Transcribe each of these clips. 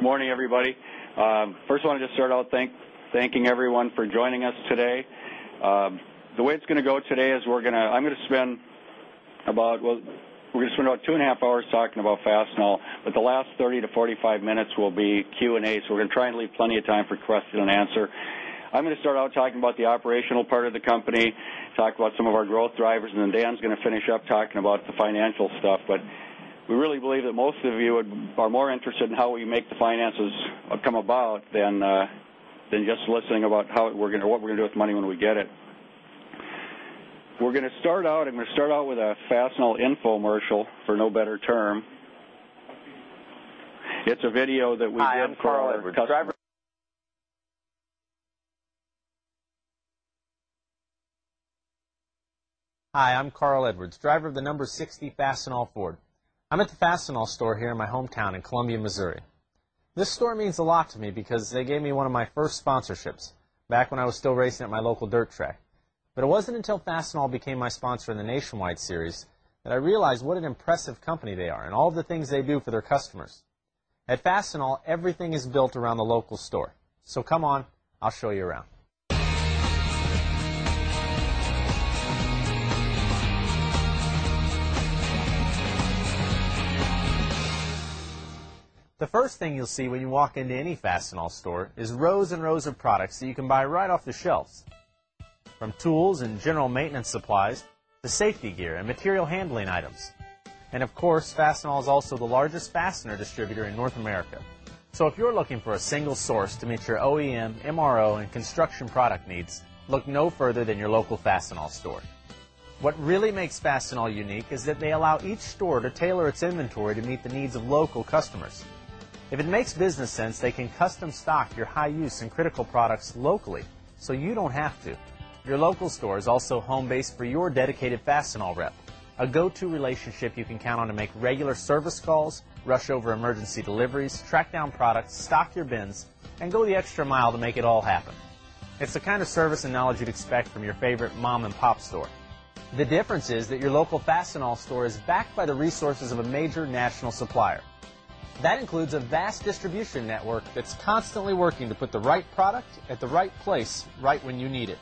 Good morning, everybody. First, I want to just start out thanking everyone for joining us today. The way it's going to go today is we're going to spend about two and a half hours talking about Fastenal, but the last 30 to 45 minutes will be Q&A. We're going to try and leave plenty of time for questions and answers. I'm going to start out talking about the operational part of the company, talk about some of our growth drivers, and then Dan's going to finish up talking about the financial stuff. We really believe that most of you are more interested in how we make the finances come about than just listening about how we're going to, or what we're going to do with the money when we get it. We're going to start out, I'm going to start out with a Fastenal infomercial, for no better term. It's a video that we did for our driver. Hi, I'm Carl Edwards, driver of the number 60 Fastenal Ford. I'm at the Fastenal store here in my hometown in Columbia, Missouri. This store means a lot to me because they gave me one of my first sponsorships back when I was still racing at my local dirt track. It wasn't until Fastenal became my sponsor in the Nationwide Series that I realized what an impressive company they are and all of the things they do for their customers. At Fastenal, everything is built around the local store. Come on, I'll show you around. The first thing you'll see when you walk into any Fastenal store is rows and rows of products that you can buy right off the shelves, from tools and general maintenance supplies to safety gear and material handling items. Of course, Fastenal is also the largest fastener distributor in North America. If you're looking for a single source to meet your OEM, MRO, and construction product needs, look no further than your local Fastenal store. What really makes Fastenal unique is that they allow each store to tailor its inventory to meet the needs of local customers. If it makes business sense, they can custom stock your high-use and critical products locally so you don't have to. Your local store is also home-based for your dedicated Fastenal rep, a go-to relationship you can count on to make regular service calls, rush over emergency deliveries, track down products, stock your bins, and go the extra mile to make it all happen. It's the kind of service and knowledge you'd expect from your favorite mom-and-pop store. The difference is that your local Fastenal store is backed by the resources of a major national supplier. That includes a vast distribution network that's constantly working to put the right product at the right place right when you need it.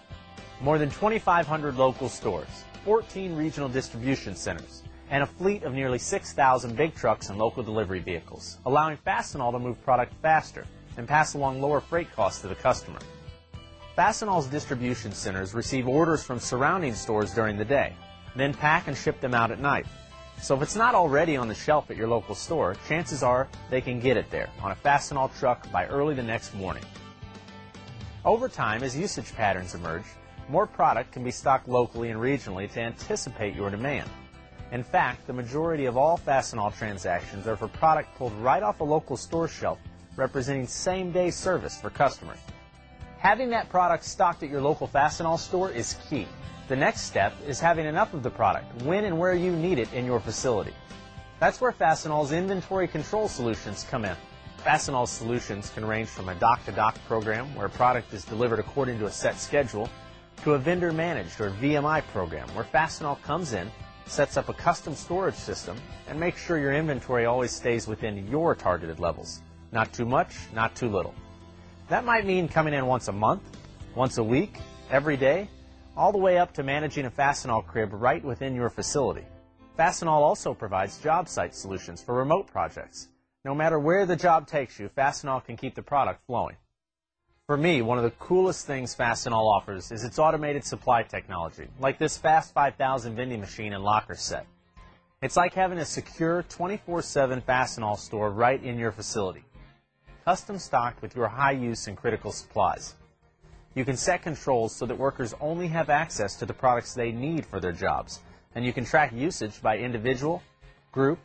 More than 2,500 local stores, 14 regional distribution centers, and a fleet of nearly 6,000 big trucks and local delivery vehicles allow Fastenal to move product faster and pass along lower freight costs to the customer. Fastenal's distribution centers receive orders from surrounding stores during the day, then pack and ship them out at night. If it's not already on the shelf at your local store, chances are they can get it there on a Fastenal truck by early the next morning. Over time, as usage patterns emerge, more product can be stocked locally and regionally to anticipate your demand. In fact, the majority of all Fastenal transactions are for product pulled right off a local store shelf, representing same-day service for customers. Having that product stocked at your local Fastenal store is key. The next step is having enough of the product when and where you need it in your facility. That's where Fastenal's inventory control solutions come in. Fastenal solutions can range from a dock-to-dock program where a product is delivered according to a set schedule to a vendor-managed or VMI program where Fastenal comes in, sets up a custom storage system, and makes sure your inventory always stays within your targeted levels. Not too much, not too little. That might mean coming in once a month, once a week, every day, all the way up to managing a Fastenal crib right within your facility. Fastenal also provides job site solutions for remote projects. No matter where the job takes you, Fastenal can keep the product flowing. For me, one of the coolest things Fastenal offers is its automated supply technology, like this Fast 5000 vending machine and locker set. It's like having a secure 24/7 Fastenal store right in your facility, custom stocked with your high-use and critical supplies. You can set controls so that workers only have access to the products they need for their jobs, and you can track usage by individual, group,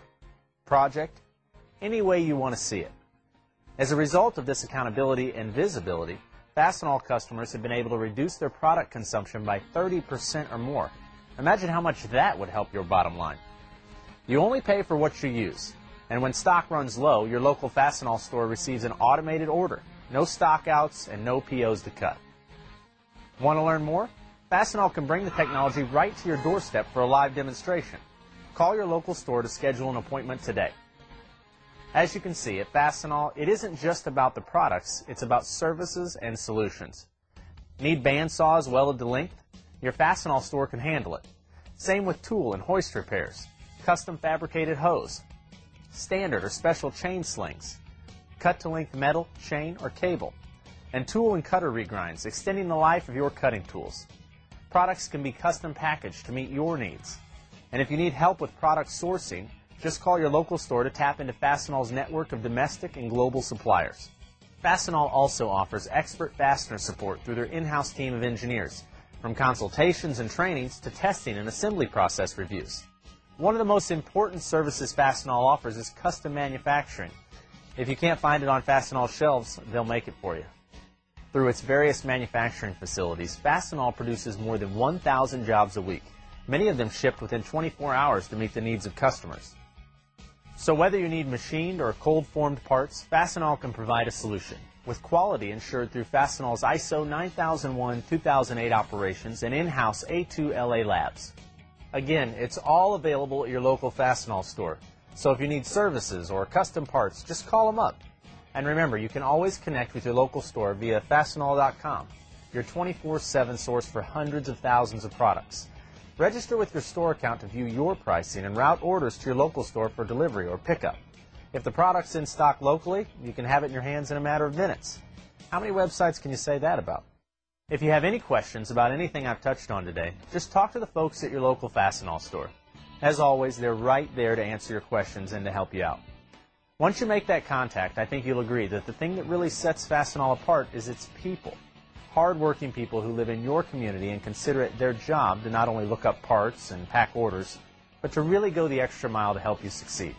project, any way you want to see it. As a result of this accountability and visibility, Fastenal customers have been able to reduce their product consumption by 30% or more. Imagine how much that would help your bottom line. You only pay for what you use, and when stock runs low, your local Fastenal store receives an automated order. No stock outs and no POs to cut. Want to learn more? Fastenal can bring the technology right to your doorstep for a live demonstration. Call your local store to schedule an appointment today. As you can see, at Fastenal, it isn't just about the products; it's about services and solutions. Need band saws welded to length? Your Fastenal store can handle it. Same with tool and hoist repairs, custom fabricated hose, standard or special chain slings, cut-to-length metal, chain, or cable, and tool and cutter regrinds, extending the life of your cutting tools. Products can be custom packaged to meet your needs. If you need help with product sourcing, just call your local store to tap into Fastenal's network of domestic and global suppliers. Fastenal also offers expert fastener support through their in-house team of engineers, from consultations and trainings to testing and assembly process reviews. One of the most important services Fastenal offers is custom manufacturing. If you can't find it on Fastenal shelves, they'll make it for you. Through its various manufacturing facilities, Fastenal produces more than 1,000 jobs a week, many of them shipped within 24 hours to meet the needs of customers. Whether you need machined or cold-formed parts, Fastenal can provide a solution with quality ensured through Fastenal's ISO 9001:2008 operations and in-house A2LA labs. It's all available at your local Fastenal store. If you need services or custom parts, just call them up. Remember, you can always connect with your local store via fastenal.com, your 24/7 source for hundreds of thousands of products. Register with your store account to view your pricing and route orders to your local store for delivery or pickup. If the product's in stock locally, you can have it in your hands in a matter of minutes. How many websites can you say that about? If you have any questions about anything I've touched on today, just talk to the folks at your local Fastenal store. As always, they're right there to answer your questions and to help you out. Once you make that contact, I think you'll agree that the thing that really sets Fastenal apart is its people, hardworking people who live in your community and consider it their job to not only look up parts and pack orders, but to really go the extra mile to help you succeed.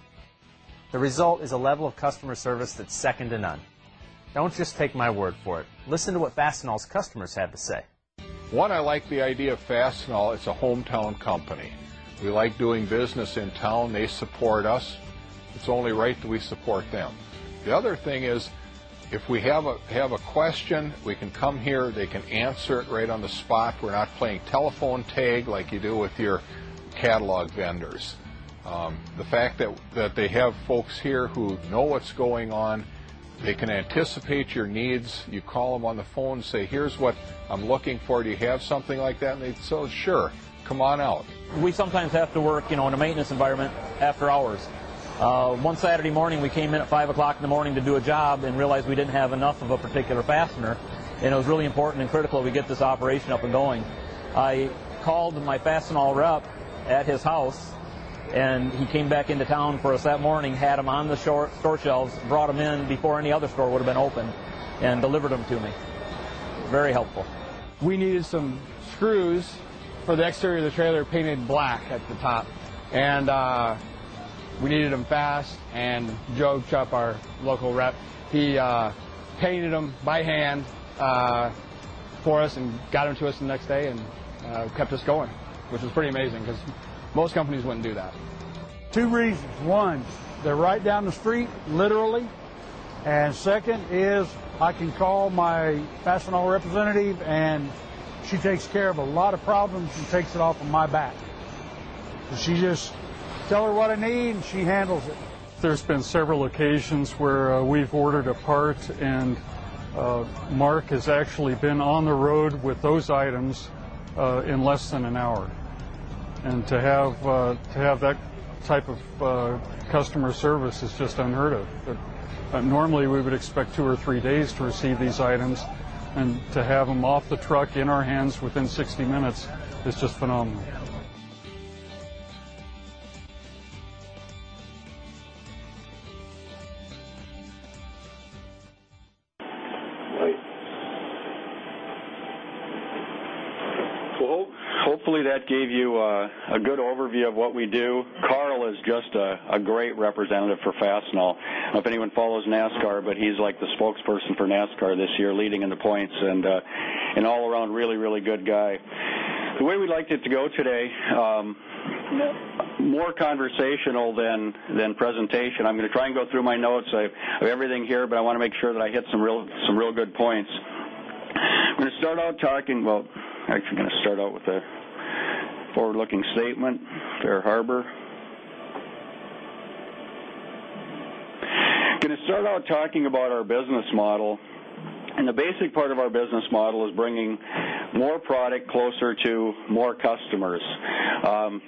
The result is a level of customer service that's second to none. Don't just take my word for it. Listen to what Fastenal's customers have to say. One, I like the idea of Fastenal as a hometown company. We like doing business in town. They support us. It's only right that we support them. The other thing is, if we have a question, we can come here. They can answer it right on the spot. We're not playing telephone tag like you do with your catalog vendors. The fact that they have folks here who know what's going on, they can anticipate your needs. You call them on the phone and say, "Here's what I'm looking for. Do you have something like that?" They'd say, "Sure, come on out. We sometimes have to work, you know, in a maintenance environment after hours. One Saturday morning, we came in at 5:00 A.M. to do a job and realized we didn't have enough of a particular fastener, and it was really important and critical that we get this operation up and going. I called my Fastenal rep at his house, and he came back into town for us that morning, had them on the store shelves, brought them in before any other store would have been open, and delivered them to me. Very helpful. We needed some screws for the exterior of the trailer painted black at the top, and we needed them fast, and Joe Chop, our local rep, painted them by hand for us and got them to us the next day and kept us going, which was pretty amazing because most companies wouldn't do that. Two reasons. One, they're right down the street, literally. The second is I can call my Fastenal representative, and she takes care of a lot of problems and takes it off of my back. She just tells her what I need, and she handles it. have been several occasions where we've ordered a part, and Mark has actually been on the road with those items in less than an hour. To have that type of customer service is just unheard of. Normally, we would expect two or three days to receive these items, and to have them off the truck in our hands within 60 minutes is just phenomenal. Hopefully that gave you a good overview of what we do. Carl is just a great representative for Fastenal. If anyone follows NASCAR, he's like the spokesperson for NASCAR this year, leading in the points, and an all-around really, really good guy. The way we'd like it to go today is more conversational than presentation. I'm going to try and go through my notes. I have everything here, but I want to make sure that I hit some real good points. I'm going to start out talking about, actually, I'm going to start out with a forward-looking statement, Fair Harbor. I'm going to start out talking about our business model, and the basic part of our business model is bringing more product closer to more customers.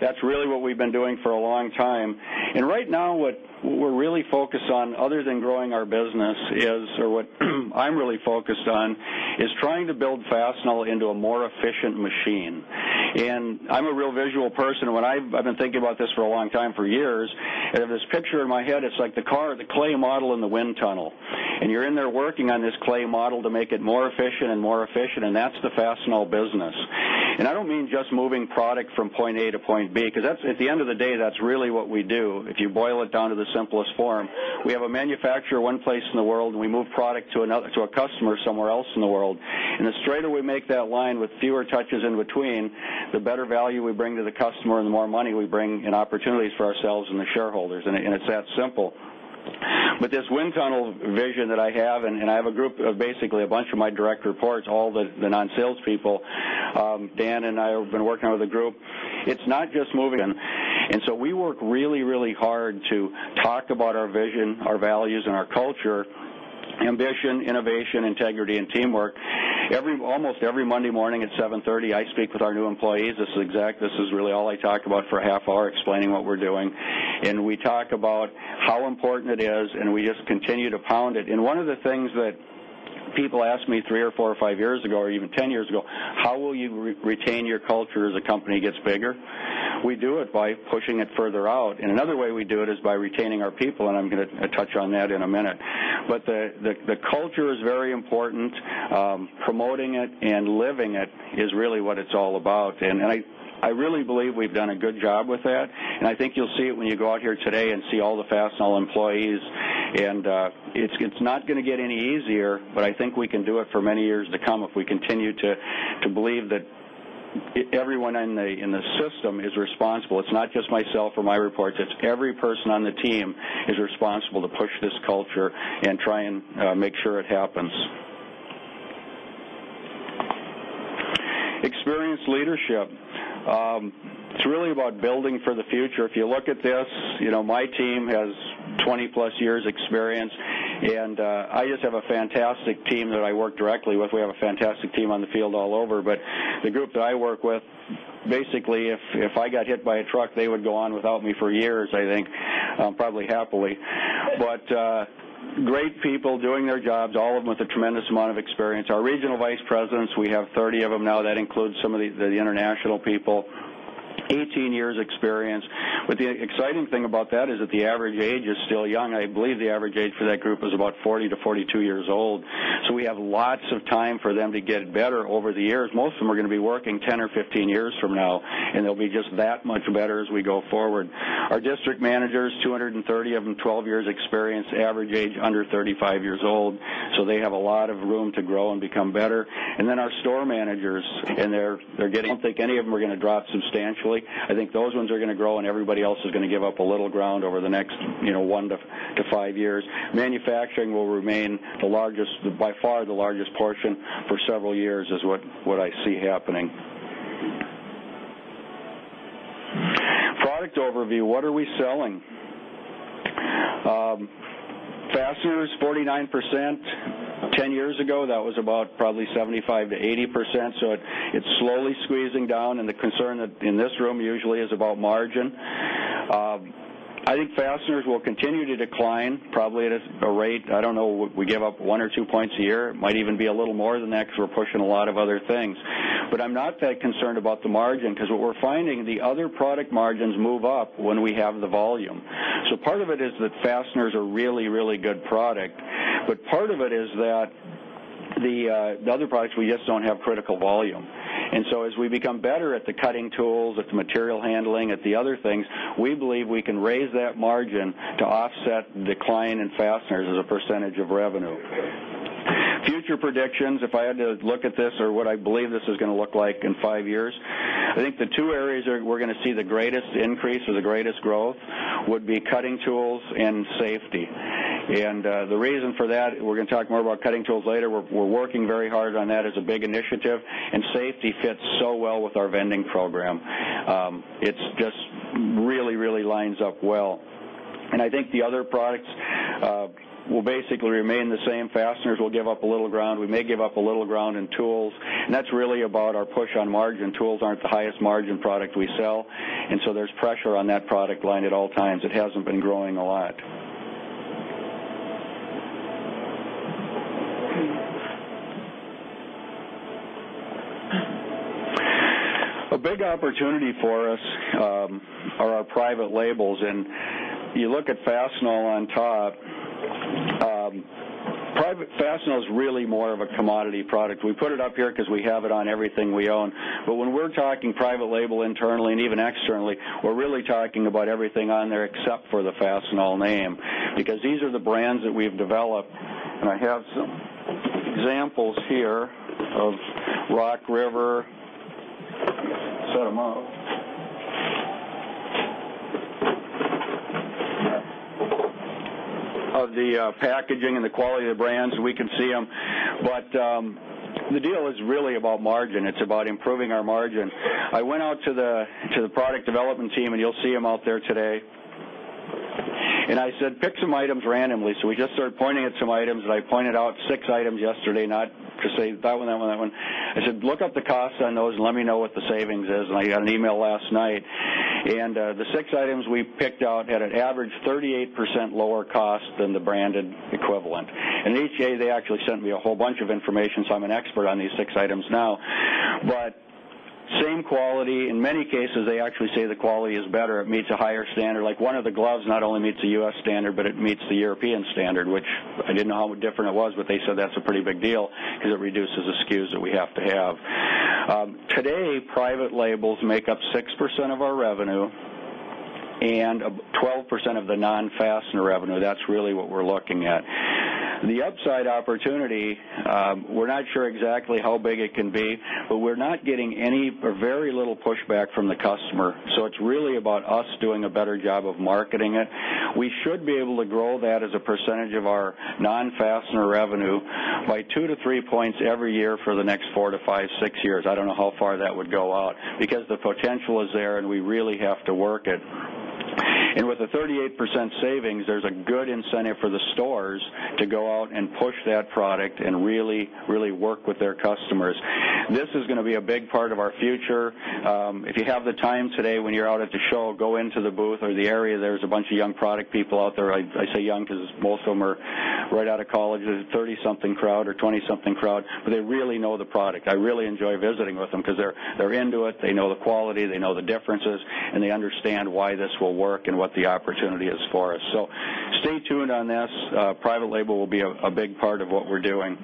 That's really what we've been doing for a long time. Right now, what we're really focused on, other than growing our business, or what I'm really focused on, is trying to build Fastenal into a more efficient machine. I'm a real visual person. I've been thinking about this for a long time, for years. I have this picture in my head. It's like the car, the clay model in the wind tunnel. You're in there working on this clay model to make it more efficient and more efficient, and that's the Fastenal business. I don't mean just moving product from point A to point B, because at the end of the day, that's really what we do. If you boil it down to the simplest form, we have a manufacturer one place in the world, and we move product to a customer somewhere else in the world. The straighter we make that line with fewer touches in between, the better value we bring to the customer and the more money we bring in opportunities for ourselves and the shareholders. It's that simple. This wind tunnel vision that I have, and I have a group of basically a bunch of my direct reports, all the non-salespeople, Dan and I have been working with a group. It's not just moving. We work really, really hard to talk about our vision, our values, and our culture, ambition, innovation, integrity, and teamwork. Almost every Monday morning at 7:30 A.M., I speak with our new employees. This is exact. This is really all I talk about for a half hour, explaining what we're doing. We talk about how important it is, and we just continue to pound it. One of the things that people asked me three or four or five years ago, or even 10 years ago, is how will you retain your culture as a company gets bigger? We do it by pushing it further out. Another way we do it is by retaining our people, and I'm going to touch on that in a minute. The culture is very important. Promoting it and living it is really what it's all about. I really believe we've done a good job with that. I think you'll see it when you go out here today and see all the Fastenal employees. It's not going to get any easier, but I think we can do it for many years to come if we continue to believe that everyone in the system is responsible. It's not just myself or my reports. Every person on the team is responsible to push this culture and try and make sure it happens. Experienced leadership. It's really about building for the future. If you look at this, my team has 20+ years' experience, and I just have a fantastic team that I work directly with. We have a fantastic team on the field all over. The group that I work with, basically, if I got hit by a truck, they would go on without me for years, I think, probably happily. Great people doing their jobs, all of them with a tremendous amount of experience. Our Regional Vice Presidents, we have 30 of them now. That includes some of the international people, 18 years' experience. The exciting thing about that is that the average age is still young. I believe the average age for that group is about 40 years to 42 years old. We have lots of time for them to get better over the years. Most of them are going to be working 10 years or 15 years from now, and they'll be just that much better as we go forward. Our District Managers, 230 of them, 12 years' experience, average age under 35 years old. They have a lot of room to grow and become better. Our Store Managers, and they're getting, I think any of them are going to drop substantially. I think those ones are going to grow, and everybody else is going to give up a little ground over the next one to five years. Manufacturing will remain the largest, by far the largest portion for several years is what I see happening. Product overview, what are we selling? Fasteners, 49%. Ten years ago, that was about probably 75%-80%. It's slowly squeezing down. The concern in this room usually is about margin. I think fasteners will continue to decline probably at a rate, I don't know, we give up one or two points a year. It might even be a little more than that because we're pushing a lot of other things. I'm not that concerned about the margin because what we're finding, the other product margins move up when we have the volume. Part of it is that fasteners are really, really good product. Part of it is that the other products we just don't have critical volume. As we become better at the cutting tools, at the material handling, at the other things, we believe we can raise that margin to offset decline in fasteners as a percentage of revenue. Future predictions, if I had to look at this or what I believe this is going to look like in five years, I think the two areas that we're going to see the greatest increase or the greatest growth would be cutting tools and safety. The reason for that, we're going to talk more about cutting tools later. We're working very hard on that as a big initiative. Safety fits so well with our vending program. It just really, really lines up well. I think the other products will basically remain the same. Fasteners will give up a little ground. We may give up a little ground in tools. That's really about our push on margin. Tools aren't the highest margin product we sell. There's pressure on that product line at all times. It hasn't been growing a lot. A big opportunity for us are our private labels. You look at Fastenal on top. Fastenal is really more of a commodity product. We put it up here because we have it on everything we own. When we're talking private label internally and even externally, we're really talking about everything on there except for the Fastenal name because these are the brands that we've developed. I have some examples here of Rock River. I'll set them up. Of the packaging and the quality of the brands, we can see them. The deal is really about margin. It's about improving our margin. I went out to the product development team, and you'll see them out there today. I said, "Pick some items randomly." We just started pointing at some items, and I pointed out six items yesterday, not to say that one, that one, that one. I said, "Look up the costs on those and let me know what the savings is." I got an email last night. The six items we picked out had an average 38% lower cost than the branded equivalent. They actually sent me a whole bunch of information, so I'm an expert on these six items now. Same quality, in many cases, they actually say the quality is better. It meets a higher standard. Like one of the gloves not only meets the US standard, but it meets the European standard, which I didn't know how different it was, but they said that's a pretty big deal because it reduces the SKUs that we have to have. Today, private labels make up 6% of our revenue and 12% of the non-fastener revenue. That's really what we're looking at. The upside opportunity, we're not sure exactly how big it can be, but we're not getting any or very little pushback from the customer. It's really about us doing a better job of marketing it. We should be able to grow that as a percentage of our non-fastener revenue by 2 points to 3 points every year for the next 4 years to 5 years, 6 years. I don't know how far that would go out because the potential is there and we really have to work it. With a 38% savings, there's a good incentive for the stores to go out and push that product and really, really work with their customers. This is going to be a big part of our future. If you have the time today when you're out at the show, go into the booth or the area. There's a bunch of young product people out there. I say young because most of them are right out of college. There's a 30-something crowd or 20-something crowd, but they really know the product. I really enjoy visiting with them because they're into it. They know the quality. They know the differences. They understand why this will work and what the opportunity is for us. Stay tuned on this. Private label will be a big part of what we're doing.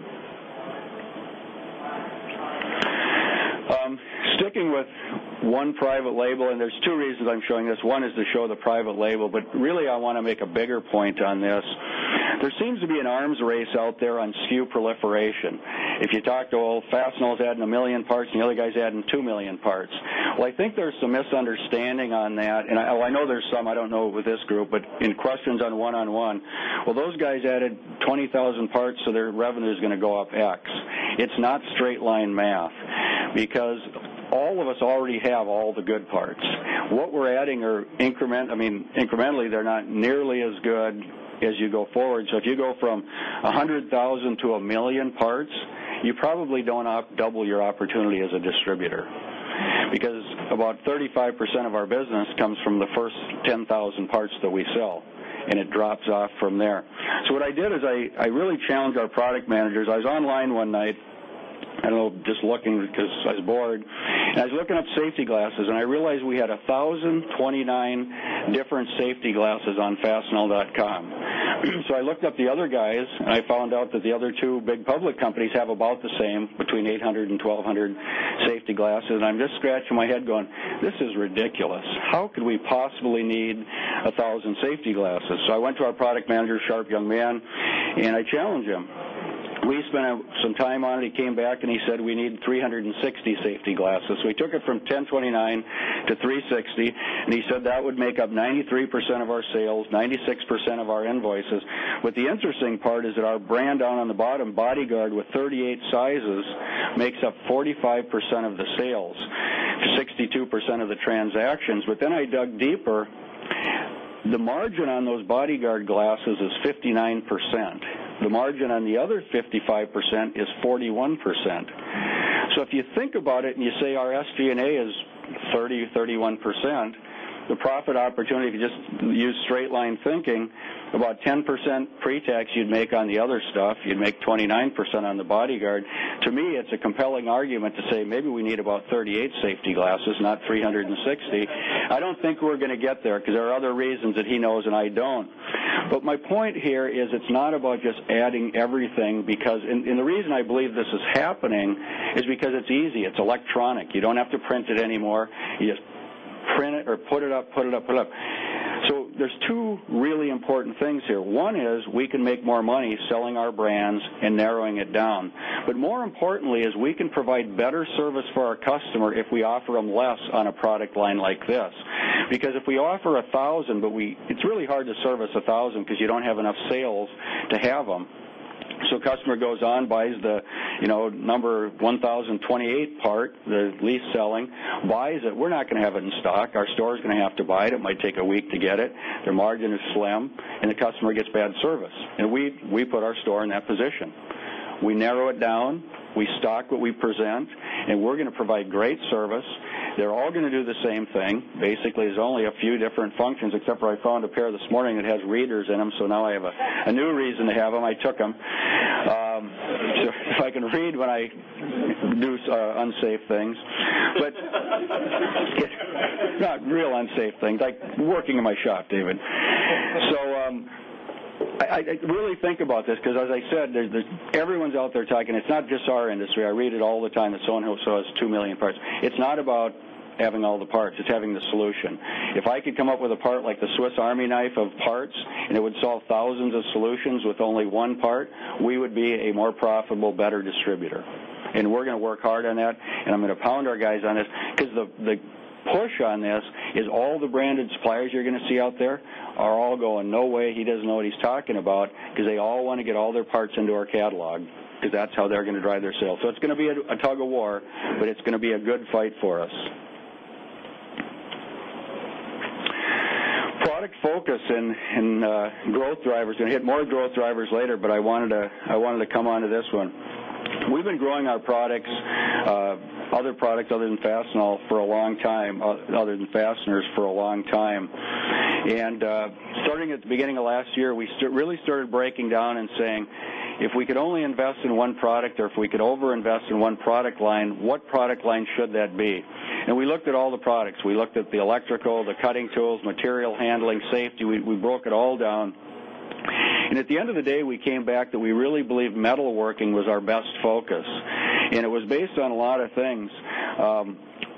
Sticking with one private label, and there's two reasons I'm showing this. One is to show the private label, but really, I want to make a bigger point on this. There seems to be an arms race out there on SKU proliferation. If you talk to old Fastenal, it's adding 1 million parts, and the other guy's adding 2 million parts. I think there's some misunderstanding on that. I know there's some, I don't know with this group, but in questions on one-on-one, those guys added 20,000 parts, so their revenue is going to go up X. It's not straight line math because all of us already have all the good parts. What we're adding are, I mean, incrementally, they're not nearly as good as you go forward. If you go from 100,000 to 1 million parts, you probably don't double your opportunity as a distributor because about 35% of our business comes from the first 10,000 parts that we sell, and it drops off from there. What I did is I really challenged our product managers. I was online one night, I don't know, just looking because I was bored. I was looking up safety glasses, and I realized we had 1,029 different safety glasses on fastenal.com. I looked up the other guys, and I found out that the other two big public companies have about the same, between 800 and 1,200 safety glasses. I'm just scratching my head going, "This is ridiculous. How could we possibly need 1,000 safety glasses?" I went to our product manager, a sharp young man, and I challenged him. We spent some time on it. He came back and he said, "We need 360 safety glasses." He took it from 1,029-360, and he said that would make up 93% of our sales, 96% of our invoices. The interesting part is that our brand down on the bottom, Bodyguard, with 38 sizes, makes up 45% of the sales and 62% of the transactions. I dug deeper. The margin on those Bodyguard glasses is 59%. The margin on the other 55% is 41%. If you think about it and you say our SVNA is 30%, 31%, the profit opportunity, to just use straight line thinking, about 10% pre-tax you'd make on the other stuff. You'd make 29% on the Bodyguard. To me, it's a compelling argument to say maybe we need about 38 safety glasses, not 360. I don't think we're going to get there because there are other reasons that he knows and I don't. My point here is it's not about just adding everything because, and the reason I believe this is happening is because it's easy. It's electronic. You don't have to print it anymore. You just print it or put it up, put it up, put it up. There are two really important things here. One is we can make more money selling our brands and narrowing it down. More importantly is we can provide better service for our customer if we offer them less on a product line like this. If we offer 1,000, but it's really hard to service 1,000 because you don't have enough sales to have them. A customer goes on, buys the, you know, number 1,028 part, the least selling, buys it. We're not going to have it in stock. Our store is going to have to buy it. It might take a week to get it. Their margin is slim. The customer gets bad service. We put our store in that position. We narrow it down. We stock what we present. We're going to provide great service. They're all going to do the same thing. Basically, it's only a few different functions, except for I found a pair this morning that has readers in them. Now I have a new reason to have them. I took them. I can read when I do unsafe things, but not real unsafe things, like working in my shop, David. I really think about this because, as I said, everyone's out there talking. It's not just our industry. I read it all the time. It's someone who sells $2 million parts. It's not about having all the parts. It's having the solution. If I could come up with a part like the Swiss Army knife of parts, and it would solve thousands of solutions with only one part, we would be a more profitable, better distributor. We're going to work hard on that. I'm going to pound our guys on this because the push on this is all the branded suppliers you're going to see out there are all going, "No way, he doesn't know what he's talking about," because they all want to get all their parts into our catalog because that's how they're going to drive their sales. It's going to be a tug of war, but it's going to be a good fight for us. Product focus and growth drivers. I'm going to hit more growth drivers later, but I wanted to come on to this one. We've been growing our products, other products other than Fastenal for a long time, other than fasteners for a long time. Starting at the beginning of last year, we really started breaking down and saying, "If we could only invest in one product or if we could overinvest in one product line, what product line should that be?" We looked at all the products. We looked at the electrical, the cutting tools, material handling, safety. We broke it all down. At the end of the day, we came back that we really believe metalworking was our best focus. It was based on a lot of things.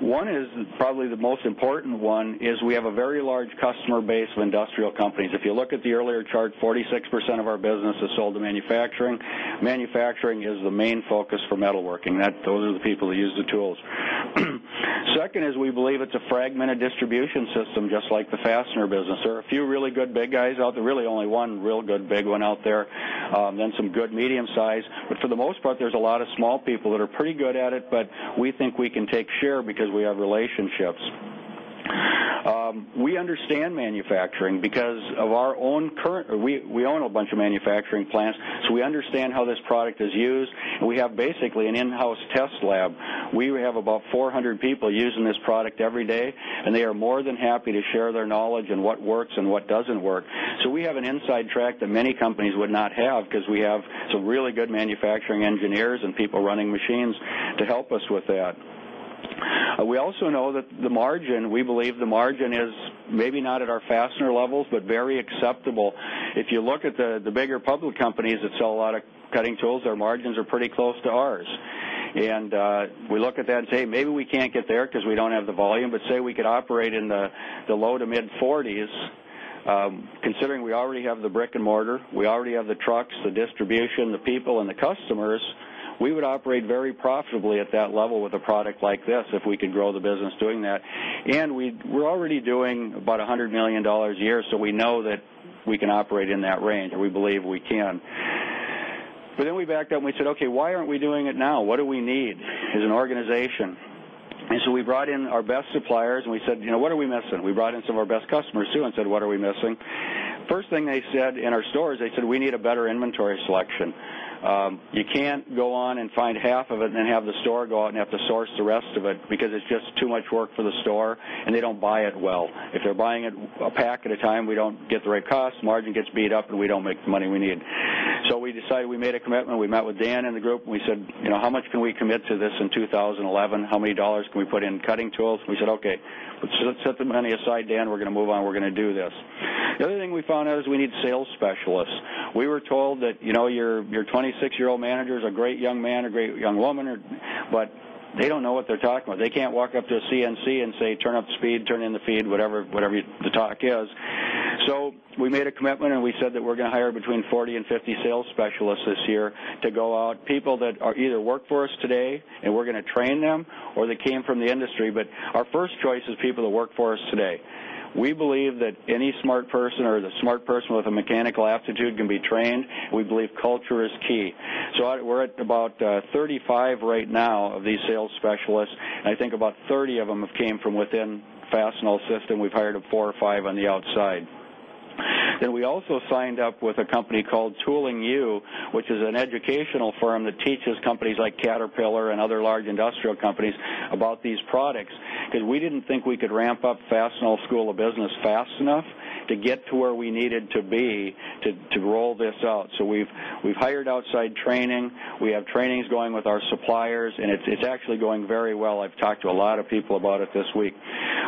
One is probably the most important one is we have a very large customer base of industrial companies. If you look at the earlier chart, 46% of our business is sold to manufacturing. Manufacturing is the main focus for metalworking. Those are the people that use the tools. Second is we believe it's a fragmented distribution system, just like the fastener business. There are a few really good big guys out there, really only one real good big one out there, and then some good medium-sized. For the most part, there's a lot of small people that are pretty good at it, but we think we can take share because we have relationships. We understand manufacturing because of our own current, we own a bunch of manufacturing plants. We understand how this product is used. We have basically an in-house test lab. We have about 400 people using this product every day, and they are more than happy to share their knowledge and what works and what doesn't work. We have an inside track that many companies would not have because we have some really good manufacturing engineers and people running machines to help us with that. We also know that the margin, we believe the margin is maybe not at our fastener levels, but very acceptable. If you look at the bigger public companies that sell a lot of cutting tools, our margins are pretty close to ours. We look at that and say, "Maybe we can't get there because we don't have the volume, but say we could operate in the low to mid-40%." Considering we already have the brick and mortar, we already have the trucks, the distribution, the people, and the customers, we would operate very profitably at that level with a product like this if we could grow the business doing that. We're already doing about $100 million a year, so we know that we can operate in that range, and we believe we can. We backed up and we said, "Okay, why aren't we doing it now? What do we need as an organization?" We brought in our best suppliers and we said, "You know, what are we missing?" We brought in some of our best customers too and said, "What are we missing?" First thing they said in our stores, they said, "We need a better inventory selection. You can't go on and find half of it and then have the store go out and have to source the rest of it because it's just too much work for the store and they don't buy it well. If they're buying it a pack at a time, we don't get the right cost, margin gets beat up, and we don't make the money we need." We decided we made a commitment. We met with Dan in the group and we said, "You know, how much can we commit to this in 2011? How many dollars can we put in cutting tools?" We said, "Okay, let's set the money aside, Dan. We're going to move on. We're going to do this." The other thing we found out is we need sales specialists. We were told that, you know, your 26-year-old manager is a great young man, a great young woman, but they don't know what they're talking about. They can't walk up to a CNC and say, "Turn up the speed, turn in the feed," whatever the talk is. We made a commitment and we said that we're going to hire between 40 and 50 sales specialists this year to go out, people that either work for us today and we're going to train them, or they came from the industry. Our first choice is people that work for us today. We believe that any smart person or the smart person with a mechanical aptitude can be trained. We believe culture is key. We're at about 35 right now of these sales specialists, and I think about 30 of them have come from within the Fastenal system. We've hired four or five on the outside. We also signed up with a company called Tooling U, which is an educational firm that teaches companies like Caterpillar and other large industrial companies about these products because we didn't think we could ramp up Fastenal's school of business fast enough to get to where we needed to be to roll this out. We've hired outside training. We have trainings going with our suppliers, and it's actually going very well. I've talked to a lot of people about it this week.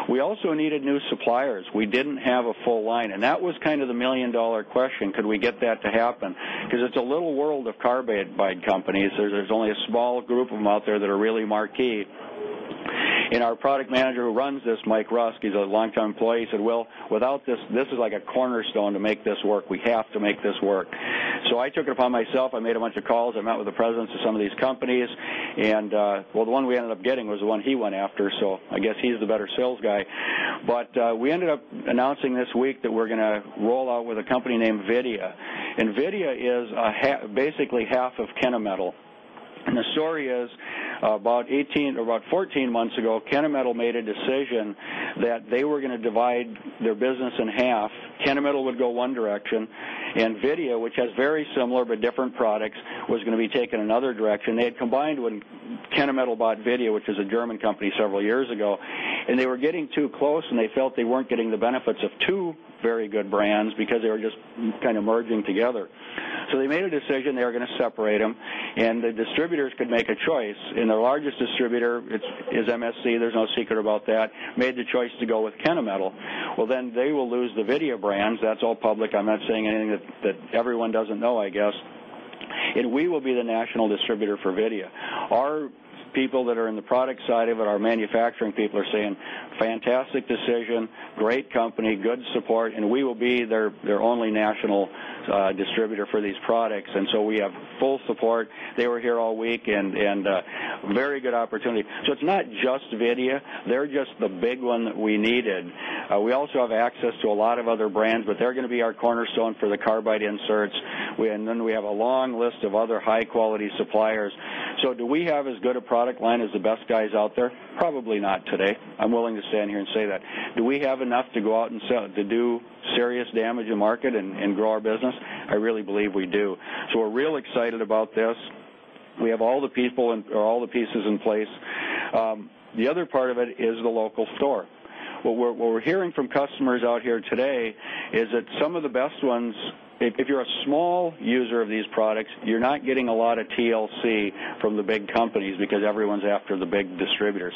We also needed new suppliers. We didn't have a full line, and that was kind of the million-dollar question. Could we get that to happen? It's a little world of carbide companies. There's only a small group of them out there that are really marquee. Our product manager who runs this, Mike Rusk, he's a long-time employee, he said, "Without this, this is like a cornerstone to make this work. We have to make this work." I took it upon myself. I made a bunch of calls. I met with the presidents of some of these companies. The one we ended up getting was the one he went after. I guess he's the better sales guy. We ended up announcing this week that we're going to roll out with a company named Vidya. Vidya is basically half of Kennametal. The story is about 18 months or about 14 months ago, Kennametal made a decision that they were going to divide their business in half. Kennametal would go one direction, and Vidya, which has very similar but different products, was going to be taken in another direction. They had combined when Kennametal bought Vidya, which was a German company several years ago. They were getting too close, and they felt they weren't getting the benefits of two very good brands because they were just kind of merging together. They made a decision they were going to separate them, and the distributors could make a choice. The largest distributor is MSC. There's no secret about that. Made the choice to go with Kennametal. They will lose the Vidya brands. That's all public. I'm not saying anything that everyone doesn't know, I guess. We will be the national distributor for Vidya. Our people that are in the product side of it, our manufacturing people are saying, "Fantastic decision, great company, good support, and we will be their only national distributor for these products." We have full support. They were here all week and a very good opportunity. It's not just Vidya. They're just the big one that we needed. We also have access to a lot of other brands, but they're going to be our cornerstone for the carbide inserts. We have a long list of other high-quality suppliers. Do we have as good a product line as the best guys out there? Probably not today. I'm willing to stand here and say that. Do we have enough to go out and sell to do serious damage in the market and grow our business? I really believe we do. We're real excited about this. We have all the people and all the pieces in place. The other part of it is the local store. What we're hearing from customers out here today is that some of the best ones, if you're a small user of these products, you're not getting a lot of TLC from the big companies because everyone's after the big distributors.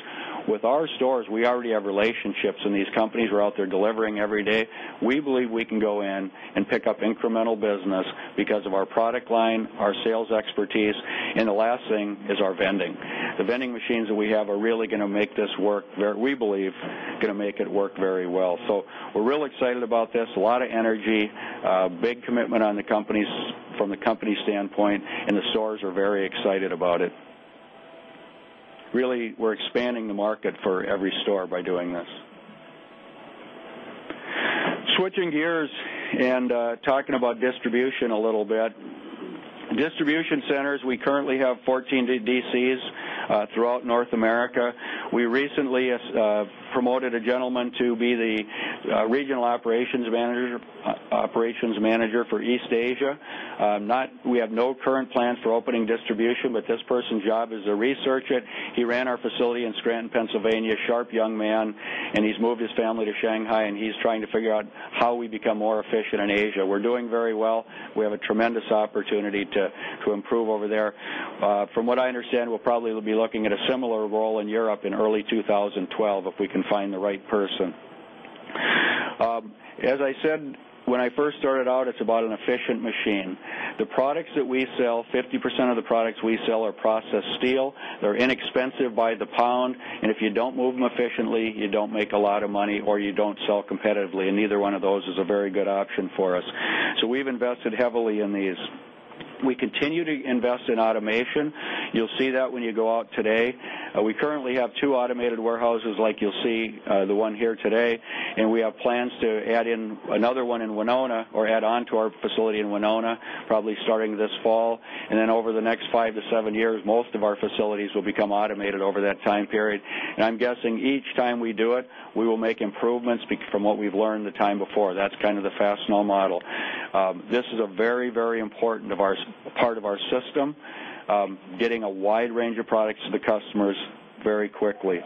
With our stores, we already have relationships, and these companies are out there delivering every day. We believe we can go in and pick up incremental business because of our product line, our sales expertise, and the last thing is our vending. The vending machines that we have are really going to make this work. We believe they're going to make it work very well. We're real excited about this. A lot of energy, a big commitment on the companies from the company standpoint, and the stores are very excited about it. Really, we're expanding the market for every store by doing this. Switching gears and talking about distribution a little bit. Distribution centers, we currently have 14 DCs throughout North America. We recently promoted a gentleman to be the Regional Operations Manager for East Asia. We have no current plans for opening distribution, but this person's job is to research it. He ran our facility in Scranton, Pennsylvania, a sharp young man, and he's moved his family to Shanghai, and he's trying to figure out how we become more efficient in Asia. We're doing very well. We have a tremendous opportunity to improve over there. From what I understand, we'll probably be looking at a similar role in Europe in early 2012 if we can find the right person. As I said, when I first started out, it's about an efficient machine. The products that we sell, 50% of the products we sell are processed steel. They're inexpensive by the pound. If you don't move them efficiently, you don't make a lot of money or you don't sell competitively. Neither one of those is a very good option for us. We have invested heavily in these. We continue to invest in automation. You'll see that when you go out today. We currently have two automated warehouses, like you'll see the one here today. We have plans to add in another one in Winona or add on to our facility in Winona, probably starting this fall. Over the next five to seven years, most of our facilities will become automated over that time period. I'm guessing each time we do it, we will make improvements from what we've learned the time before. That's kind of the Fastenal model. This is a very, very important part of our system, getting a wide range of products to the customers very quickly.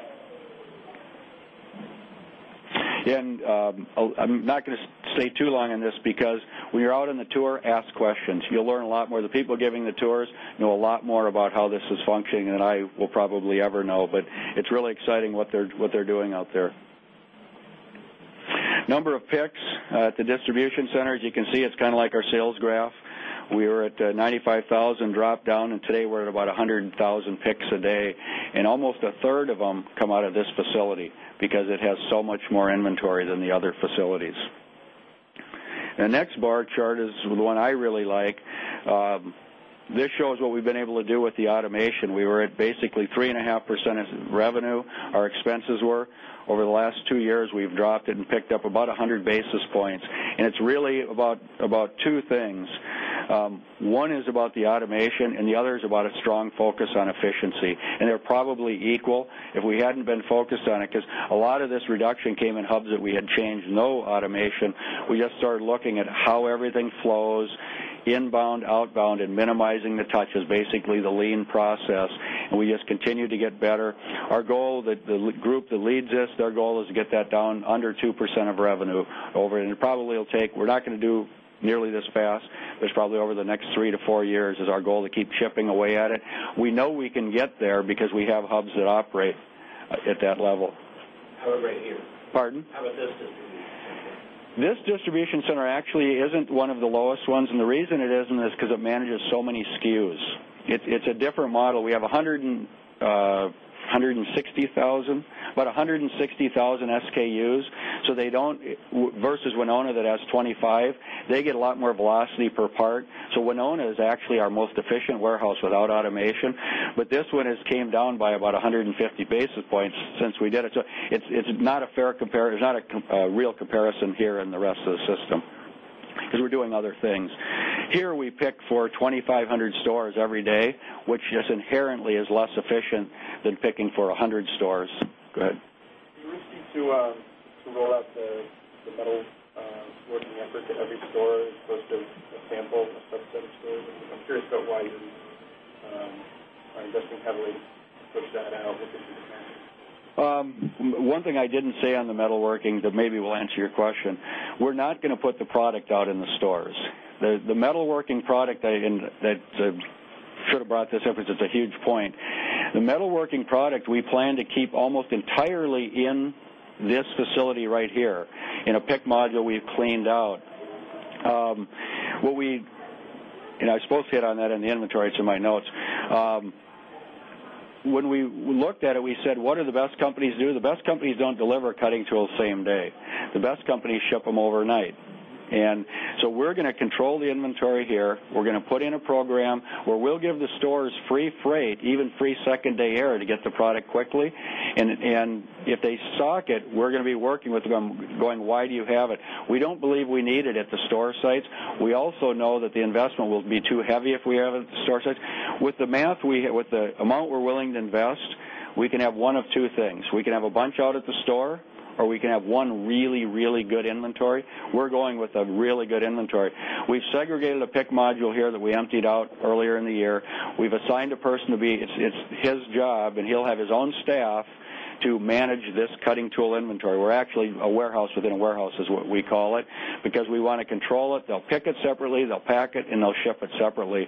I'm not going to stay too long on this because when you're out on the tour, ask questions. You'll learn a lot more. The people giving the tours know a lot more about how this is functioning than I will probably ever know. It's really exciting what they're doing out there. Number of picks at the distribution centers, you can see it's kind of like our sales graph. We were at 95,000, dropped down, and today we're at about 100,000 picks a day. Almost a third of them come out of this facility because it has so much more inventory than the other facilities. The next bar chart is the one I really like. This shows what we've been able to do with the automation. We were at basically 3.5% of revenue. Our expenses were over the last two years, we've dropped it and picked up about 100 basis points. It's really about two things. One is about the automation, and the other is about a strong focus on efficiency. They're probably equal if we hadn't been focused on it because a lot of this reduction came in hubs that we had changed no automation. We just started looking at how everything flows, inbound, outbound, and minimizing the touch is basically the lean process. We just continue to get better. Our goal, the group that leads this, their goal is to get that down under 2% of revenue. It probably will take, we're not going to do nearly this fast. There's probably over the next three to four years is our goal to keep chipping away at it. We know we can get there because we have hubs that operate at that level. How about right here? Pardon? How about this? This distribution center actually isn't one of the lowest ones. The reason it isn't is because it manages so many SKUs. It's a different model. We have 160,000, about 160,000 SKUs. They don't, versus Winona that has 25, they get a lot more velocity per part. Winona is actually our most efficient warehouse without automation. This one has come down by about 150 basis points since we did it. It's not a fair comparison. It's not a real comparison here in the rest of the system because we're doing other things. Here we pick for 2,500 stores every day, which just inherently is less efficient than picking for 100 stores. Go ahead. Do you wish me to roll out the metal? I don't know why you didn't invest heavily to sort that out. One thing I didn't say on the metalworking that maybe will answer your question, we're not going to put the product out in the stores. The metalworking product that sort of brought this up is it's a huge point. The metalworking product we plan to keep almost entirely in this facility right here in a pick module we've cleaned out. What we, and I was supposed to hit on that in the inventory, it's in my notes. When we looked at it, we said, "What do the best companies do?" The best companies don't deliver cutting tools the same day. The best companies ship them overnight. We're going to control the inventory here. We're going to put in a program where we'll give the stores free freight, even free second-day air to get the product quickly. If they stock it, we're going to be working with them going, "Why do you have it?" We don't believe we need it at the store sites. We also know that the investment will be too heavy if we have it at the store sites. With the amount we're willing to invest, we can have one of two things. We can have a bunch out at the store, or we can have one really, really good inventory. We're going with a really good inventory. We've segregated a pick module here that we emptied out earlier in the year. We've assigned a person to be, it's his job, and he'll have his own staff to manage this cutting tool inventory. We're actually a warehouse within a warehouse is what we call it because we want to control it. They'll pick it separately, they'll pack it, and they'll ship it separately.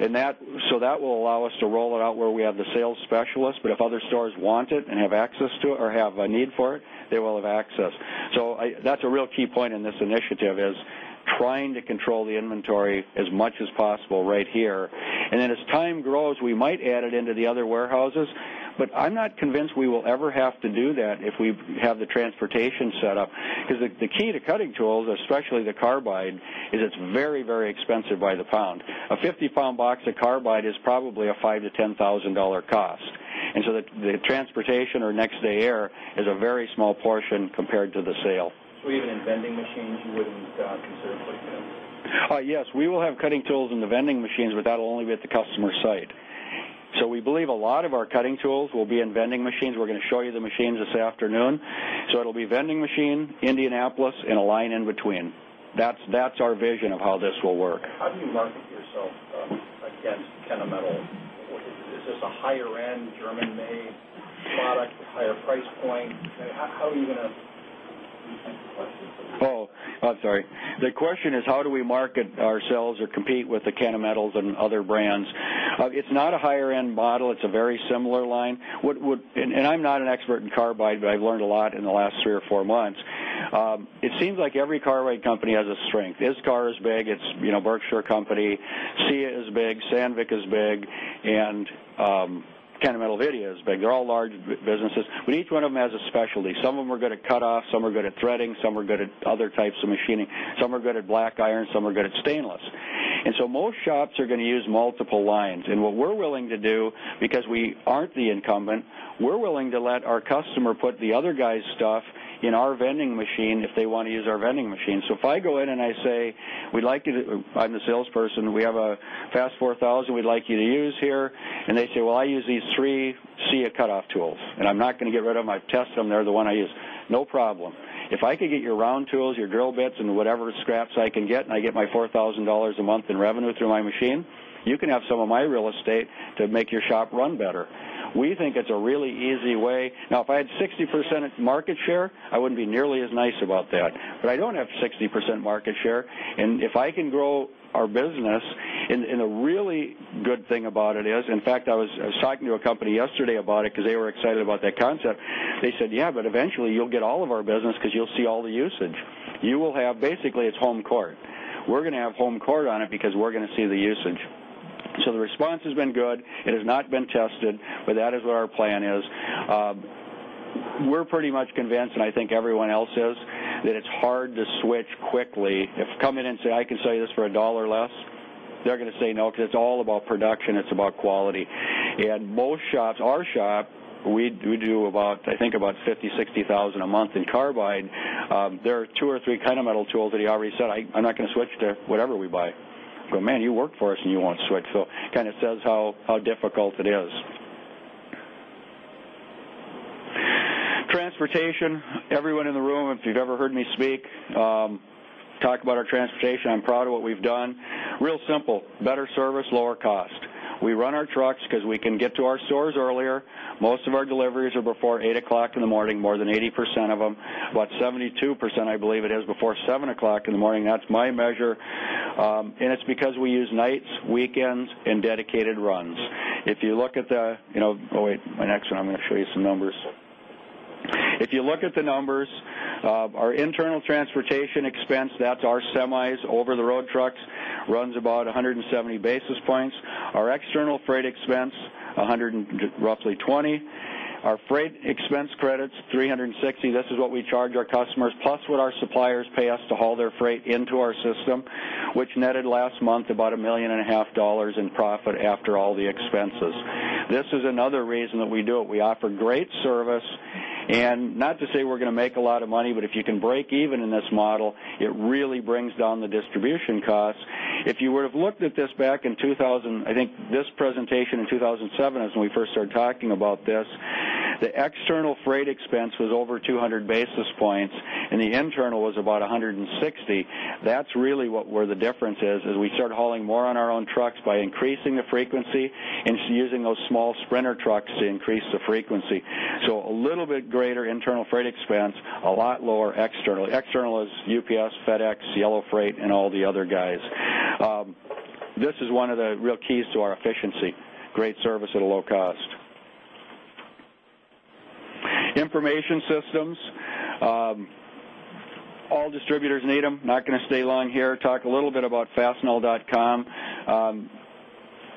That will allow us to roll it out where we have the sales specialists. If other stores want it and have access to it or have a need for it, they will have access. That's a real key point in this initiative is trying to control the inventory as much as possible right here. As time grows, we might add it into the other warehouses. I'm not convinced we will ever have to do that if we have the transportation set up because the key to cutting tools, especially the carbide, is it's very, very expensive by the pound. A 50-pound box of carbide is probably a $5,000-$10,000 cost. The transportation or next-day air is a very small portion compared to the sale. Even in vending machines, you wouldn't consider it like that? Yes, we will have cutting tools in the vending machines, but that'll only be at the customer site. We believe a lot of our cutting tools will be in vending machines. We're going to show you the machines this afternoon. It will be vending machine, Indianapolis, and a line in between. That's our vision of how this will work. How do you market yourself against Kennametal? Is this a higher-end German-made product, higher price point? How are you going to? Oh, I'm sorry. The question is how do we market ourselves or compete with the Kennametals and other brands? It's not a higher-end model. It's a very similar line. I'm not an expert in carbide, but I've learned a lot in the last three or four months. It seems like every carbide company has a strength. ISCAR is big. It's, you know, Berkshire Company. Sandvik is big. Kennametal, Vidya is big. They're all large businesses. Each one of them has a specialty. Some of them are good at cutoff. Some are good at threading. Some are good at other types of machining. Some are good at black iron. Some are good at stainless. Most shops are going to use multiple lines. What we're willing to do, because we aren't the incumbent, we're willing to let our customer put the other guy's stuff in our vending machine if they want to use our vending machine. If I go in and I say, "We'd like you to, I'm the salesperson. We have a Fast 4000 we'd like you to use here." They say, "I use these three Sandvik cutoff tools. I'm not going to get rid of them. I test them. They're the one I use." No problem. If I could get your round tools, your drill bits, and whatever scraps I can get, and I get my $4,000 a month in revenue through my machine, you can have some of my real estate to make your shop run better. We think it's a really easy way. If I had 60% market share, I wouldn't be nearly as nice about that. I don't have 60% market share. If I can grow our business, the really good thing about it is, in fact, I was talking to a company yesterday about it because they were excited about that concept. They said, "Yeah, but eventually you'll get all of our business because you'll see all the usage. You will have, basically, it's home court. We're going to have home court on it because we're going to see the usage." The response has been good. It has not been tested, but that is what our plan is. We're pretty much convinced, and I think everyone else is, that it's hard to switch quickly. If you come in and say, "I can sell you this for a dollar less," they're going to say no because it's all about production. It's about quality. Most shops, our shop, we do about, I think, about $50,000, $60,000 a month in carbide. There are two or three Kennametal tools that he already said, "I'm not going to switch to whatever we buy." I go, "Man, you work for us and you won't switch." It kind of says how difficult it is. Transportation, everyone in the room, if you've ever heard me speak, talk about our transportation, I'm proud of what we've done. Real simple, better service, lower cost. We run our trucks because we can get to our stores earlier. Most of our deliveries are before 8:00 A.M., more than 80% of them. About 72%, I believe it is, before 7:00 A.M. That's my measure. It's because we use nights, weekends, and dedicated runs. If you look at the, you know, my next one, I'm going to show you some numbers. If you look at the numbers, our internal transportation expense, that's our semis, over-the-road trucks, runs about 170 basis points. Our external freight expense, roughly 20 basis points. Our freight expense credits, 360 basis points. This is what we charge our customers, plus what our suppliers pay us to haul their freight into our system, which netted last month about $1.5 million in profit after all the expenses. This is another reason that we do it. We offer great service. Not to say we're going to make a lot of money, but if you can break even in this model, it really brings down the distribution costs. If you would have looked at this back in 2000, I think this presentation in 2007 is when we first started talking about this. The external freight expense was over 200 basis points, and the internal was about 160 basis points. That's really where the difference is, is we start hauling more on our own trucks by increasing the frequency and using those small Sprinter trucks to increase the frequency. A little bit greater internal freight expense, a lot lower external. External is UPS, FedEx, Yellow Freight, and all the other guys. This is one of the real keys to our efficiency, great service at a low cost. Information systems, all distributors need them. Not going to stay long here. Talk a little bit about fastenal.com.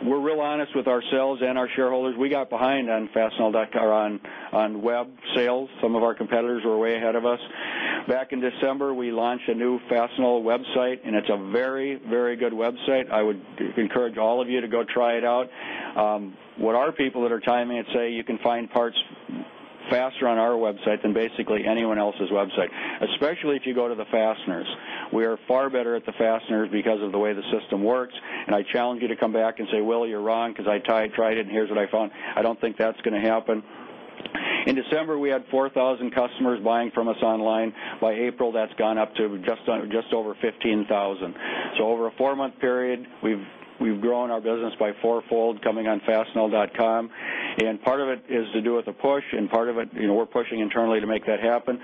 We're real honest with ourselves and our shareholders. We got behind on fastenal.com on web sales. Some of our competitors were way ahead of us. Back in December, we launched a new Fastenal website, and it's a very, very good website. I would encourage all of you to go try it out. What our people that are timing it say, you can find parts faster on our website than basically anyone else's website, especially if you go to the fasteners. We are far better at the fasteners because of the way the system works. I challenge you to come back and say, "Will, you're wrong because I tried it and here's what I found." I don't think that's going to happen. In December, we had 4,000 customers buying from us online. By April, that's gone up to just over 15,000. Over a four-month period, we've grown our business by fourfold coming on fastenal.com. Part of it is to do with a push, and part of it, you know, we're pushing internally to make that happen.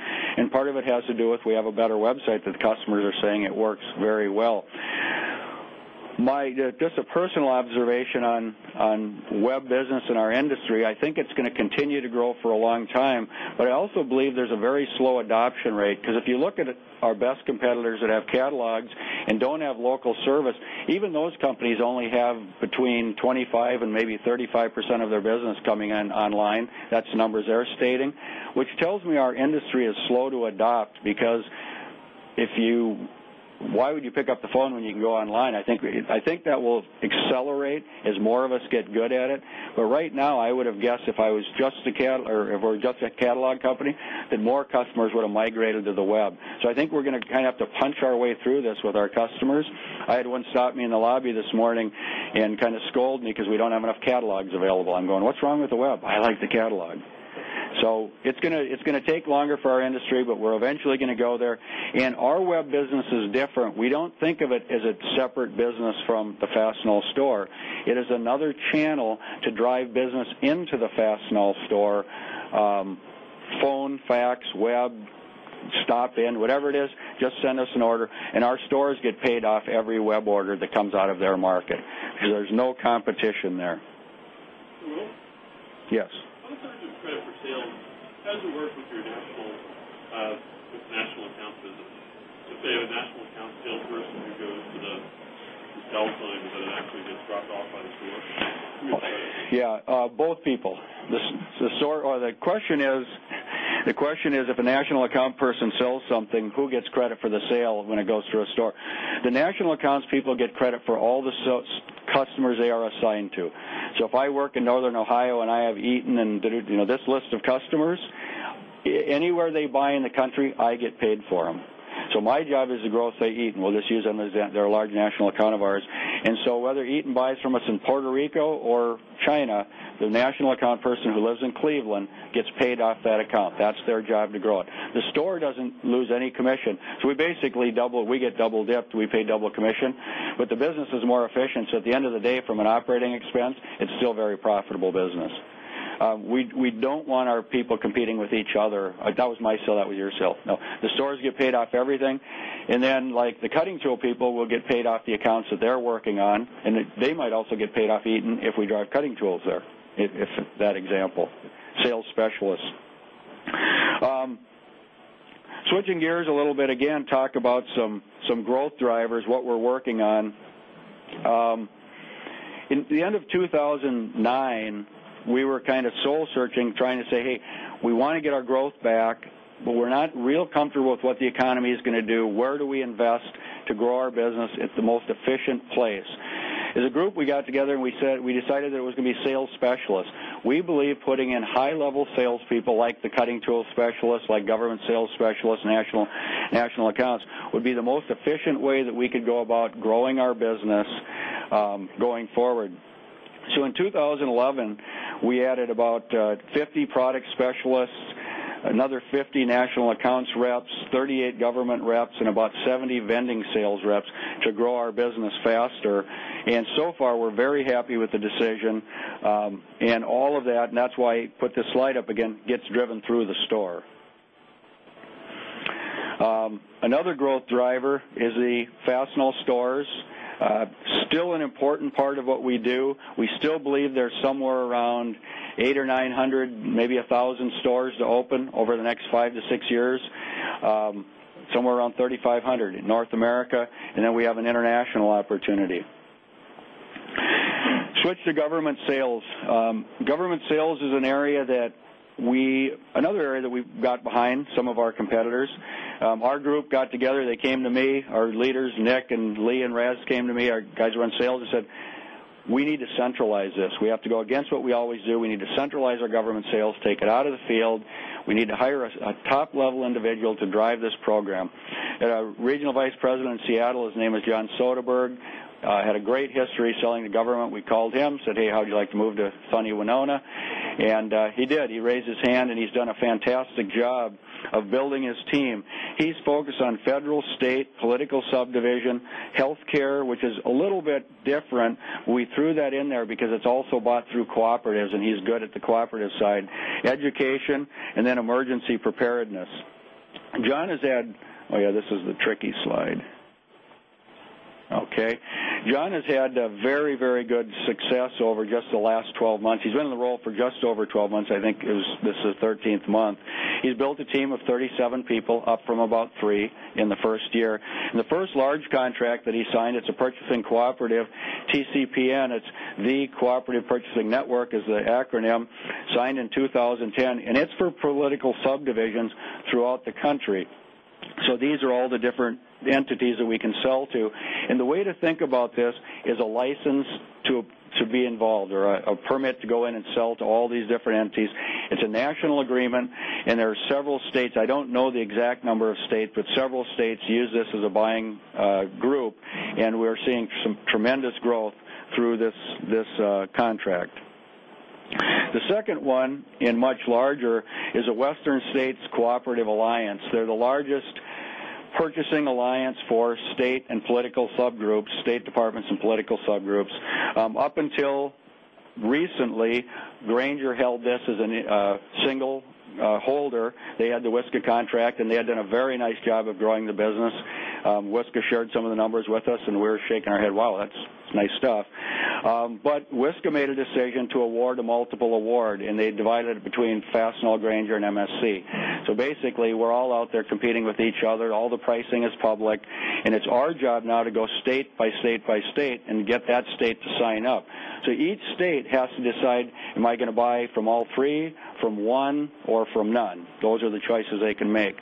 Part of it has to do with we have a better website that customers are saying works very well. Just a personal observation on web business in our industry, I think it's going to continue to grow for a long time. I also believe there's a very slow adoption rate because if you look at our best competitors that have catalogs and don't have local service, even those companies only have between 25% and maybe 35% of their business coming in online. That's the numbers they're stating, which tells me our industry is slow to adopt because, if you, why would you pick up the phone when you can go online? I think that will accelerate as more of us get good at it. Right now, I would have guessed if I was just a catalog company, that more customers would have migrated to the web. I think we're going to kind of have to punch our way through this with our customers. I had one stop me in the lobby this morning and kind of scold me because we don't have enough catalogs available. I'm going, "What's wrong with the web? I like the catalog." It's going to take longer for our industry, but we're eventually going to go there. Our web business is different. We don't think of it as a separate business from the Fastenal store. It is another channel to drive business into the Fastenal store. Phone, fax, web, stop in, whatever it is, just send us an order. Our stores get paid off every web order that comes out of their market because there's no competition there. Yes. I just kind of for sale, how does it work with your national account business? Just say a national account salesperson who goes to the cell phones and eventually gets dropped off by the field. Yeah. Yeah, both people. The question is, the question is if a national account person sells something, who gets credit for the sale when it goes through a store? The national accounts people get credit for all the customers they are assigned to. If I work in Northern Ohio and I have Eaton and this list of customers, anywhere they buy in the country, I get paid for them. My job is to grow, say, Eaton. We'll just use them as they're a large national account of ours. Whether Eaton buys from us in Puerto Rico or China, the national account person who lives in Cleveland gets paid off that account. That's their job to grow it. The store doesn't lose any commission. We basically double, we get double dipped. We pay double commission. The business is more efficient. At the end of the day, from an operating expense, it's still a very profitable business. We don't want our people competing with each other. That was my sale. That was your sale. No. The stores get paid off everything. Then like the cutting tool people will get paid off the accounts that they're working on. They might also get paid off Eaton if we drive cutting tools there, if that example. Sales specialists. Switching gears a little bit, again, talk about some growth drivers, what we're working on. In the end of 2009, we were kind of soul searching, trying to say, "Hey, we want to get our growth back, but we're not real comfortable with what the economy is going to do. Where do we invest to grow our business at the most efficient place?" As a group, we got together and we decided that it was going to be sales specialists. We believe putting in high-level salespeople, like the cutting tool specialists, like government sales specialists, national accounts, would be the most efficient way that we could go about growing our business going forward. In 2011, we added about 50 product specialists, another 50 national accounts reps, 38 government reps, and about 70 vending sales reps to grow our business faster. So far, we're very happy with the decision and all of that. That's why I put this slide up again, gets driven through the store. Another growth driver is the Fastenal stores. Still an important part of what we do. We still believe there's somewhere around 800 or 900, maybe 1,000 stores to open over the next five to six years. Somewhere around 3,500 in North America. We have an international opportunity. Switch to government sales. Government sales is an area that we, another area that we've got behind some of our competitors. Our group got together. They came to me. Our leaders, Nick and Lee and Raz, came to me. Our guys who run sales said, "We need to centralize this. We have to go against what we always do. We need to centralize our government sales, take it out of the field. We need to hire a top-level individual to drive this program." Our Regional Vice President in Seattle, his name is John Soderberg, had a great history selling to government. We called him, said, "Hey, how would you like to move to sunny Winona?" He did. He raised his hand, and he's done a fantastic job of building his team. He's focused on federal, state, political subdivision, healthcare, which is a little bit different. We threw that in there because it's also bought through cooperatives, and he's good at the cooperative side, education, and then emergency preparedness. John has had, oh yeah, this is the tricky slide. Okay. John has had a very, very good success over just the last 12 months. He's been in the role for just over 12 months. I think this is the 13th month. He's built a team of 37 people up from about three in the first year. The first large contract that he signed, it's a purchasing cooperative, TCPN. It's The Cooperative Purchasing Network, is the acronym, signed in 2010. It's for political subdivisions throughout the country. These are all the different entities that we can sell to. The way to think about this is a license to be involved or a permit to go in and sell to all these different entities. It's a national agreement, and there are several states. I don't know the exact number of states, but several states use this as a buying group. We're seeing some tremendous growth through this contract. The second one, and much larger, is a Western States Contracting Alliance. They're the largest purchasing alliance for state and political subgroups, state departments and political subgroups. Up until recently, Grainger held this as a single holder. They had the WSCA contract, and they had done a very nice job of growing the business. WSCA shared some of the numbers with us, and we were shaking our head, "Wow, that's nice stuff." WSCA made a decision to award a multiple award, and they divided it between Fastenal, Grainger, and MSC. Basically, we're all out there competing with each other. All the pricing is public. It is our job now to go state by state by state and get that state to sign up. Each state has to decide, "Am I going to buy from all three, from one, or from none?" Those are the choices they can make.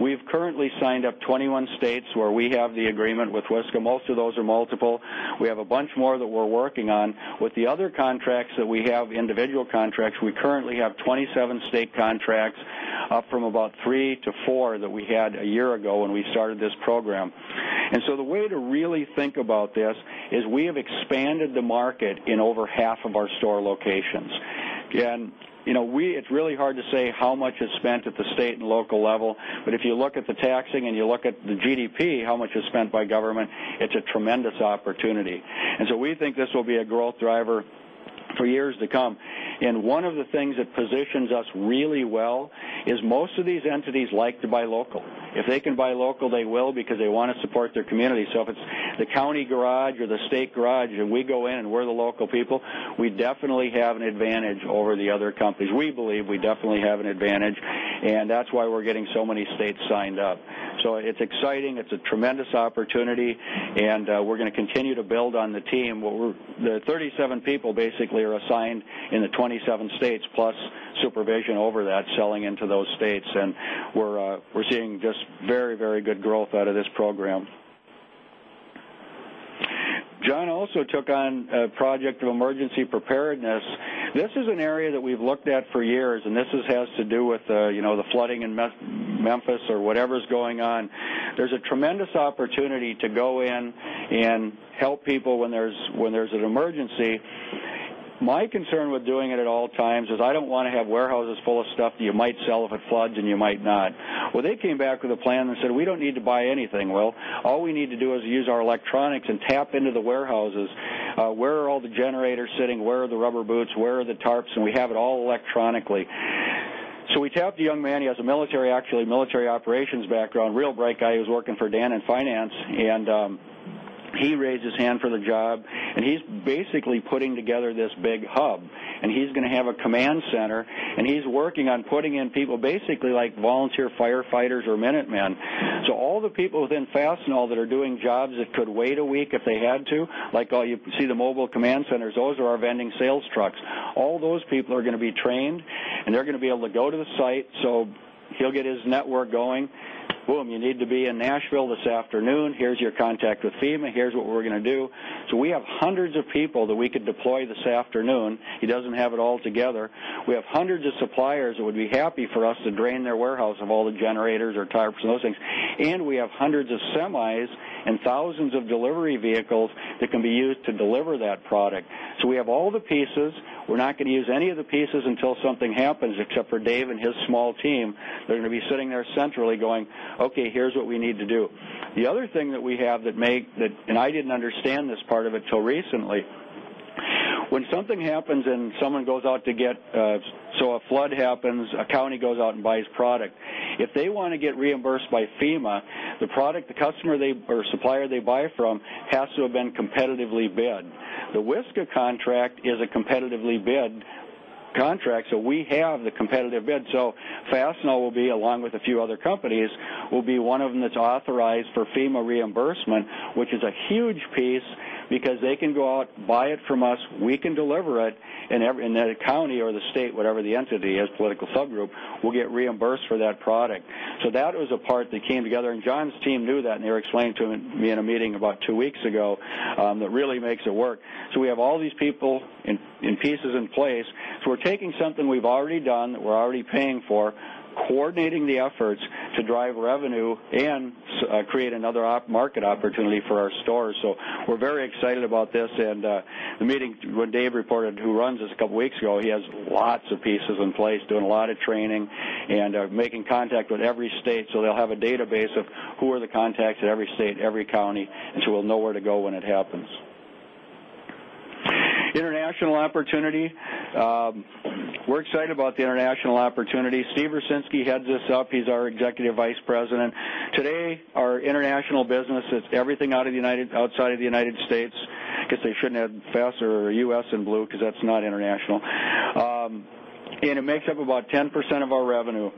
We've currently signed up 21 states where we have the agreement with WSCA. Most of those are multiple. We have a bunch more that we're working on. With the other contracts that we have, individual contracts, we currently have 27 state contracts, up from about three to four that we had a year ago when we started this program. The way to really think about this is we have expanded the market in over half of our store locations. You know, it's really hard to say how much is spent at the state and local level. If you look at the taxing and you look at the GDP, how much is spent by government, it's a tremendous opportunity. We think this will be a growth driver for years to come. One of the things that positions us really well is most of these entities like to buy local. If they can buy local, they will because they want to support their community. If it's the county garage or the state garage and we go in and we're the local people, we definitely have an advantage over the other companies. We believe we definitely have an advantage. That is why we're getting so many states signed up. It's exciting. It's a tremendous opportunity. We're going to continue to build on the team. The 37 people basically are assigned in the 27 states, plus supervision over that, selling into those states. We're seeing just very, very good growth out of this program. John also took on a project of emergency preparedness. This is an area that we've looked at for years, and this has to do with the flooding in Memphis or whatever's going on. There's a tremendous opportunity to go in and help people when there's an emergency. My concern with doing it at all times is I don't want to have warehouses full of stuff that you might sell if it floods and you might not. They came back with a plan and said, "We don't need to buy anything, Will. All we need to do is use our electronics and tap into the warehouses. Where are all the generators sitting? Where are the rubber boots? Where are the tarps?" We have it all electronically. We tapped a young man. He has a military, actually, military operations background, real bright guy. He was working for Dan in finance. He raised his hand for the job. He is basically putting together this big hub. He is going to have a command center, and he is working on putting in people basically like volunteer firefighters or minute men. All the people within Fastenal that are doing jobs that could wait a week if they had to, like you see the mobile command centers, those are our vending sales trucks. All those people are going to be trained, and they're going to be able to go to the site. He will get his network going. Boom, you need to be in Nashville this afternoon. Here is your contact with FEMA. Here is what we're going to do. We have hundreds of people that we could deploy this afternoon. He doesn't have it all together. We have hundreds of suppliers that would be happy for us to drain their warehouse of all the generators or tarps and those things. We have hundreds of semis and thousands of delivery vehicles that can be used to deliver that product. We have all the pieces. We're not going to use any of the pieces until something happens, except for Dave and his small team. They're going to be sitting there centrally going, "Okay, here's what we need to do." The other thing that we have that makes, and I didn't understand this part of it until recently, when something happens and someone goes out to get, so a flood happens, a county goes out and buys product. If they want to get reimbursed by FEMA, the product, the customer, or supplier they buy from has to have been competitively bid. The WSCA contract is a competitively bid contract. We have the competitive bid. Fastenal will be, along with a few other companies, one of them that's authorized for FEMA reimbursement, which is a huge piece because they can go out, buy it from us, we can deliver it, and the county or the state, whatever the entity is, political subgroup, will get reimbursed for that product. That was a part that came together. John's team knew that, and they were explaining to me in a meeting about two weeks ago that really makes it work. We have all these people and pieces in place. We're taking something we've already done that we're already paying for, coordinating the efforts to drive revenue and create another market opportunity for our stores. We are very excited about this. The meeting when Dave reported, who runs this a couple of weeks ago, he has lots of pieces in place, doing a lot of training and making contact with every state. They'll have a database of who are the contacts at every state, every county. We'll know where to go when it happens. International opportunity. We're excited about the international opportunity. Steve Orcinski heads this up. He's our Executive Vice President. Today, our international business, it's everything outside of the U.S. because they shouldn't have Fastenal or U.S. in blue because that's not international. It makes up about 10% of our revenue.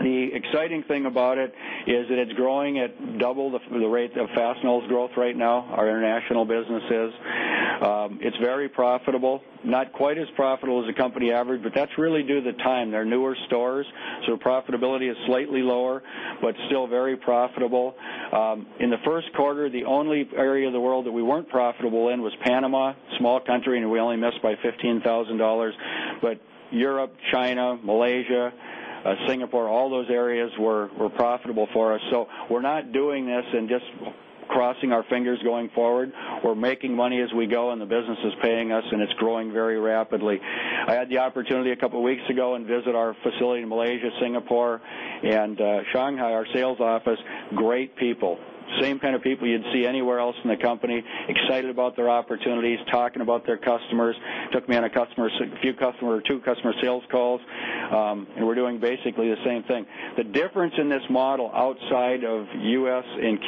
The exciting thing about it is that it's growing at double the rate of Fastenal's growth right now, our international businesses. It's very profitable, not quite as profitable as a company average, but that's really due to the time. They're newer stores, so the profitability is slightly lower, but still very profitable. In the First Quarter, the only area of the world that we weren't profitable in was Panama, small country, and we only missed by $15,000. Europe, China, Malaysia, Singapore, all those areas were profitable for us. We're not doing this and just crossing our fingers going forward. We're making money as we go, and the business is paying us, and it's growing very rapidly. I had the opportunity a couple of weeks ago and visited our facility in Malaysia, Singapore, and Shanghai, our sales office. Great people. Same kind of people you'd see anywhere else in the company, excited about their opportunities, talking about their customers. Took me on a customer or two customer sales calls, and we're doing basically the same thing. The difference in this model outside of U.S. and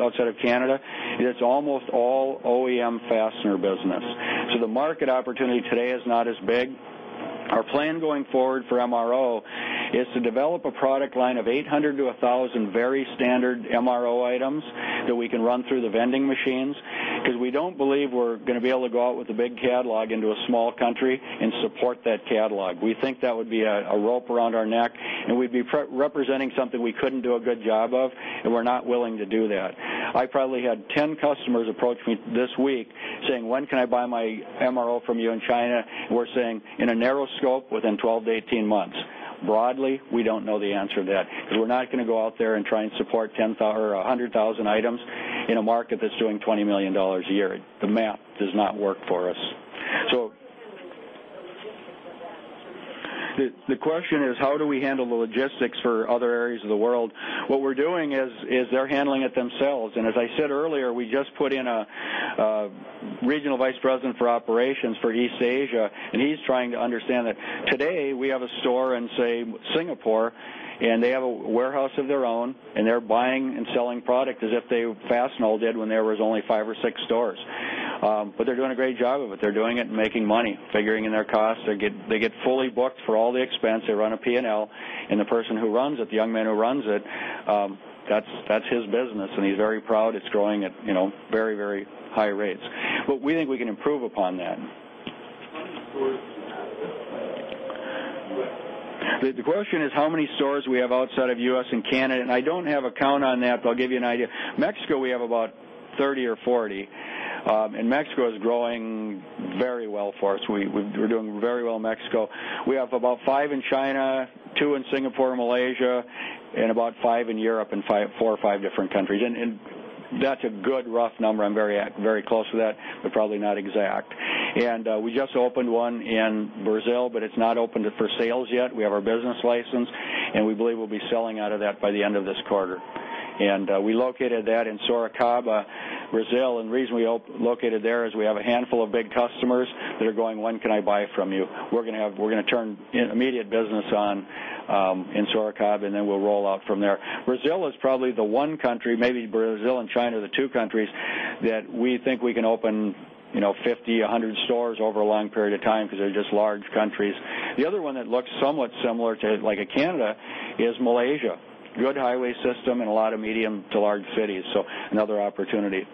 outside of Canada is it's almost all OEM fastener business. The market opportunity today is not as big. Our plan going forward for MRO is to develop a product line of 800 to 1,000 very standard MRO items that we can run through the vending machines because we don't believe we're going to be able to go out with a big catalog into a small country and support that catalog. We think that would be a rope around our neck, and we'd be representing something we couldn't do a good job of, and we're not willing to do that. I probably had 10 customers approach me this week saying, "When can I buy my MRO from you in China?" We're saying, "In a narrow scope, within 12 months to 18 months." Broadly, we don't know the answer to that because we're not going to go out there and try and support 10,000 or 100,000 items in a market that's doing $20 million a year. The math does not work for us. The question is, how do we handle the logistics for other areas of the world? What we're doing is they're handling it themselves. As I said earlier, we just put in a Regional Vice President for operations for East Asia, and he's trying to understand that today we have a store in, say, Singapore, and they have a warehouse of their own, and they're buying and selling product as if Fastenal did when there were only five or six stores. They're doing a great job of it. They're doing it and making money, figuring in their costs. They get fully booked for all the expense. They run a P&L, and the person who runs it, the young man who runs it, that's his business, and he's very proud. It's growing at very, very high rates. We think we can improve upon that. The question is how many stores we have outside of the U.S. and Canada, and I don't have a count on that, but I'll give you an idea. Mexico, we have about 30 or 40, and Mexico is growing very well for us. We're doing very well in Mexico. We have about five in China, two in Singapore and Malaysia, and about five in Europe in four or five different countries. That's a good rough number. I'm very close to that, but probably not exact. We just opened one in Brazil, but it's not opened for sales yet. We have our business license, and we believe we'll be selling out of that by the end of this quarter. We located that in Sorocaba, Brazil. The reason we located there is we have a handful of big customers that are going, "When can I buy from you?" We're going to turn immediate business on in Sorocaba, and then we'll roll out from there. Brazil is probably the one country, maybe Brazil and China are the two countries that we think we can open 50, 100 stores over a long period of time because they're just large countries. The other one that looks somewhat similar to like a Canada is Malaysia. Good highway system and a lot of medium to large cities. Another opportunity.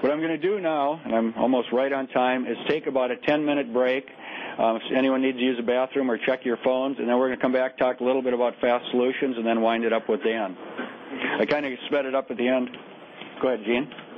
What I'm going to do now, and I'm almost right on time, is take about a 10-minute break. If anyone needs to use the bathroom or check your phones, then we're going to come back, talk a little bit about Fast Solutions, and then wind it up with Dan. I kind of sped it up at the end. Go. I'll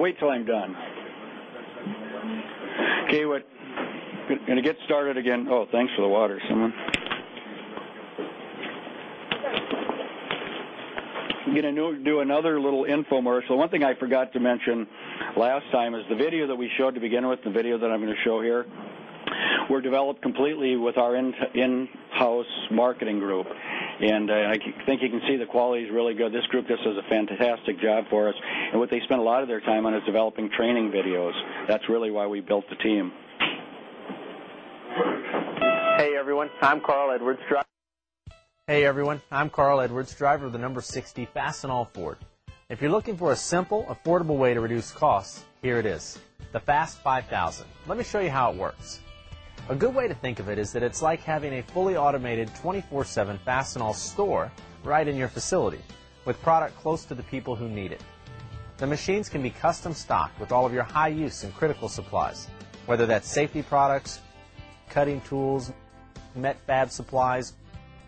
wait till I'm done. Okay, wait. Going to get started again. Oh, thanks for the water, Simon. I'm going to do another little info more. One thing I forgot to mention last time is the video that we showed to begin with, the video that I'm going to show here, were developed completely with our in-house marketing group. I think you can see the quality is really good. This group just does a fantastic job for us. What they spent a lot of their time on is developing training videos. That's really why we built the team. Hey, everyone. I'm Carl Edwards, driver of the number 60 Fastenal Ford. If you're looking for a simple, affordable way to reduce costs, here it is, the Fast 5000. Let me show you how it works. A good way to think of it is that it's like having a fully automated 24/7 Fastenal store right in your facility with product close to the people who need it. The machines can be custom stocked with all of your high-use and critical supplies, whether that's safety products, cutting tools, MRO supplies,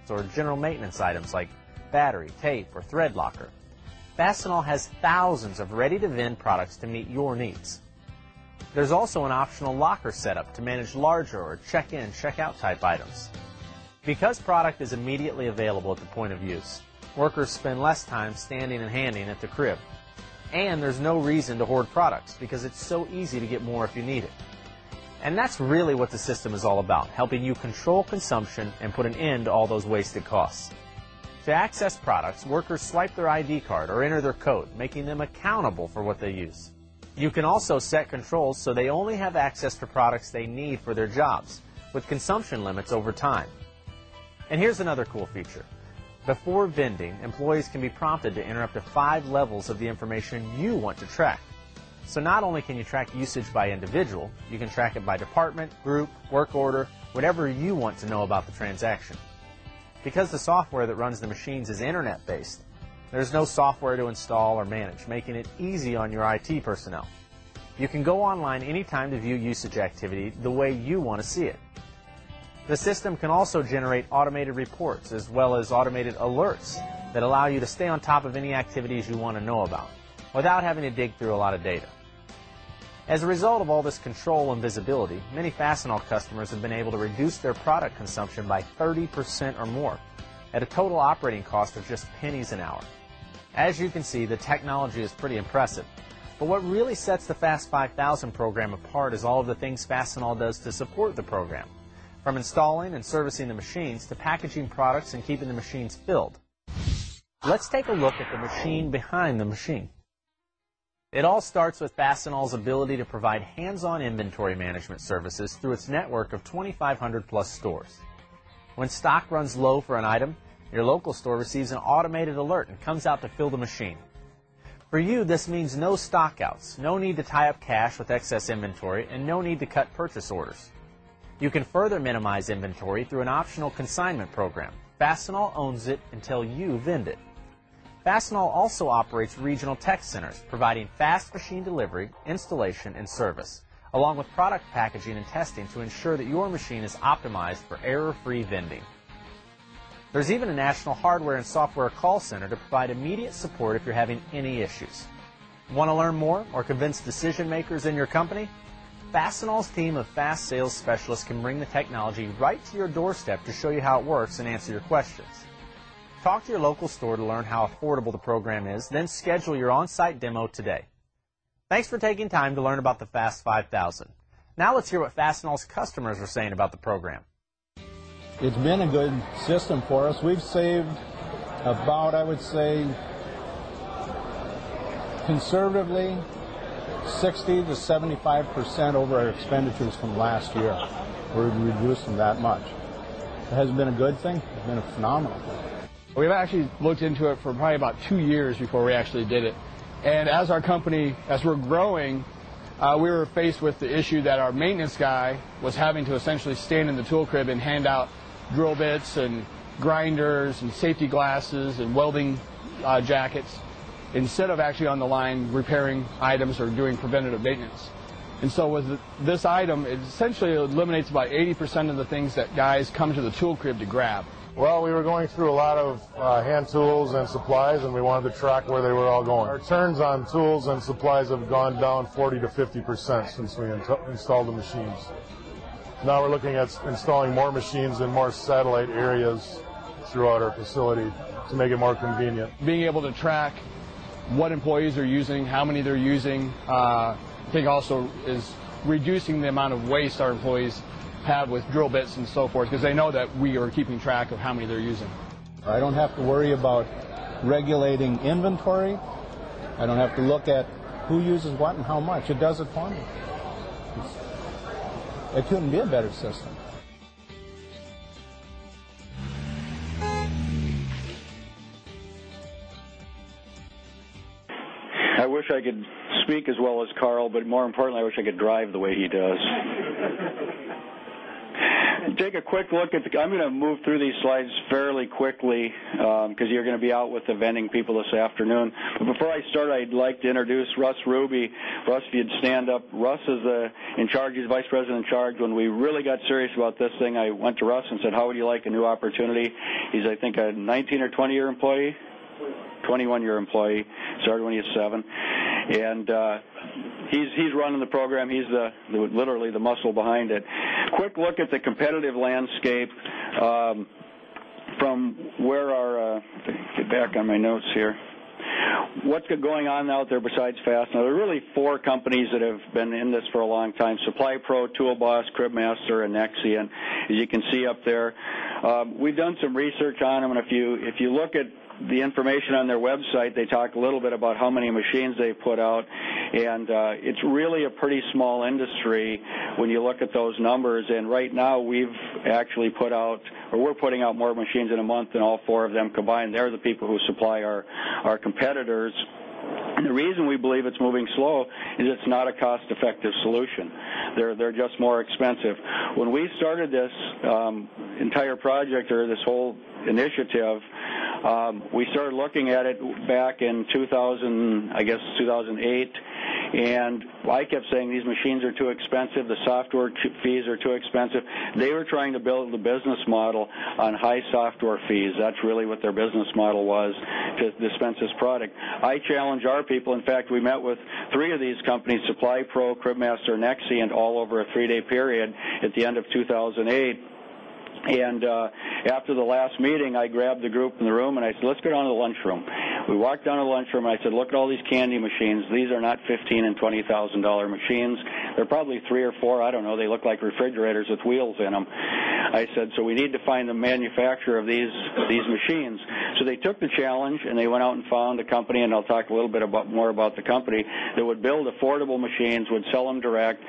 or general maintenance items like batteries, tape, or thread locker. Fastenal has thousands of ready-to-vend products to meet your needs. There's also an optional locker setup to manage larger or check-in, check-out type items. Because product is immediately available at the point of use, workers spend less time standing and handing at the crib. There's no reason to hoard products because it's so easy to get more if you need it. That's really what the system is all about, helping you control consumption and put an end to all those wasted costs. To access products, workers swipe their ID card or enter their code, making them accountable for what they use. You can also set controls so they only have access to products they need for their jobs, with consumption limits over time. Here's another cool feature. Before vending, employees can be prompted to enter up to five levels of the information you want to track. Not only can you track usage by individual, you can track it by department, group, work order, whatever you want to know about the transaction. Because the software that runs the machines is internet-based, there's no software to install or manage, making it easy on your IT personnel. You can go online anytime to view usage activity the way you want to see it. The system can also generate automated reports as well as automated alerts that allow you to stay on top of any activities you want to know about without having to dig through a lot of data. As a result of all this control and visibility, many Fastenal customers have been able to reduce their product consumption by 30% or more at a total operating cost of just pennies an hour. As you can see, the technology is pretty impressive. What really sets the Fast 5000 program apart is all of the things Fastenal does to support the program, from installing and servicing the machines to packaging products and keeping the machines filled. Let's take a look at the machine behind the machine. It all starts with Fastenal's ability to provide hands-on inventory management services through its network of 2,500 plus stores. When stock runs low for an item, your local store receives an automated alert and comes out to fill the machine. For you, this means no stockouts, no need to tie up cash with excess inventory, and no need to cut purchase orders. You can further minimize inventory through an optional consignment program. Fastenal owns it until you vend it. Fastenal also operates regional tech centers, providing fast machine delivery, installation, and service, along with product packaging and testing to ensure that your machine is optimized for error-free vending. There is even a national hardware and software call center to provide immediate support if you're having any issues. Want to learn more or convince decision makers in your company? Fastenal's team of Fast Sales Specialists can bring the technology right to your doorstep to show you how it works and answer your questions. Talk to your local store to learn how affordable the program is, then schedule your Onsite demo today. Thanks for taking time to learn about the Fast 5000. Now let's hear what Fastenal's customers are saying about the program. It's been a good system for us. We've saved about, I would say, conservatively 60%-75% over our expenditures from last year. We've reduced them that much. It has been a good thing. It's been phenomenal. We've actually looked into it for probably about two years before we actually did it. As our company, as we're growing, we were faced with the issue that our maintenance guy was having to essentially stand in the tool crib and hand out drill bits and grinders and safety glasses and welding jackets instead of actually on the line repairing items or doing preventative maintenance. With this item, it essentially eliminates about 80% of the things that guys come to the tool crib to grab. We were going through a lot of hand tools and supplies, and we wanted to track where they were all going. Our turns on tools and supplies have gone down 40%-50% since we installed the machines. Now we're looking at installing more machines in more satellite areas throughout our facility to make it more convenient. Being able to track what employees are using, how many they're using, I think also is reducing the amount of waste our employees have with drill bits and so forth, because they know that we are keeping track of how many they're using. I don't have to worry about regulating inventory. I don't have to look at who uses what and how much. It does it for me. It couldn't be a better system. I wish I could speak as well as Carl, but more importantly, I wish I could drive the way he does. Take a quick look. I'm going to move through these slides fairly quickly because you're going to be out with the vending people this afternoon. Before I start, I'd like to introduce Russ Rubie. Russ, you'd stand up. Russ is in charge. He's Vice President in Charge. When we really got serious about this thing, I went to Russ and said, "How would you like a new opportunity?" He's, I think, a 19-year or 20-year employee, 21-year employee. Started when he was seven. He's running the program. He's literally the muscle behind it. Quick look at the competitive landscape from where our get back on my notes here. What's going on out there besides Fastenal? There are really four companies that have been in this for a long time: SupplyPro, Tool Boss, Cribmaster, and Nexian. As you can see up there, we've done some research on them. If you look at the information on their website, they talk a little bit about how many machines they've put out. It's really a pretty small industry when you look at those numbers. Right now, we've actually put out, or we're putting out more machines in a month than all four of them combined. They're the people who supply our competitors. The reason we believe it's moving slow is it's not a cost-effective solution. They're just more expensive. When we started this entire project or this whole initiative, we started looking at it back in 2000, I guess 2008. I kept saying these machines are too expensive. The software fees are too expensive. They were trying to build the business model on high software fees. That's really what their business model was to dispense this product. I challenged our people. In fact, we met with three of these companies: SupplyPro, Cribmaster, Nexian, all over a three-day period at the end of 2008. After the last meeting, I grabbed the group in the room and I said, "Let's go down to the lunchroom." We walked down to the lunchroom and I said, "Look at all these candy machines. These are not $15,000 and $20,000 machines. They're probably three or four. I don't know. They look like refrigerators with wheels in them." I said, "We need to find the manufacturer of these machines." They took the challenge and they went out and found a company, and I'll talk a little bit more about the company that would build affordable machines, would sell them direct.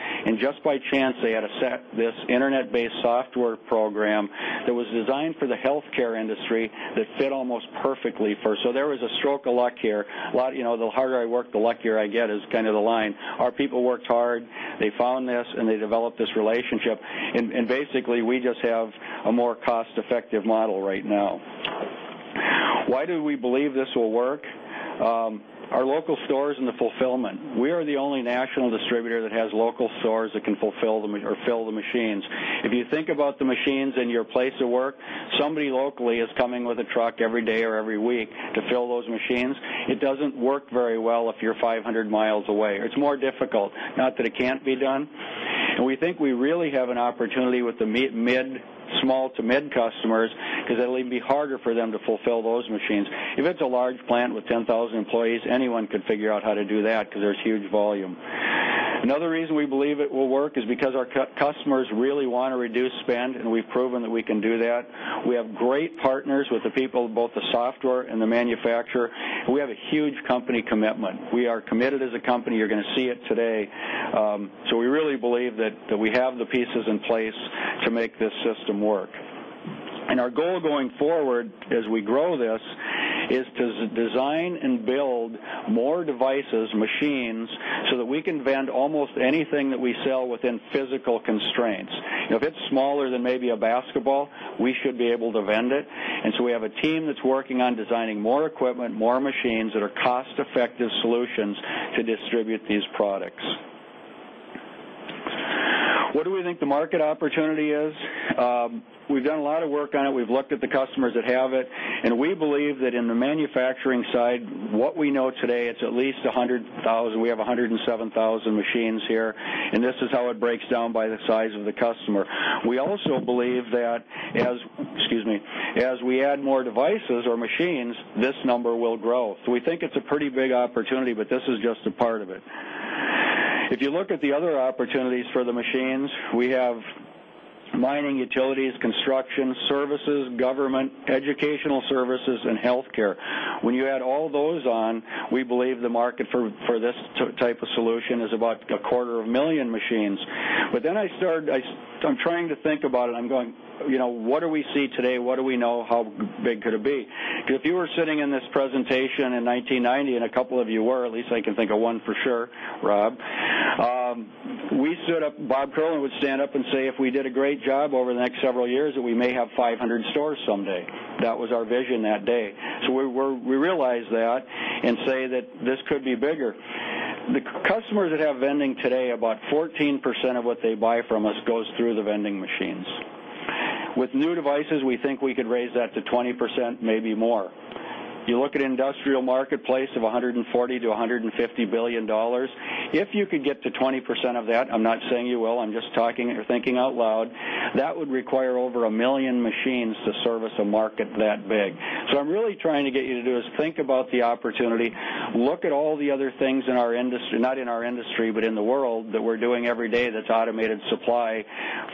Just by chance, they had a set, this internet-based software program that was designed for the healthcare industry that fit almost perfectly. There was a stroke of luck here. A lot, you know, the harder I work, the luckier I get is kind of the line. Our people worked hard. They found this and they developed this relationship. Basically, we just have a more cost-effective model right now. Why do we believe this will work? Our local stores and the fulfillment. We are the only national distributor that has local stores that can fulfill them or fill the machines. If you think about the machines in your place of work, somebody locally is coming with a truck every day or every week to fill those machines. It doesn't work very well if you're 500 mi away. It's more difficult, not that it can't be done. We think we really have an opportunity with the small to mid-customers because it'll even be harder for them to fulfill those machines. If it's a large plant with 10,000 employees, anyone could figure out how to do that because there's huge volume. Another reason we believe it will work is because our customers really want to reduce spend, and we've proven that we can do that. We have great partners with the people, both the software and the manufacturer. We have a huge company commitment. We are committed as a company. You're going to see it today. We really believe that we have the pieces in place to make this system work. Our goal going forward as we grow this is to design and build more devices, machines, so that we can vend almost anything that we sell within physical constraints. If it's smaller than maybe a basketball, we should be able to vend it. We have a team that's working on designing more equipment, more machines that are cost-effective solutions to distribute these products. What do we think the market opportunity is? We've done a lot of work on it. We've looked at the customers that have it. We believe that in the manufacturing side, what we know today, it's at least 100,000. We have 107,000 machines here. This is how it breaks down by the size of the customer. We also believe that as we add more devices or machines, this number will grow. We think it's a pretty big opportunity, but this is just a part of it. If you look at the other opportunities for the machines, we have mining, utilities, construction services, government, educational services, and healthcare. When you add all those on, we believe the market for this type of solution is about a quarter of 1 million machines. I started, I'm trying to think about it. I'm going, you know, what do we see today? What do we know? How big could it be? If you were sitting in this presentation in 1990, and a couple of you were, at least I can think of one for sure, Rob, we stood up. Bob Kohlen would stand up and say if we did a great job over the next several years that we may have 500 stores someday. That was our vision that day. We realized that and say that this could be bigger. The customers that have vending today, about 14% of what they buy from us goes through the vending machines. With new devices, we think we could raise that to 20%, maybe more. You look at an industrial marketplace of $140 billion-$150 billion. If you could get to 20% of that, I'm not saying you will. I'm just talking or thinking out loud. That would require over 1 million machines to service a market that big. I'm really trying to get you to do is think about the opportunity. Look at all the other things in our industry, not in our industry, but in the world that we're doing every day that's automated supply,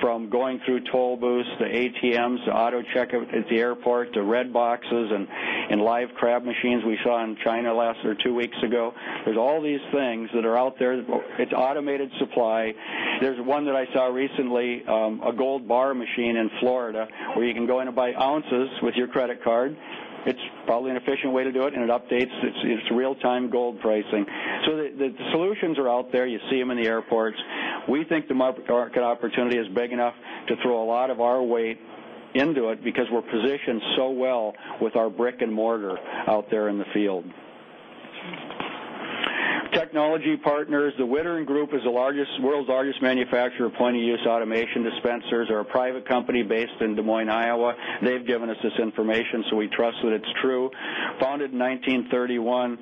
from going through toll booths to ATMs to auto check at the airport to red boxes and live crab machines we saw in China last or two weeks ago. There are all these things that are out there. It's automated supply. There's one that I saw recently, a gold bar machine in Florida, where you can go in and buy ounces with your credit card. It's probably an efficient way to do it, and it updates. It's real-time gold pricing. The solutions are out there. You see them in the airports. We think the market opportunity is big enough to throw a lot of our weight into it because we're positioned so well with our brick and mortar out there in the field. Technology partners, the Wittering Group is the world's largest manufacturer of point-of-use automation dispensers. They're a private company based in Des Moines, Iowa. They've given us this information, so we trust that it's true. Founded in 1931,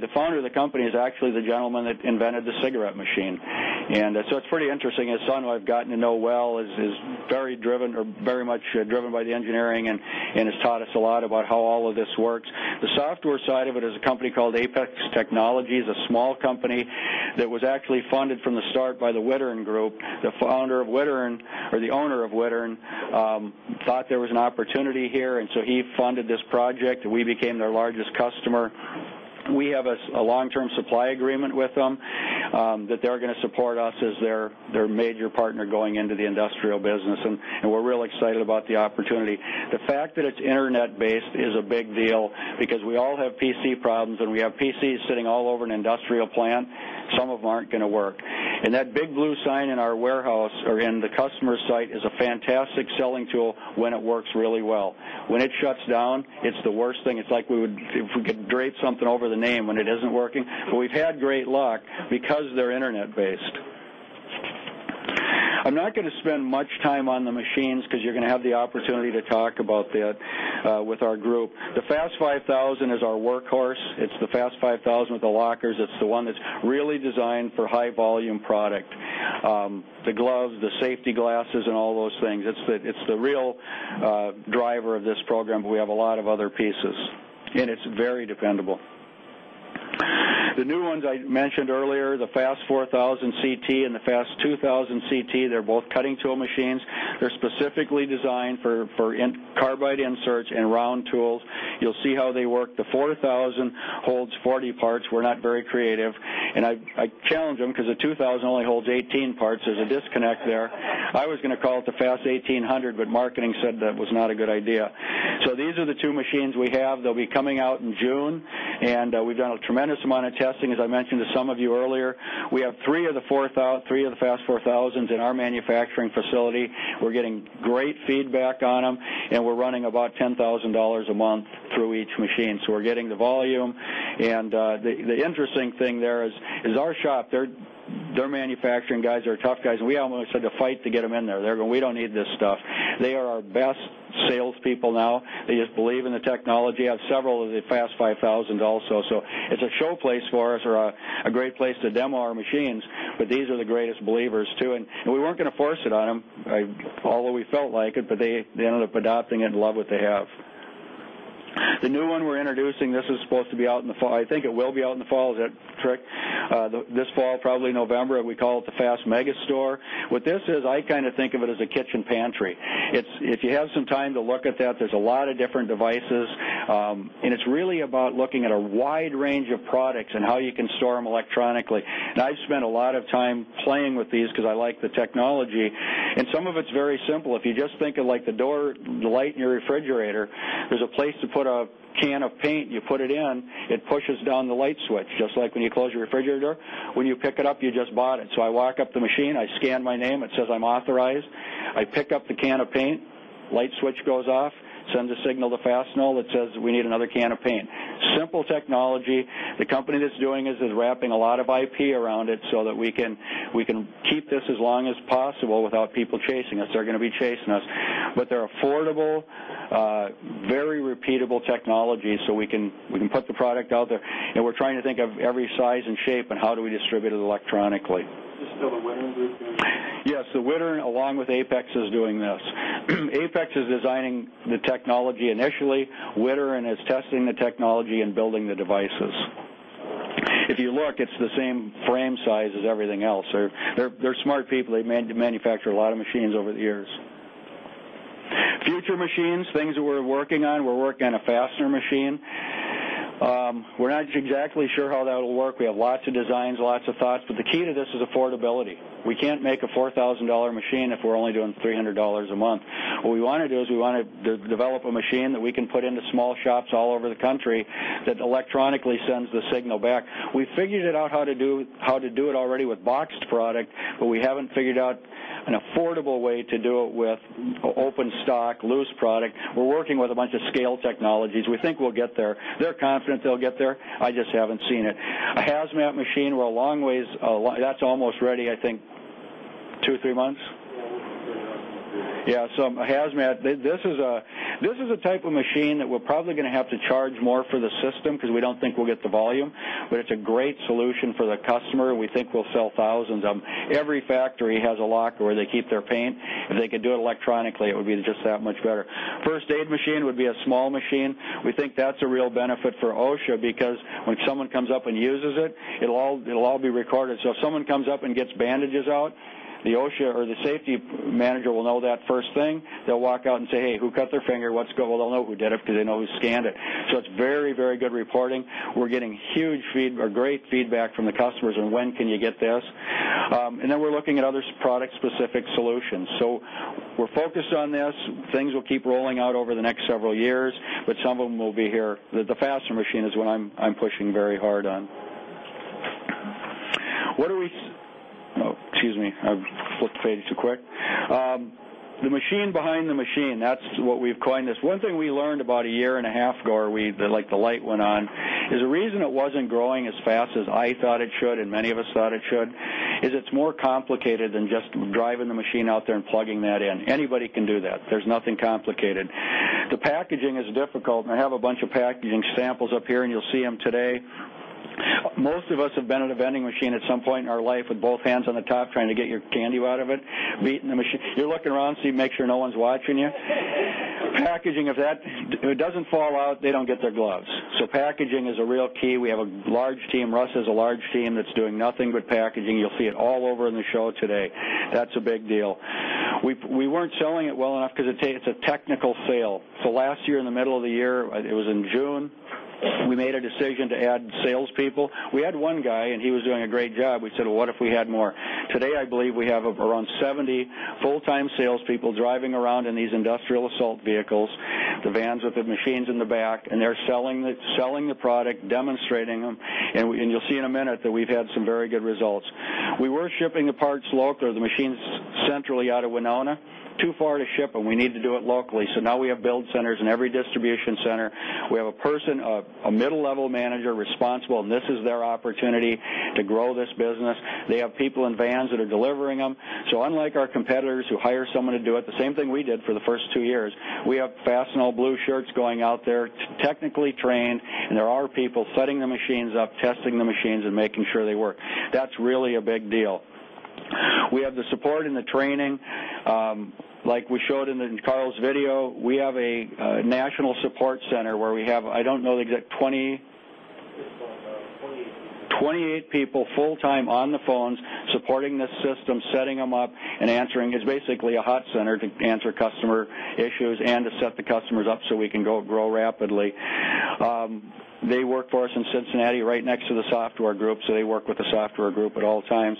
the founder of the company is actually the gentleman that invented the cigarette machine. It's pretty interesting. His son, who I've gotten to know well, is very driven or very much driven by the engineering and has taught us a lot about how all of this works. The software side of it is a company called Apex Technologies, a small company that was actually funded from the start by the Wittering Group. The founder of Wittering or the owner of Wittering thought there was an opportunity here, and so he funded this project, and we became their largest customer. We have a long-term supply agreement with them that they're going to support us as their major partner going into the industrial business. We're real excited about the opportunity. The fact that it's internet-based is a big deal because we all have PC problems, and we have PCs sitting all over an industrial plant. Some of them aren't going to work. That big blue sign in our warehouse or in the customer site is a fantastic selling tool when it works really well. When it shuts down, it's the worst thing. It's like we would, if we could, grade something over the name when it isn't working. We've had great luck because they're internet-based. I'm not going to spend much time on the machines because you're going to have the opportunity to talk about that with our group. The Fast 5000 is our workhorse. It's the Fast 5000 with the lockers. It's the one that's really designed for high-volume product. The gloves, the safety glasses, and all those things. It's the real driver of this program. We have a lot of other pieces, and it's very dependable. The new ones I mentioned earlier, the Fast 4000 CT and the Fast 2000 CT, they're both cutting tool machines. They're specifically designed for carbide inserts and round tools. You'll see how they work. The 4000 holds 40 parts. We're not very creative. I challenge them because the 2000 only holds 18 parts. There's a disconnect there. I was going to call it the Fast 1800, but marketing said that was not a good idea. These are the two machines we have. They'll be coming out in June. We've done a tremendous amount of testing, as I mentioned to some of you earlier. We have three of the 4000, three of the Fast 4000s in our manufacturing facility. We're getting great feedback on them. We're running about $10,000 a month through each machine, so we're getting the volume. The interesting thing there is our shop, their manufacturing guys are tough guys. We almost had to fight to get them in there. They're going, "We don't need this stuff." They are our best salespeople now. They just believe in the technology. I have several of the Fast 5000s also. It is a showplace for us or a great place to demo our machines. These are the greatest believers too. We were not going to force it on them, although we felt like it, but they ended up adopting it and love what they have. The new one we are introducing is supposed to be out in the fall. I think it will be out in the fall. Is that trick? This fall, probably November, we call it the Fast Mega Store. What this is, I kind of think of it as a kitchen pantry. If you have some time to look at that, there are a lot of different devices. It is really about looking at a wide range of products and how you can store them electronically. I have spent a lot of time playing with these because I like the technology. Some of it is very simple. If you just think of the door, the light in your refrigerator, there is a place to put a can of paint. You put it in. It pushes down the light switch, just like when you close your refrigerator door. When you pick it up, you just bought it. I walk up to the machine. I scan my name. It says I am authorized. I pick up the can of paint. The light switch goes off, sends a signal to Fastenal. It says, "We need another can of paint." Simple technology. The company that is doing this is wrapping a lot of IP around it so that we can keep this as long as possible without people chasing us. They are going to be chasing us. They are affordable, very repeatable technology, so we can put the product out there. We are trying to think of every size and shape and how do we distribute it electronically. Is this still the Wittering Group doing that? Yes, the Wittering Group, along with Apex Technologies, is doing this. Apex Technologies is designing the technology initially. Wittering Group is testing the technology and building the devices. If you look, it's the same frame size as everything else. They're smart people. They manufacture a lot of machines over the years. Future machines, things that we're working on, we're working on a Fastener machine. We're not exactly sure how that will work. We have lots of designs, lots of thoughts. The key to this is affordability. We can't make a $4,000 machine if we're only doing $300 a month. What we want to do is we want to develop a machine that we can put into small shops all over the country that electronically sends the signal back. We figured it out how to do it already with boxed product, but we haven't figured out an affordable way to do it with open stock, loose product. We're working with a bunch of scale technologies. We think we'll get there. They're confident they'll get there. I just haven't seen it. A Hazmat machine, long ways, that's almost ready, I think, two, three months. Hazmat, this is a type of machine that we're probably going to have to charge more for the system because we don't think we'll get the volume. It's a great solution for the customer. We think we'll sell thousands of them. Every factory has a locker where they keep their paint. If they could do it electronically, it would be just that much better. First aid machine would be a small machine. We think that's a real benefit for OSHA because when someone comes up and uses it, it'll all be recorded. If someone comes up and gets bandages out, the OSHA or the Safety Manager will know that first thing. They'll walk out and say, "Hey, who cut their finger? What's going on?" They'll know who did it because they know who scanned it. It's very, very good reporting. We're getting huge feedback or great feedback from the customers on when can you get this. We're looking at other product-specific solutions. We're focused on this. Things will keep rolling out over the next several years, but some of them will be here. The Fastener machine is what I'm pushing very hard on. Oh, excuse me, I flipped pages too quick. The machine behind the machine, that's what we've coined this. One thing we learned about a year and a half ago, or we, like the light went on, is the reason it wasn't growing as fast as I thought it should, and many of us thought it should, is it's more complicated than just driving the machine out there and plugging that in. Anybody can do that. There's nothing complicated. The packaging is difficult. I have a bunch of packaging samples up here, and you'll see them today. Most of us have been at a vending machine at some point in our life with both hands on the top trying to get your candy out of it, beating the machine. You're looking around so you make sure no one's watching you. Packaging, if that doesn't fall out, they don't get their gloves. Packaging is a real key. We have a large team. Russ has a large team that's doing nothing but packaging. You'll see it all over in the show today. That's a big deal. We weren't selling it well enough because it's a technical fail. Last year, in the middle of the year, it was in June, we made a decision to add salespeople. We had one guy, and he was doing a great job. We said, "What if we had more?" Today, I believe we have around 70 full-time salespeople driving around in these industrial assault vehicles, the vans with the machines in the back, and they're selling the product, demonstrating them. You'll see in a minute that we've had some very good results. We were shipping the parts locally. The machine's centrally out of Winona. Too far to ship them. We need to do it locally. Now we have build centers in every distribution center. We have a person, a middle-level manager responsible, and this is their opportunity to grow this business. They have people in vans that are delivering them. Unlike our competitors who hire someone to do it, the same thing we did for the first two years, we have Fastenal blue shirts going out there, technically trained, and there are people setting the machines up, testing the machines, and making sure they work. That's really a big deal. We have the support and the training. Like we showed in Carl's video, we have a national support center where we have, I don't know the exact 20 people, 28 people full-time on the phones supporting this system, setting them up, and answering. It's basically a hot center to answer customer issues and to set the customers up so we can go grow rapidly. They work for us in Cincinnati right next to the software group, so they work with the software group at all times.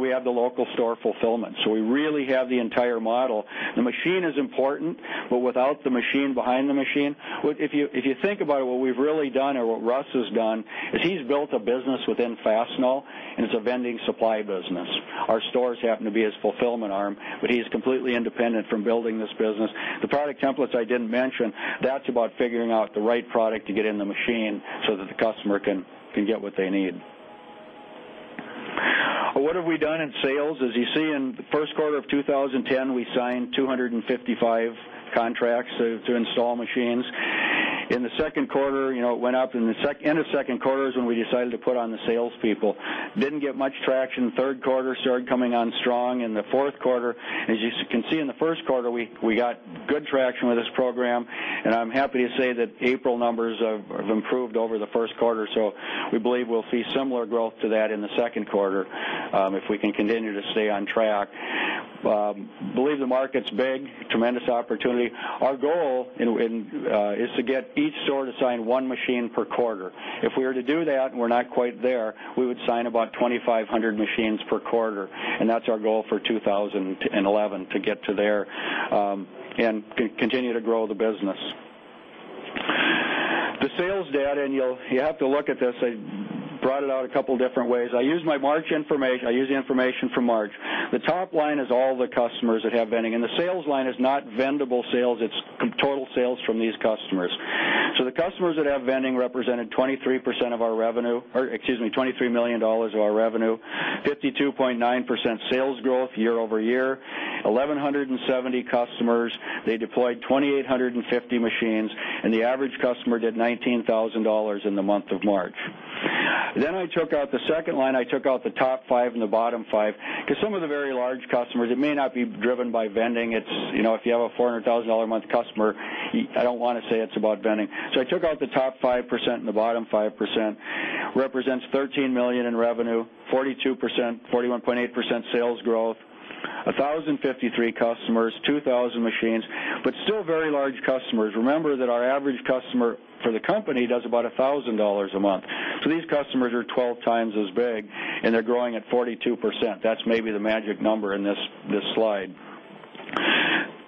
We have the local store fulfillment. We really have the entire model. The machine is important, but without the machine behind the machine, if you think about it, what we've really done or what Russ has done is he's built a business within Fastenal, and it's a vending supply business. Our stores happen to be his fulfillment arm, but he's completely independent from building this business. The product templates I didn't mention, that's about figuring out the right product to get in the machine so that the customer can get what they need. What have we done in sales? As you see, in the First Quarter of 2010, we signed 255 contracts to install machines. In the second quarter, it went up. The end of second quarter is when we decided to put on the salespeople. Didn't get much traction. Third quarter started coming on strong. The fourth quarter, as you can see, in the First Quarter, we got good traction with this program. I'm happy to say that April numbers have improved over the First Quarter. We believe we'll see similar growth to that in the second quarter if we can continue to stay on track. We believe the market's big, tremendous opportunity. Our goal is to get each store to sign one machine per quarter. If we were to do that and we're not quite there, we would sign about 2,500 machines per quarter. That's our goal for 2011 to get to there and continue to grow the business. The sales data, and you'll have to look at this. I brought it out a couple of different ways. I use my March information. I use the information from March. The top line is all the customers that have vending. The sales line is not vendable sales. It's total sales from these customers. The customers that have vending represented 23% of our revenue, or, excuse me, $23 million of our revenue, 52.9% sales growth year-over-year, 1,170 customers. They deployed 2,850 machines. The average customer did $19,000 in the month of March. I took out the second line. I took out the top five and the bottom five because some of the very large customers, it may not be driven by vending. If you have a $400,000 a month customer, I don't want to say it's about vending. I took out the top 5% and the bottom 5%. Represents $13 million in revenue, 41.8% sales growth, 1,053 customers, 2,000 machines, but still very large customers. Remember that our average customer for the company does about $1,000 a month. These customers are 12x as big, and they're growing at 42%. That's maybe the magic number in this slide.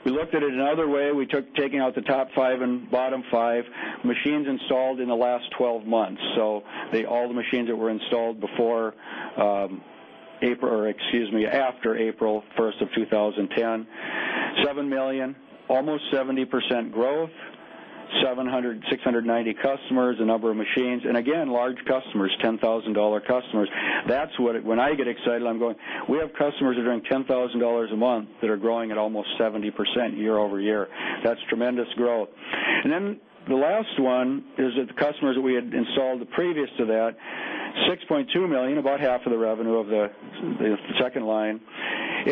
We looked at it another way. We took out the top five and bottom five machines installed in the last 12 months. All the machines that were installed after April 1st, 2010, $11 million, almost 70% growth, 690 customers, the number of machines. Large customers, $10,000 customers. That's what it, when I get excited, I'm going, we have customers that are doing $10,000 a month that are growing at almost 70% year-over-year. That's tremendous growth. The last one is that the customers that we had installed previous to that, $6.2 million, about half of the revenue of the second line.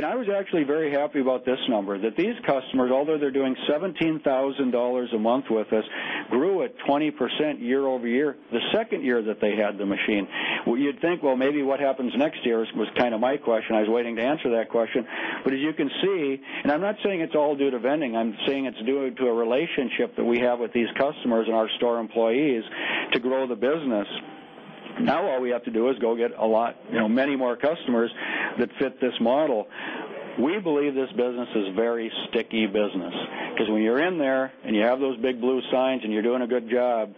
I was actually very happy about this number, that these customers, although they're doing $17,000 a month with us, grew at 20% year-over-year the second year that they had the machine. You'd think, maybe what happens next year was kind of my question. I was waiting to answer that question. As you can see, I'm not saying it's all due to vending. I'm saying it's due to a relationship that we have with these customers and our store employees to grow the business. Now all we have to do is go get many more customers that fit this model. We believe this business is a very sticky business because when you're in there and you have those big blue signs and you're doing a good job,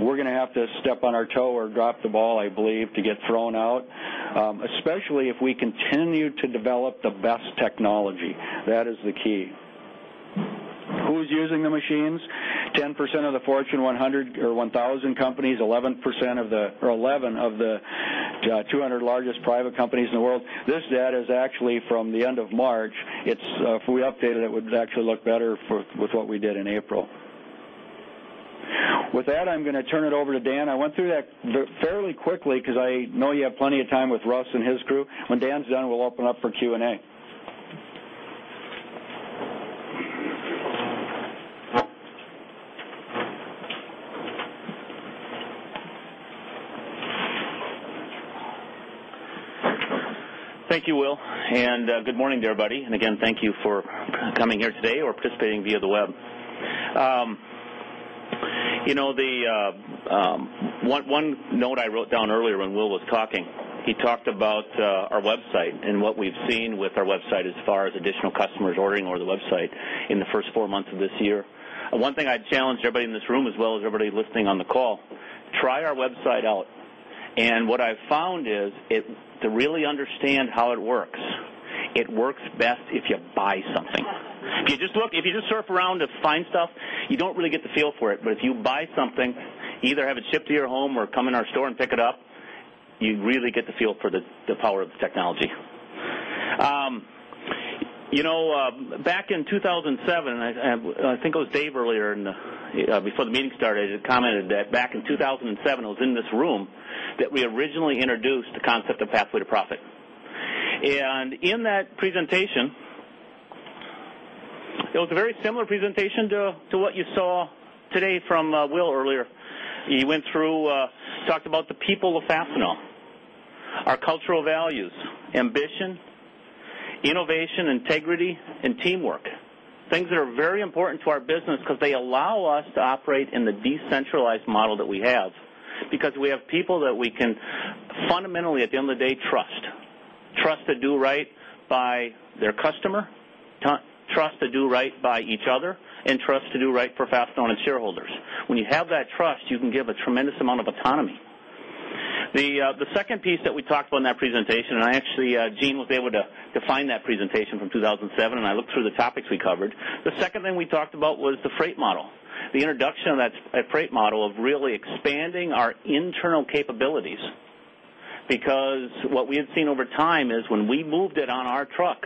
we're going to have to step on our toe or drop the ball, I believe, to get thrown out, especially if we continue to develop the best technology. That is the key. Who's using the machines? 10% of the Fortune 100 or 1,000 companies, 11 of the 200 largest private companies in the world. This data is actually from the end of March. If we update it, it would actually look better with what we did in April. With that, I'm going to turn it over to Dan. I went through that fairly quickly because I know you have plenty of time with Russ and his crew. When Dan's done, we'll open up for Q&A. Thank you, Will. Good morning to everybody. Thank you for coming here today or participating via the web. One note I wrote down earlier when Will was talking, he talked about our website and what we've seen with our website as far as additional customers ordering over the website in the first four months of this year. One thing I challenged everybody in this room, as well as everybody listening on the call, try our website out. What I found is to really understand how it works, it works best if you buy something. If you just look, if you just surf around to find stuff, you don't really get the feel for it. If you buy something, either have it shipped to your home or come in our store and pick it up, you really get the feel for the power of the technology. Back in 2007, I think it was Dave earlier before the meeting started, I commented that back in 2007, I was in this room that we originally introduced the concept of Pathway to Profit. In that presentation, it was a very similar presentation to what you saw today from Will earlier. He went through, talked about the people of Fastenal, our cultural values, ambition, innovation, integrity, and teamwork, things that are very important to our business because they allow us to operate in the decentralized model that we have because we have people that we can fundamentally, at the end of the day, trust. Trust to do right by their customer, trust to do right by each other, and trust to do right for Fastenal and its shareholders. When you have that trust, you can give a tremendous amount of autonomy. The second piece that we talked about in that presentation, and actually, Jean was able to find that presentation from 2007, and I looked through the topics we covered. The second thing we talked about was the freight model, the introduction of that freight model of really expanding our internal capabilities because what we had seen over time is when we moved it on our truck,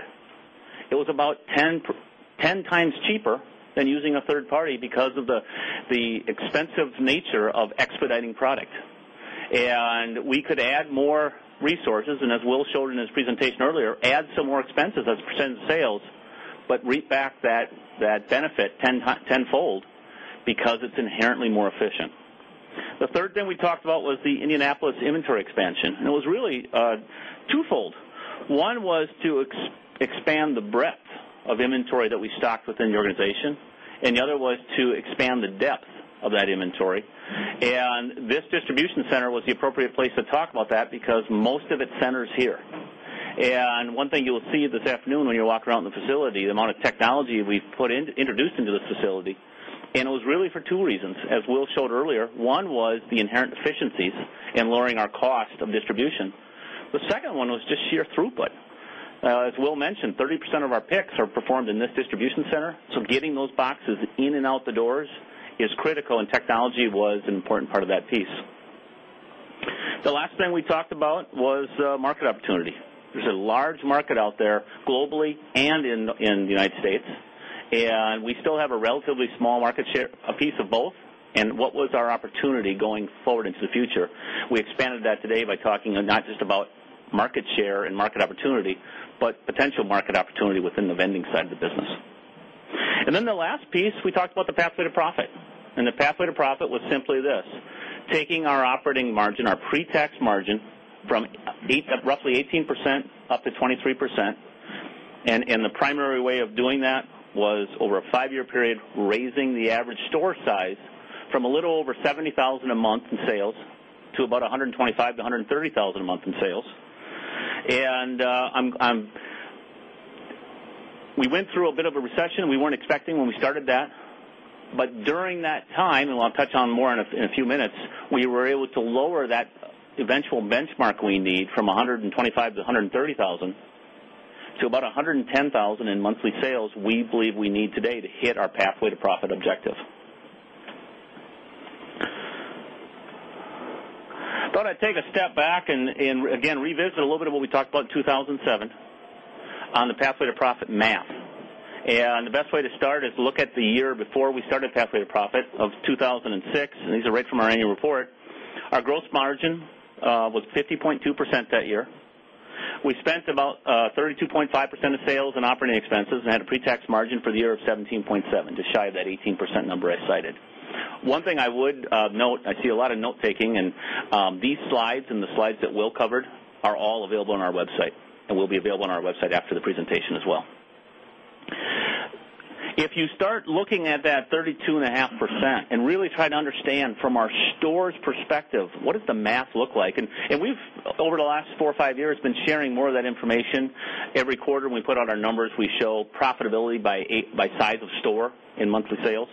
it was about 10x cheaper than using a third party because of the expensive nature of expediting product. We could add more resources, and as Will showed in his presentation earlier, add some more expenses as percentage of sales, but reap back that benefit tenfold because it's inherently more efficient. The third thing we talked about was the Indianapolis inventory expansion. It was really twofold. One was to expand the breadth of inventory that we stocked within the organization, and the other was to expand the depth of that inventory. This distribution center was the appropriate place to talk about that because most of it centers here. One thing you'll see this afternoon when you're walking around the facility is the amount of technology we've put in, introduced into this facility. It was really for two reasons, as Will showed earlier. One was the inherent efficiencies in lowering our cost of distribution. The second one was just sheer throughput. As Will mentioned, 30% of our picks are performed in this distribution center. Getting those boxes in and out the doors is critical, and technology was an important part of that piece. The last thing we talked about was market opportunity. There's a large market out there globally and in the U.S. We still have a relatively small market share, a piece of both. What was our opportunity going forward into the future? We expanded that today by talking not just about market share and market opportunity, but potential market opportunity within the vending side of the business. The last piece we talked about was the pathway to profit. The pathway to profit was simply this, taking our operating margin, our pre-tax margin from roughly 18% up to 23%. The primary way of doing that was over a five-year period, raising the average store size from a little over $70,000 a month in sales to about $125,000-$130,000 a month in sales. We went through a bit of a recession. We weren't expecting that when we started. During that time, and I'll touch on more in a few minutes, we were able to lower that eventual benchmark we need from $125,000-$130,000 to about $110,000 in monthly sales. We believe we need today to hit our pathway to profit objective. I thought I'd take a step back and again revisit a little bit of what we talked about in 2007 on the pathway to profit math. The best way to start is to look at the year before we started pathway to profit, 2006. These are right from our annual report. Our gross margin was 50.2% that year. We spent about 32.5% of sales in operating expenses and had a pre-tax margin for the year of 17.7%, just shy of that 18% number I cited. One thing I would note, I see a lot of note-taking, and these slides and the slides that Will covered are all available on our website. They will be available on our website after the presentation as well. If you start looking at that 32.5% and really try to understand from our store's perspective, what does the math look like? Over the last four or five years, we've been sharing more of that information. Every quarter when we put out our numbers, we show profitability by size of store in monthly sales.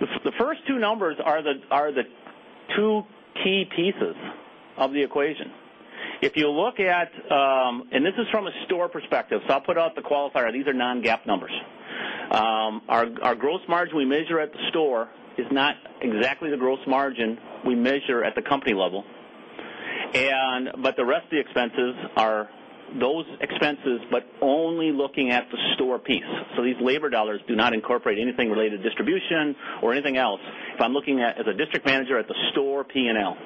The first two numbers are the two key pieces of the equation. If you look at, and this is from a store perspective, so I'll put out the qualifier, these are non-GAAP numbers. Our gross margin we measure at the store is not exactly the gross margin we measure at the company level. The rest of the expenses are those expenses, but only looking at the store piece. These labor dollars do not incorporate anything related to distribution or anything else. If I'm looking at, as a District Manager, at the store P&L.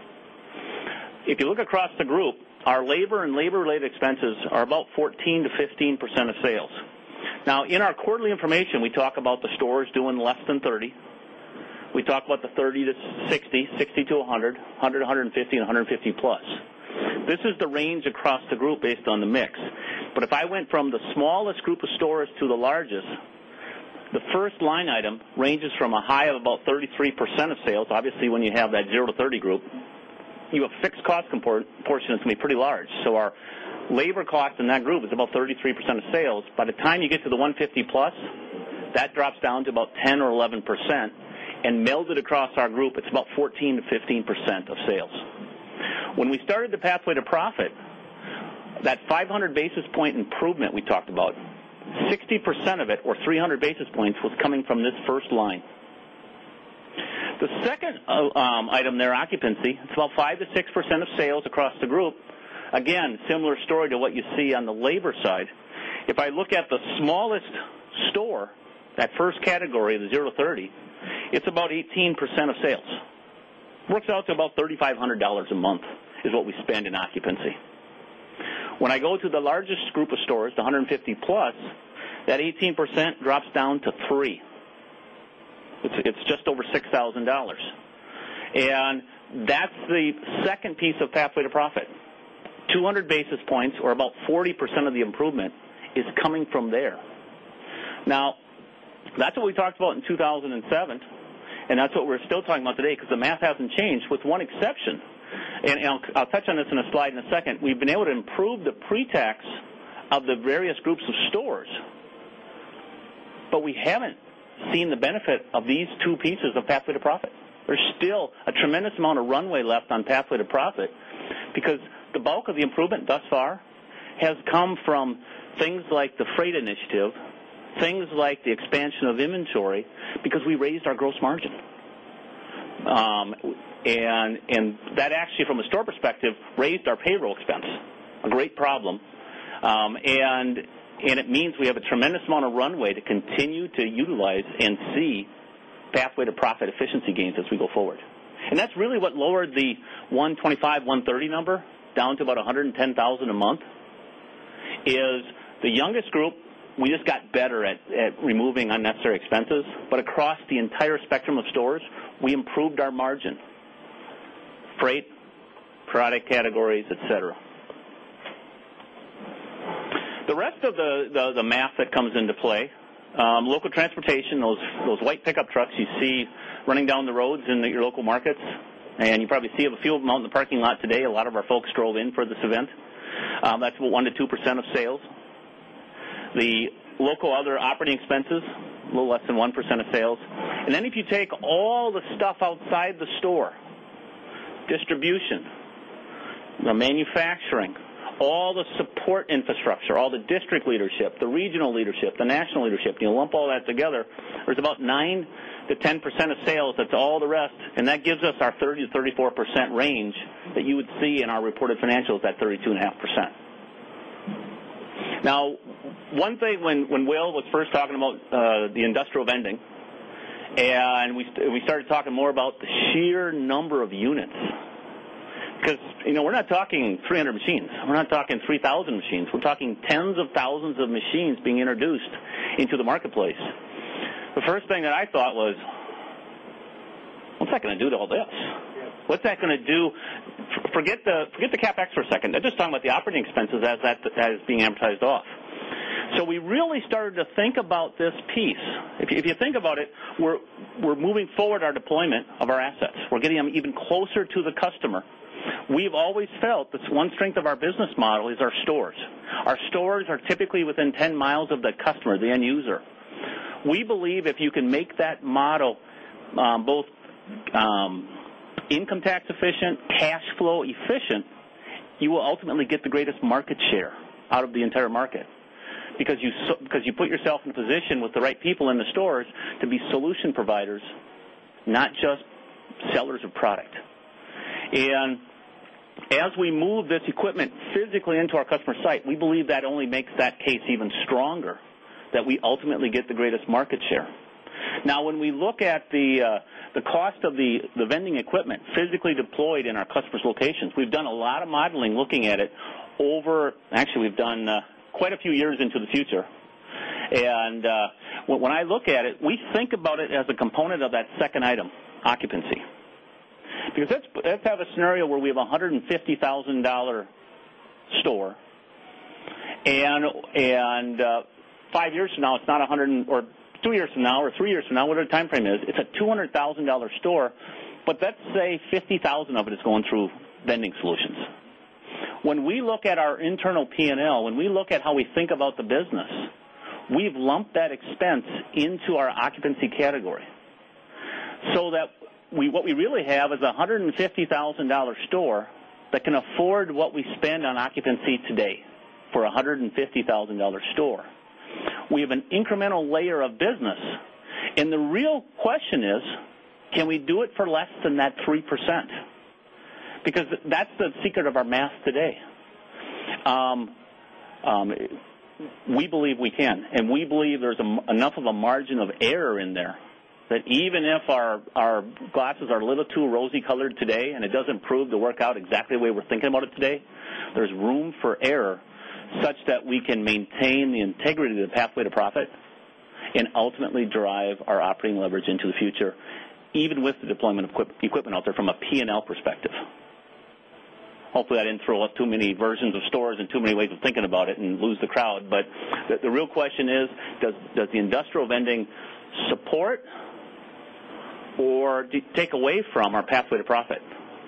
If you look across the group, our labor and labor-related expenses are about 14%-15% of sales. In our quarterly information, we talk about the stores doing less than 30%. We talk about the 30%-60%, 60%-100%, 100%-150%, and 150%+. This is the range across the group based on the mix. If I went from the smallest group of stores to the largest, the first line item ranges from a high of about 33% of sales. Obviously, when you have that 0 to 30 group, you have fixed cost proportion that's going to be pretty large. Our labor cost in that group is about 33% of sales. By the time you get to the 150%+, that drops down to about 10%-11%. Melded across our group, it's about 14%-15% of sales. When we started the Pathway to Profit, that 500 basis point improvement we talked about, 60% of it, or 300 basis points, was coming from this first line. The second item there, occupancy, it's about 5%-6% of sales across the group. Again, similar story to what you see on the labor side. If I look at the smallest store, that first category, the 0 to 30, it's about 18% of sales. Works out to about $3,500 a month is what we spend in occupancy. When I go to the largest group of stores, the 150%+, that 18% drops down to 3%. It's just over $6,000. That's the second piece of Pathway to Profit. 200 basis points, or about 40% of the improvement, is coming from there. That's what we talked about in 2007. That's what we're still talking about today because the math hasn't changed with one exception. I'll touch on this in a slide in a second. We've been able to improve the pre-tax of the various groups of stores. We haven't seen the benefit of these two pieces of Pathway to Profit. There's still a tremendous amount of runway left on Pathway to Profit because the bulk of the improvement thus far has come from things like the freight initiative, things like the expansion of inventory because we raised our gross margin. That actually, from a store perspective, raised our payroll expense, a great problem. It means we have a tremendous amount of runway to continue to utilize and see Pathway to Profit efficiency gains as we go forward. That's really what lowered the $125,000-$130,000 number down to about $110,000 a month. The youngest group, we just got better at removing unnecessary expenses. Across the entire spectrum of stores, we improved our margin: freight, product categories, etc. The rest of the math that comes into play, local transportation, those white pickup trucks you see running down the roads in your local markets, and you probably see a few of them out in the parking lot today. A lot of our folks drove in for this event. That's about 1%-2% of sales. The local other operating expenses, a little less than 1% of sales. If you take all the stuff outside the store, distribution, the manufacturing, all the support infrastructure, all the district leadership, the regional leadership, the national leadership, you lump all that together, there's about 9%-10% of sales. That's all the rest. That gives us our 30%-34% range that you would see in our reported financials, that 32.5%. One thing when Will was first talking about the industrial vending, and we started talking more about the sheer number of units, because you know we're not talking 300 machines. We're not talking 3,000 machines. We're talking tens of thousands of machines being introduced into the marketplace. The first thing that I thought was, what's that going to do to all this? What's that going to do? Forget the CapEx for a second. I'm just talking about the operating expenses as that is being amortized off. We really started to think about this piece. If you think about it, we're moving forward our deployment of our assets. We're getting them even closer to the customer. We've always felt this one strength of our business model is our stores. Our stores are typically within 10 mi of the customer, the end user. We believe if you can make that model both income tax efficient and cash flow efficient, you will ultimately get the greatest market share out of the entire market because you put yourself in a position with the right people in the stores to be solution providers, not just sellers of product. As we move this equipment physically into our customer site, we believe that only makes that case even stronger, that we ultimately get the greatest market share. Now, when we look at the cost of the vending equipment physically deployed in our customer's locations, we've done a lot of modeling looking at it over, actually, we've done quite a few years into the future. When I look at it, we think about it as a component of that second item, occupancy. Let's have a scenario where we have a $150,000 store. Five years from now, it's not a hundred, or two years from now, or three years from now, whatever the time frame is, it's a $200,000 store, but let's say $50,000 of it is going through vending solutions. When we look at our internal P&L, when we look at how we think about the business, we've lumped that expense into our occupancy category. What we really have is a $150,000 store that can afford what we spend on occupancy today for a $150,000 store. We have an incremental layer of business. The real question is, can we do it for less than that 3%? That's the secret of our math today. We believe we can. We believe there's enough of a margin of error in there that even if our glasses are a little too rosy colored today, and it doesn't prove to work out exactly the way we're thinking about it today, there's room for error such that we can maintain the integrity of the Pathway to Profit and ultimately drive our operating leverage into the future, even with the deployment of equipment out there from a P&L perspective. Hopefully, I didn't throw up too many versions of stores and too many ways of thinking about it and lose the crowd. The real question is, does the industrial vending support or take away from our Pathway to Profit?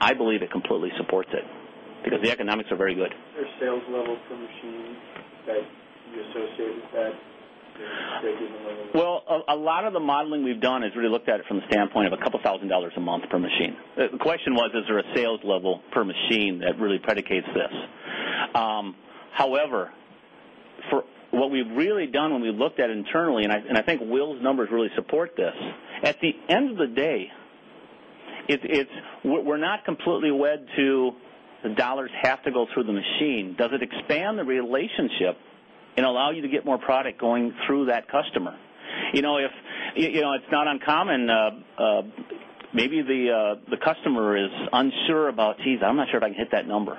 I believe it completely supports it because the economics are very good. What's the sales level per machine that the associate is at? A lot of the modeling we've done is really looked at it from the standpoint of a couple thousand dollars a month per machine. The question was, is there a sales level per machine that really predicates this? However, what we've really done when we looked at it internally, and I think Will's numbers really support this, at the end of the day, we're not completely wed to the dollars have to go through the machine. Does it expand the relationship and allow you to get more product going through that customer? You know, it's not uncommon. Maybe the customer is unsure about, geez, I'm not sure if I can hit that number.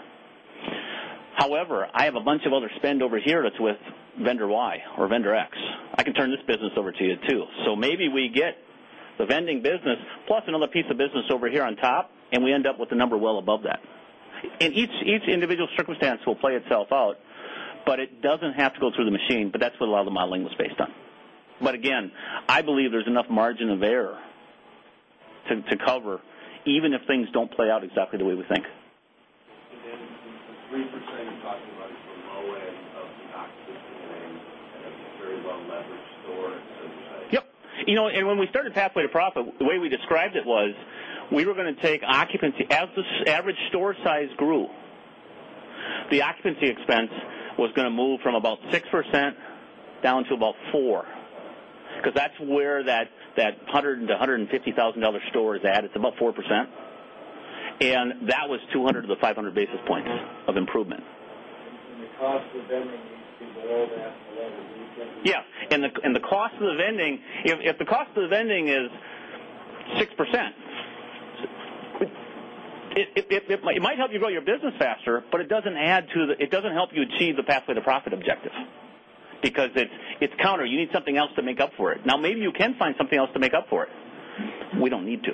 However, I have a bunch of other spend over here that's with vendor Y or vendor X. I can turn this business over to you too. Maybe we get the vending business plus another piece of business over here on top, and we end up with a number well above that. Each individual circumstance will play itself out, but it doesn't have to go through the machine. That's what a lot of the modeling was based on. Again, I believe there's enough margin of error to cover, even if things don't play out exactly the way we think. It's really interesting talking about it in the low end of the not-so-sophisticated end of the very well-leveraged store. You know, and when we started Pathway to Profit, the way we described it was we were going to take occupancy. As the average store size grew, the occupancy expense was going to move from about 6% down to about 4% because that's where that $100,000-$150,000 store is at. It's about 4%. That was 200 basis points of the 500 basis points of improvement. The cost of the vending is enormous. Yeah. If the cost of the vending is 6%, it might help you grow your business faster, but it doesn't add to the, it doesn't help you achieve the Pathway to Profit objective because it's counter. You need something else to make up for it. Now, maybe you can find something else to make up for it. We don't need to.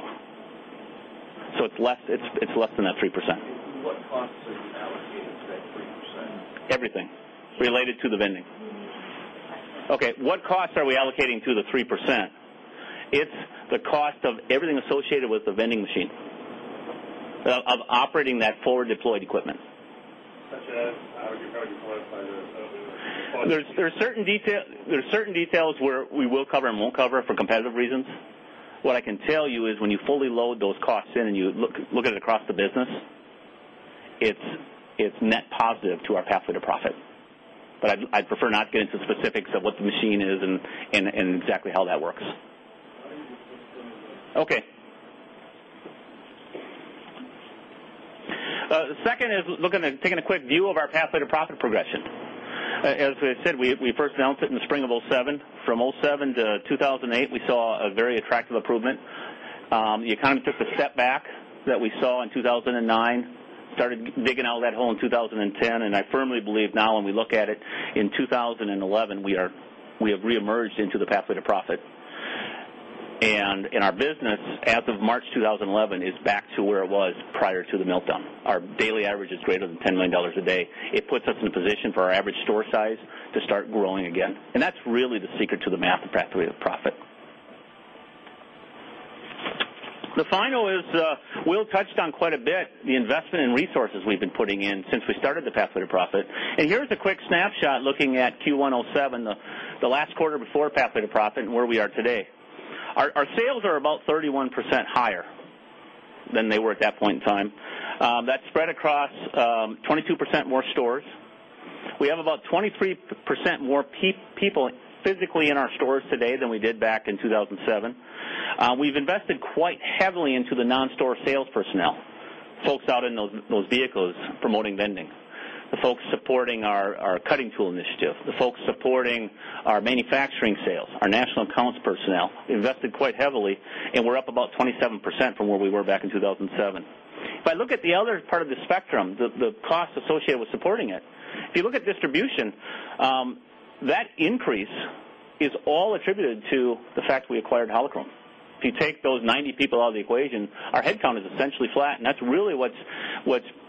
It's less than that 3%. What costs are you allocating to that 3%? Everything related to the vending. Okay. What costs are we allocating to the 3%? It's the cost of everything associated with the vending machine, of operating that forward-deployed equipment. There are certain details where we will cover and won't cover for competitive reasons. What I can tell you is when you fully load those costs in and you look at it across the business, it's net positive to our pathway to profit. I'd prefer not to get into the specifics of what the machine is and exactly how that works. The second is looking at taking a quick view of our pathway to profit progression. As we had said, we first announced it in the spring of 2007. From 2007 to 2008, we saw a very attractive improvement. The economy took the setback that we saw in 2009, started digging out of that hole in 2010. I firmly believe now when we look at it, in 2011, we have reemerged into the pathway to profit. Our business as of March 2011 is back to where it was prior to the meltdown. Our daily average is greater than $10 million a day. It puts us in a position for our average store size to start growing again. That's really the secret to the math of pathway to profit. Will touched on quite a bit the investment in resources we've been putting in since we started the pathway to profit. Here's a quick snapshot looking at Q1 2007, the last quarter before pathway to profit, and where we are today. Our sales are about 31% higher than they were at that point in time. That's spread across 22% more stores. We have about 23% more people physically in our stores today than we did back in 2007. We've invested quite heavily into the non-store sales personnel, folks out in those vehicles promoting vending, the folks supporting our cutting tool initiative, the folks supporting our manufacturing sales, our national accounts personnel. We invested quite heavily, and we're up about 27% from where we were back in 2007. If I look at the other part of the spectrum, the cost associated with supporting it, if you look at distribution, that increase is all attributed to the fact we acquired Halicrom. If you take those 90 people out of the equation, our headcount is essentially flat. That's really what's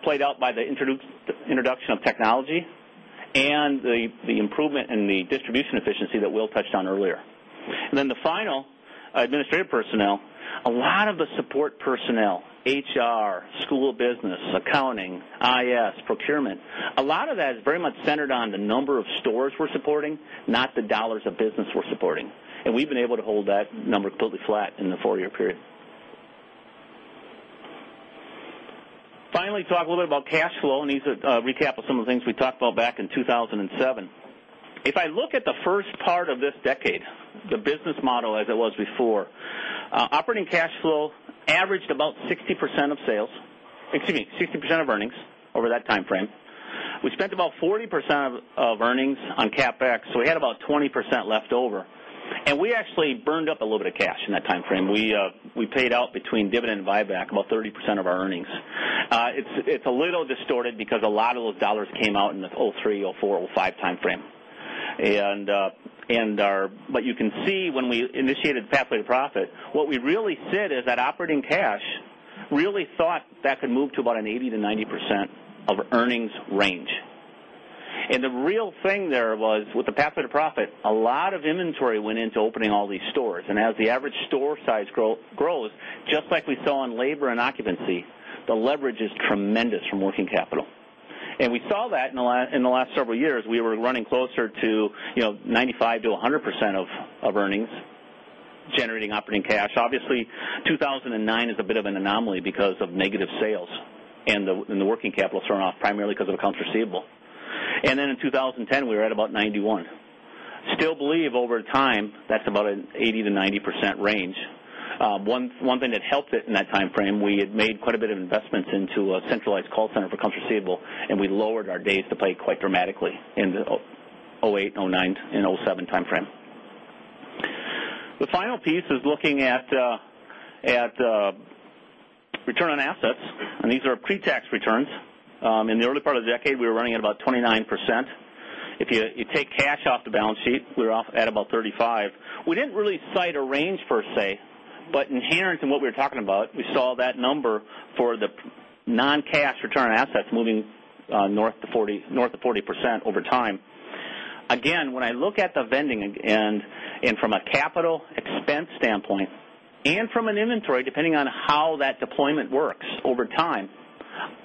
played out by the introduction of technology and the improvement in the distribution efficiency that Will touched on earlier. The final administrative personnel, a lot of the support personnel, HR, School of Business, accounting, IS, procurement, a lot of that is very much centered on the number of stores we're supporting, not the dollars of business we're supporting. We've been able to hold that number completely flat in the four-year period. Finally, talk a little bit about cash flow. These are a recap of some of the things we talked about back in 2007. If I look at the first part of this decade, the business model as it was before, operating cash flow averaged about 60% of earnings over that time frame. We spent about 40% of earnings on CapEx, so we had about 20% left over. We actually burned up a little bit of cash in that time frame. We paid out between dividend and buyback about 30% of our earnings. It's a little distorted because a lot of those dollars came out in the 2003, 2004, 2005 time frame. You can see when we initiated Pathway to Profit, what we really said is that operating cash really thought that could move to about an 80%-90% of earnings range. The real thing there was with the Pathway to Profit, a lot of inventory went into opening all these stores. As the average store size grows, just like we saw on labor and occupancy, the leverage is tremendous from working capital. We saw that in the last several years. We were running closer to 95%-100% of earnings generating operating cash. Obviously, 2009 is a bit of an anomaly because of negative sales and the working capital thrown off primarily because of accounts receivable. In 2010, we were at about 91%. I still believe over time, that's about an 80%-90% range. One thing that helped it in that time frame, we had made quite a bit of investments into a centralized call center for accounts receivable, and we lowered our days to pay quite dramatically in the 2007, 2008, and 2009 time frame. The final piece is looking at return on assets. These are pre-tax returns. In the early part of the decade, we were running at about 29%. If you take cash off the balance sheet, we were at about 35%. We didn't really cite a range per se, but inherent in what we were talking about, we saw that number for the non-cash return on assets moving north to 40% over time. When I look at the vending and from a capital expense standpoint and from an inventory, depending on how that deployment works over time,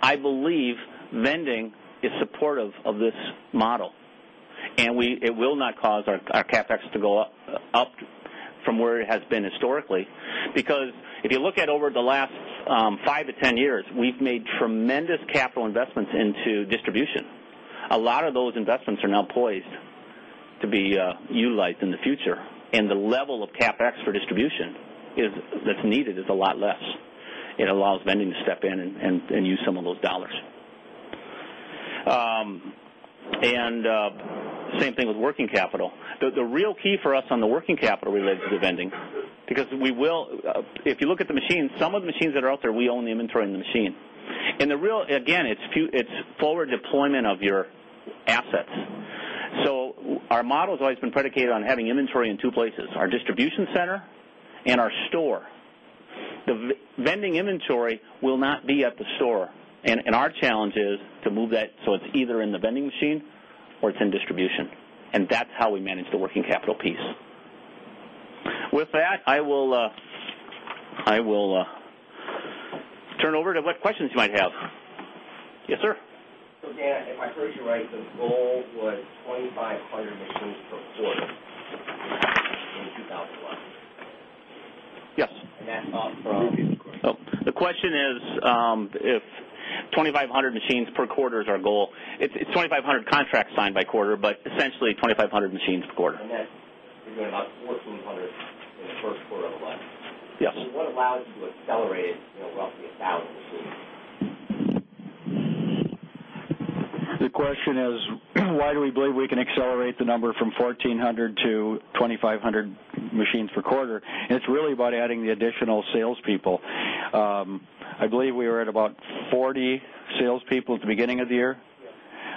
I believe vending is supportive of this model. It will not cause our CapEx to go up from where it has been historically. If you look at over the last 5 years to 10 years, we've made tremendous capital investments into distribution. A lot of those investments are now poised to be utilized in the future. The level of CapEx for distribution that's needed is a lot less. It allows vending to step in and use some of those dollars. The same thing with working capital. The real key for us on the working capital related to the vending, because we will, if you look at the machines, some of the machines that are out there, we own the inventory in the machine. The real, again, it's forward deployment of your asset. Our model has always been predicated on having inventory in two places, our distribution center and our store. The vending inventory will not be at the store. Our challenge is to move that so it's either in the vending machine or it's in distribution. That's how we manage the working capital piece. With that, I will turn over to what questions you might have. Yes, sir. Dan, am I heard you right, the goal was 2,500 machines per quarter? The question is if 2,500 machines per quarter is our goal. It's 2,500 contracts signed by quarter, but essentially 2,500 machines per quarter. We are going to work from the First Quarter of the month. Yep. What allows you to accelerate it to roughly 1,000 machines? The question is, why do we believe we can accelerate the number from 1,400-2,500 machines per quarter? It's really about adding the additional salespeople. I believe we were at about 40 salespeople at the beginning of the year.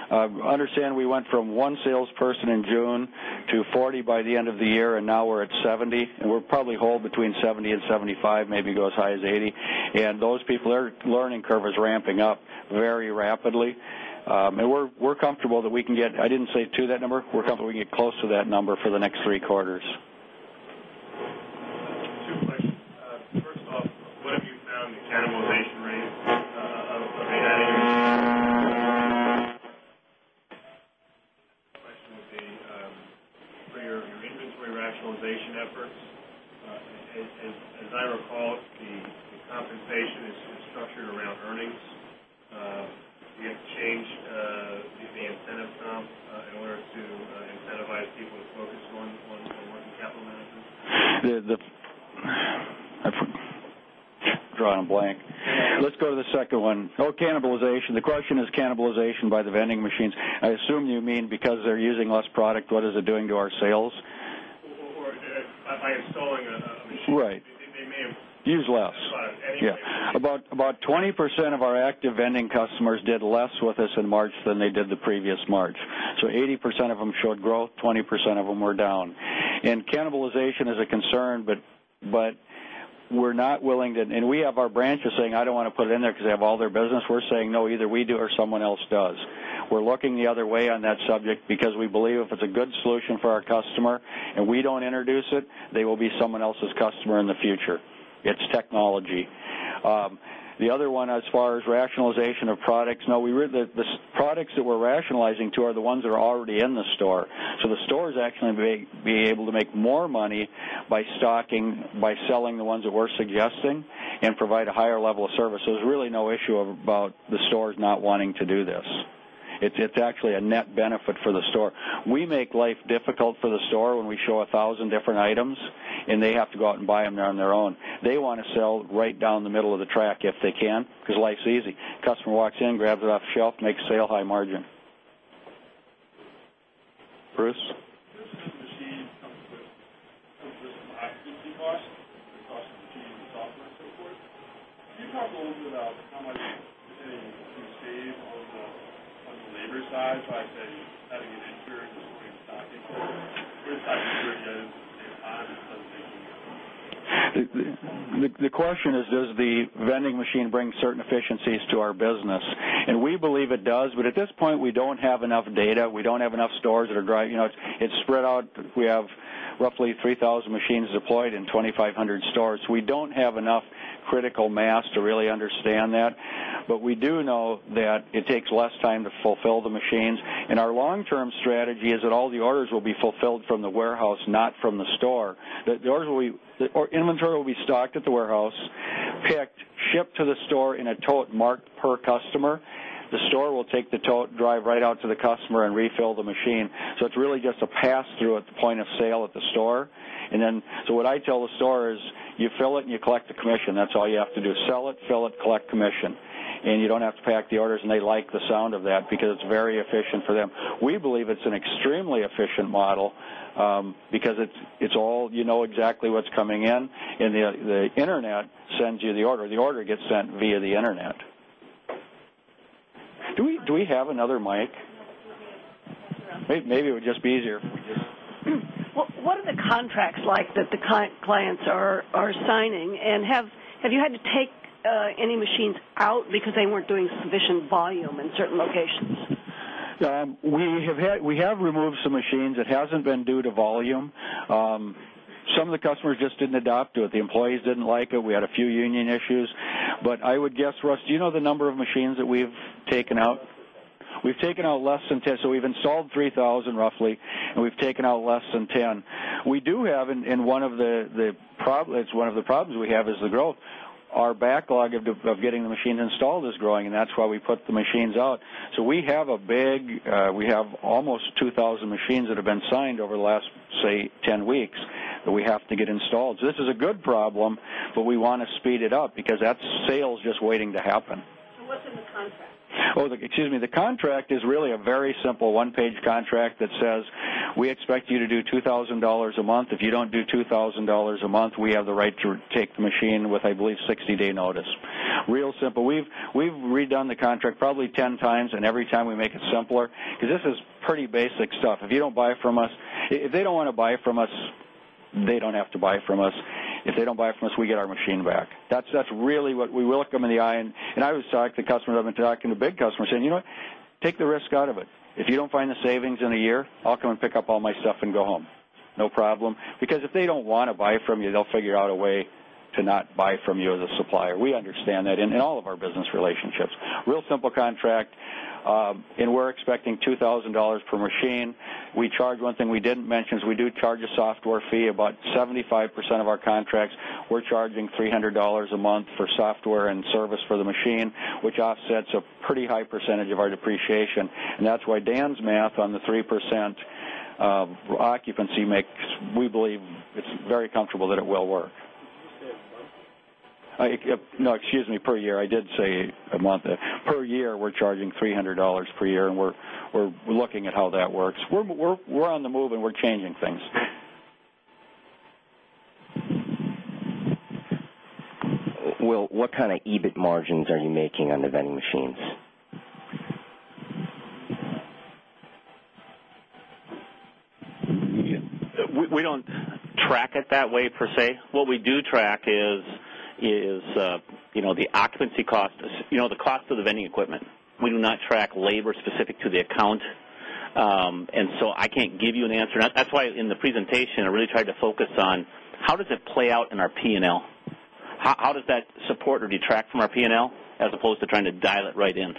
I understand we went from one salesperson in June to 40 by the end of the year, and now we're at 70. We're probably holding between 70 and 75, maybe go as high as 80. Those people, their learning curve is ramping up very rapidly. We're comfortable that we can get, I didn't say to that number, we're comfortable we can get close to that number for the next three quarters. Mainly through rationalization efforts. As I recall, the compensation is structured around earnings. It's changed the incentive draft in order to incentivize people to focus on working capital management. Drawing a blank. Let's go to the second one. Oh, cannibalization. The question is cannibalization by the vending machines. I assume you mean because they're using less product, what is it doing to our sales? By installing a machine. Right. Use less. Yeah. About 20% of our active vending customers did less with us in March than they did the previous March. 80% of them showed growth, 20% of them were down. Cannibalization is a concern, but we're not willing to, and we have our branches saying, "I don't want to put it in there because they have all their business." We're saying, "No, either we do or someone else does." We're looking the other way on that subject because we believe if it's a good solution for our customer and we don't introduce it, they will be someone else's customer in the future. It's technology. The other one, as far as rationalization of products, no, the products that we're rationalizing to are the ones that are already in the store. The store is actually being able to make more money by selling the ones that we're suggesting and provide a higher level of service. There's really no issue about the stores not wanting to do this. It's actually a net benefit for the store. We make life difficult for the store when we show a thousand different items, and they have to go out and buy them on their own. They want to sell right down the middle of the track if they can because life's easy. Customer walks in, grabs it off the shelf, makes a sale high margin. Bruce? Is the cost of changing the software, so forth? You talk a little bit about how much you saved on the labor side, but I'd say nothing is secured. The question is, does the vending machine bring certain efficiencies to our business? We believe it does, but at this point, we don't have enough data. We don't have enough stores that are driving. It's spread out. We have roughly 3,000 machines deployed in 2,500 stores. We don't have enough critical mass to really understand that. We do know that it takes less time to fulfill the machines. Our long-term strategy is that all the orders will be fulfilled from the warehouse, not from the store. The orders will be, or inventory will be stocked at the warehouse, picked, shipped to the store in a tote marked per customer. The store will take the tote, drive right out to the customer, and refill the machine. It's really just a pass-through at the point of sale at the store. What I tell the store is you fill it and you collect the commission. That's all you have to do. Sell it, fill it, collect commission. You don't have to pack the orders, and they like the sound of that because it's very efficient for them. We believe it's an extremely efficient model because you know exactly what's coming in, and the internet sends you the order. The order gets sent via the internet. Do we have another mic? Maybe it would just be easier if we just. What are the contracts like that the clients are signing? Have you had to take any machines out because they weren't doing sufficient volume in certain locations? We have removed some machines. It hasn't been due to volume. Some of the customers just didn't adopt to it. The employees didn't like it. We had a few union issues. I would guess, Russ, do you know the number of machines that we've taken out? We've taken out less than 10. We've installed 3,000 roughly, and we've taken out less than 10. We do have, and one of the problems we have is the growth. Our backlog of getting the machines installed is growing, and that's why we put the machines out. We have a big, we have almost 2,000 machines that have been signed over the last, say, 10 weeks that we have to get installed. This is a good problem, but we want to speed it up because that's sales just waiting to happen. Excuse me. The contract is really a very simple one-page contract that says, "We expect you to do $2,000 a month. If you don't do $2,000 a month, we have the right to take the machine with, I believe, 60-day notice." Real simple. We've redone the contract probably 10x, and every time we make it simpler because this is pretty basic stuff. If you don't buy from us, if they don't want to buy from us, they don't have to buy from us. If they don't buy from us, we get our machine back. That's really what we look them in the eye. I always talk to customers. I've been talking to big customers saying, "You know what? Take the risk out of it. If you don't find the savings in a year, I'll come and pick up all my stuff and go home. No problem." If they don't want to buy from you, they'll figure out a way to not buy from you as a supplier. We understand that in all of our business relationships. Real simple contract. We're expecting $2,000 per machine. One thing we didn't mention is we do charge a software fee. About 75% of our contracts, we're charging $300 a month for software and service for the machine, which offsets a pretty high percentage of our depreciation. That's why Dan's math on the 3% occupancy makes, we believe it's very comfortable that it will work. No, excuse me, per year. I did say a month. Per year, we're charging $300 per year, and we're looking at how that works. We're on the move, and we're changing things. Will, what kind of EBIT margins are you making on the vending machines? We don't track it that way per se. What we do track is the occupancy cost, the cost of the vending equipment. We do not track labor specific to the account, so I can't give you an answer. That's why in the presentation, I really tried to focus on how does it play out in our P&L? How does that support or detract from our P&L as opposed to trying to dial it right in?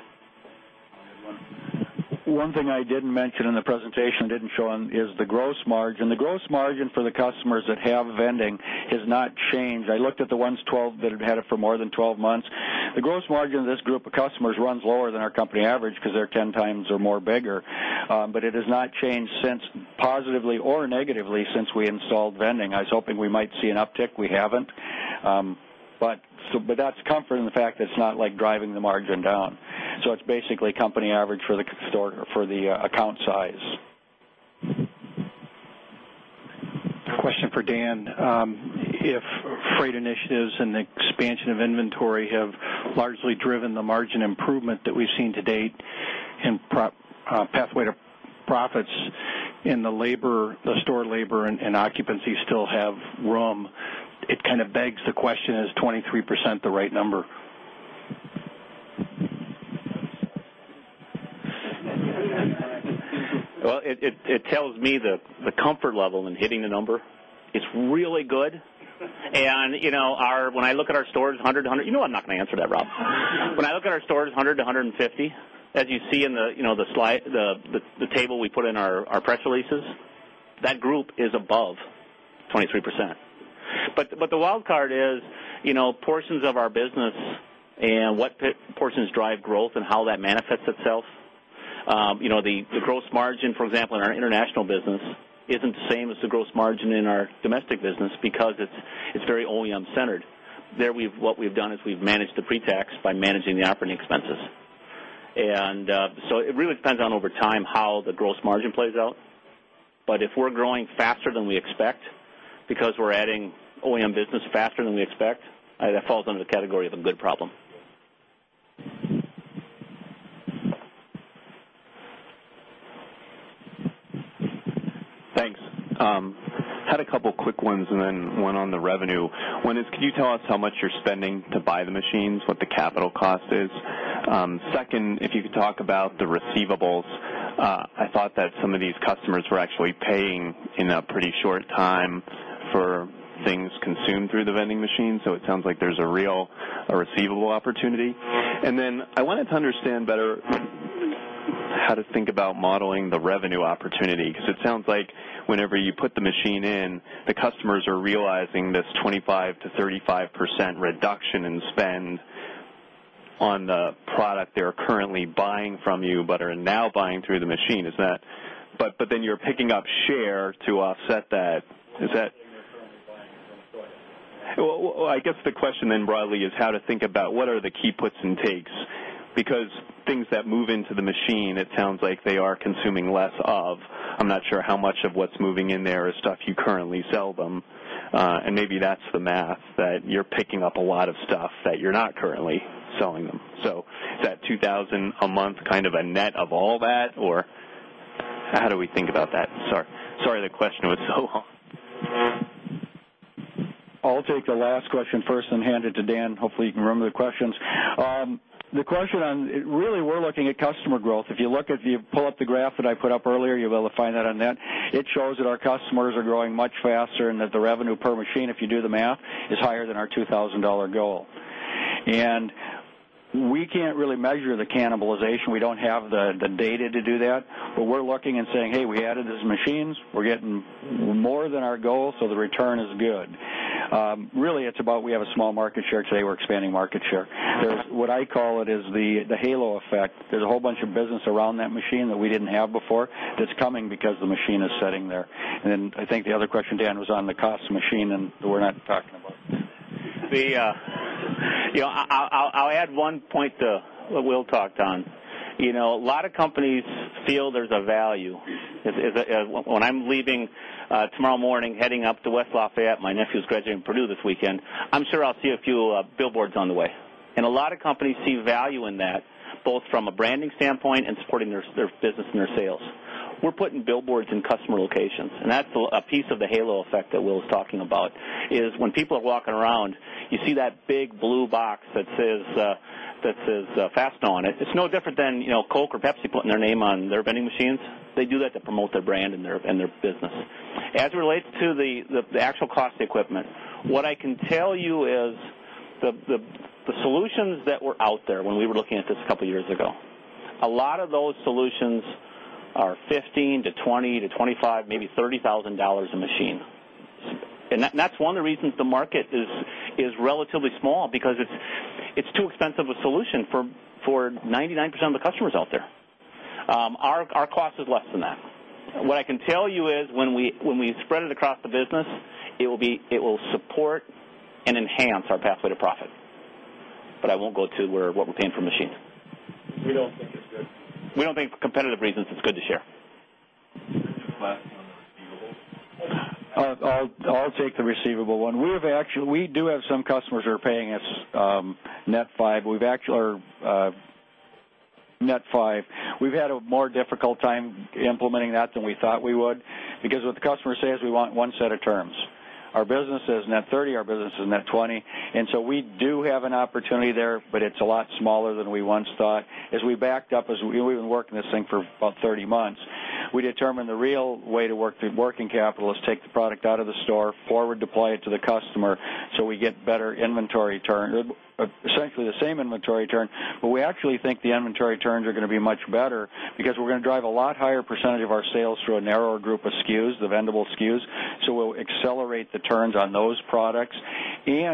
One thing I didn't mention in the presentation I didn't show on is the gross margin. The gross margin for the customers that have vending has not changed. I looked at the ones that had had it for more than 12 months. The gross margin of this group of customers runs lower than our company average because they're 10x or more bigger. It has not changed positively or negatively since we installed vending. I was hoping we might see an uptick. We haven't. That is comforting, the fact that it's not like driving the margin down. It's basically company average for the account size. A question for Dan. If freight initiatives and the expansion of inventory have largely driven the margin improvement that we've seen to date in Pathway to Profit and the store labor and occupancy still have room, it kind of begs the question, is 23% the right number? It tells me the comfort level in hitting the number is really good. You know, when I look at our stores, 100 to 100, you know I'm not going to answer that, Rob. When I look at our stores, 100 to 150, as you see in the table we put in our press releases, that group is above 23%. The wild card is, you know, portions of our business and what portions drive growth and how that manifests itself. The gross margin, for example, in our international business isn't the same as the gross margin in our domestic business because it's very OEM-centered. There, what we've done is we've managed the pre-tax by managing the operating expenses. It really depends on over time how the gross margin plays out. If we're growing faster than we expect because we're adding OEM business faster than we expect, that falls under the category of a good problem. Thanks. I had a couple of quick ones and then one on the revenue. One is, could you tell us how much you're spending to buy the machines, what the capital cost is? Second, if you could talk about the receivables, I thought that some of these customers were actually paying in a pretty short time for things consumed through the vending machine. It sounds like there's a real receivable opportunity. I wanted to understand better how to think about modeling the revenue opportunity because it sounds like whenever you put the machine in, the customers are realizing this 25%-35% reduction in spend on the product they're currently buying from you, but are now buying through the machine. Is that? You're picking up share to offset that. Is that? I guess the question then broadly is how to think about what are the key puts and takes because things that move into the machine, it sounds like they are consuming less of. I'm not sure how much of what's moving in there is stuff you currently sell them. Maybe that's the math that you're picking up a lot of stuff that you're not currently selling them. Is that $2,000 a month kind of a net of all that, or how do we think about that? Sorry the question was so long. I'll take the last question first and hand it to Dan. Hopefully, you can remember the questions. The question on really, we're looking at customer growth. If you look at, if you pull up the graph that I put up earlier, you'll be able to find that on that. It shows that our customers are growing much faster and that the revenue per machine, if you do the math, is higher than our $2,000 goal. We can't really measure the cannibalization. We don't have the data to do that. We're looking and saying, "Hey, we added these machines. We're getting more than our goal. The return is good." Really, it's about we have a small market share today. We're expanding market share. What I call it is the halo effect. There's a whole bunch of business around that machine that we didn't have before that's coming because the machine is sitting there. I think the other question, Dan, was on the cost of the machine and that we're not talking about. I'll add one point to what Will talked on. You know, a lot of companies feel there's a value. When I'm leaving tomorrow morning, heading up to West Lafayette, my nephew's graduating from Purdue this weekend, I'm sure I'll see a few billboards on the way. A lot of companies see value in that, both from a branding standpoint and supporting their business and their sales. We're putting billboards in customer locations. That's a piece of the halo effect that Will was talking about, is when people are walking around, you see that big blue box that says Fastenal on it. It's no different than Coke or Pepsi putting their name on their vending machines. They do that to promote their brand and their business. As it relates to the actual cost of the equipment, what I can tell you is the solutions that were out there when we were looking at this a couple of years ago, a lot of those solutions are $15,000 to $20,000 to $25,000, maybe $30,000 a machine. That's one of the reasons the market is Relatively small because it's too expensive a solution for 99% of the customers out there. Our cost is less than that. What I can tell you is when we spread it across the business, it will support and enhance our Pathway to Profit. I won't go to where what we're paying for a machine. We don't think. We don't think, for competitive reasons, it's good to share. I'll take the receivable one. We do have some customers who are paying us Net 5. We've had a more difficult time implementing that than we thought we would because what the customer says is we want one set of terms. Our business is Net 30. Our business is Net 20. We do have an opportunity there, but it's a lot smaller than we once thought. As we backed up, as we've been working this thing for about 30 months, we determined the real way to work in capital is take the product out of the store, forward deploy it to the customer so we get better inventory turn. Essentially, the same inventory turn. We actually think the inventory turns are going to be much better because we're going to drive a lot higher percentage of our sales through a narrower group of SKUs, the vendable SKUs. We'll accelerate the turns on those products.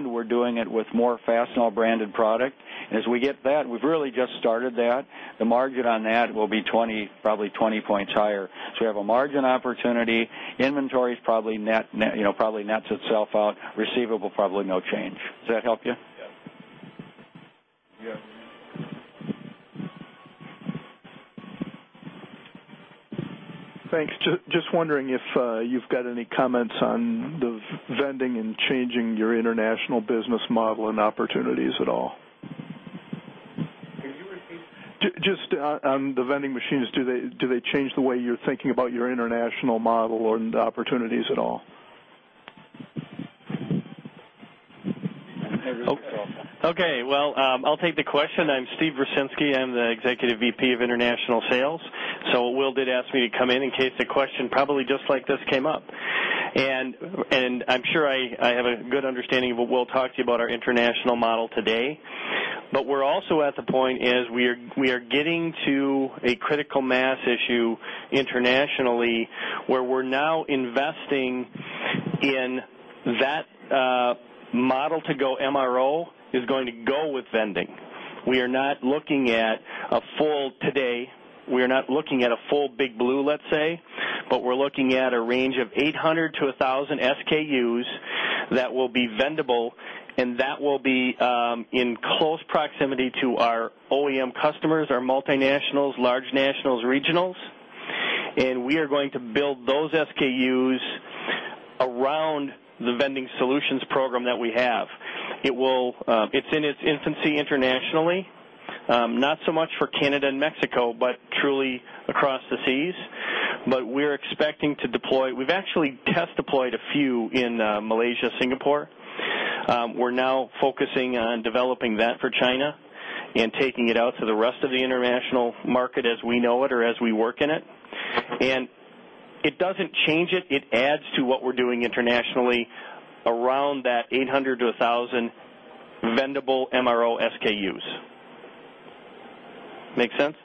We're doing it with more Fastenal branded product. As we get that, we've really just started that. The margin on that will be probably 20% higher. We have a margin opportunity. Inventory probably nets itself out. Receivable probably no change. Does that help you? Yeah, thanks. Just wondering if you've got any comments on the vending and changing your international business model and opportunities at all. Have you received? Just on the vending machines, do they change the way you're thinking about your international model or opportunities at all? I don't think so. Okay. I'll take the question. I'm Steve Rucinski. I'm the Executive VP of International Sales. Will did ask me to come in in case a question probably just like this came up. I'm sure I have a good understanding of what Will talked to you about our international model today. We are also at the point we are getting to a critical mass issue internationally where we're now investing in that model to go MRO is going to go with vending. We are not looking at a full today, we are not looking at a full big blue, let's say, but we're looking at a range of 800 to 1,000 SKUs that will be vendable and that will be in close proximity to our OEM customers, our multinationals, large nationals, regionals. We are going to build those SKUs around the vending solutions program that we have. It's in its infancy internationally, not so much for Canada and Mexico, but truly across the seas. We're expecting to deploy. We've actually just deployed a few in Malaysia, Singapore. We're now focusing on developing that for China and taking it out to the rest of the international market as we know it or as we work in it. It doesn't change it. It adds to what we're doing internationally around that 800 to 1,000 vendable MRO SKUs. Make sense?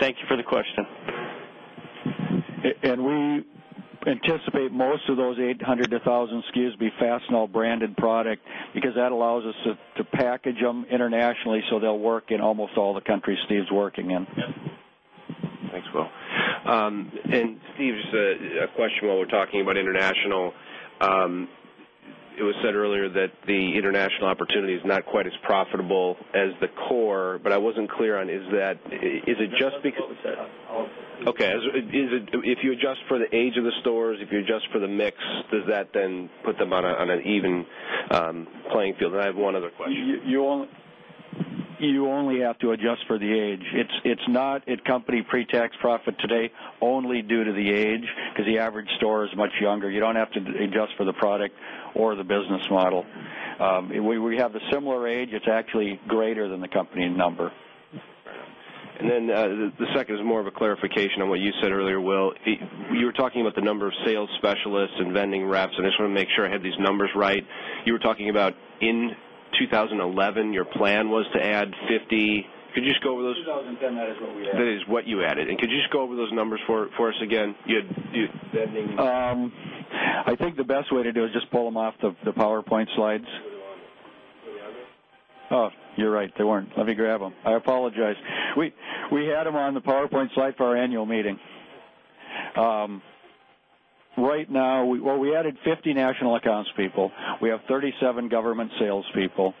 Thank you for the question. We anticipate most of those 800 to 1,000 SKUs to be Fastenal branded product because that allows us to package them internationally so they'll work in almost all the countries Steve's working in. Thanks, Will. Steve's question, while we're talking about international, it was said earlier that the international opportunity is not quite as profitable as the core, but I wasn't clear on is that is it just because? Oh, it's that. Okay. If you adjust for the age of the stores, if you adjust for the mix, does that then put them on an even playing field? I have one other question. You only have to adjust for the age. It's not at company pre-tax profit today only due to the age because the average store is much younger. You don't have to adjust for the product or the business model. We have a similar age. It's actually greater than the company in number. The second is more of a clarification on what you said earlier, Will. You were talking about the number of sales specialists and vending reps, and I just want to make sure I had these numbers right. You were talking about in 2011, your plan was to add 50. Could you just go over those? In 2010, that is what we had. That is what you added. Could you just go over those numbers for us again? You had. I think the best way to do it is just pull them off the PowerPoint slides. Oh, you're right. They weren't. Let me grab them. I apologize. We had them on the PowerPoint slide for our annual meeting. Right now, we added 50 national accounts people. We have 37 government salespeople.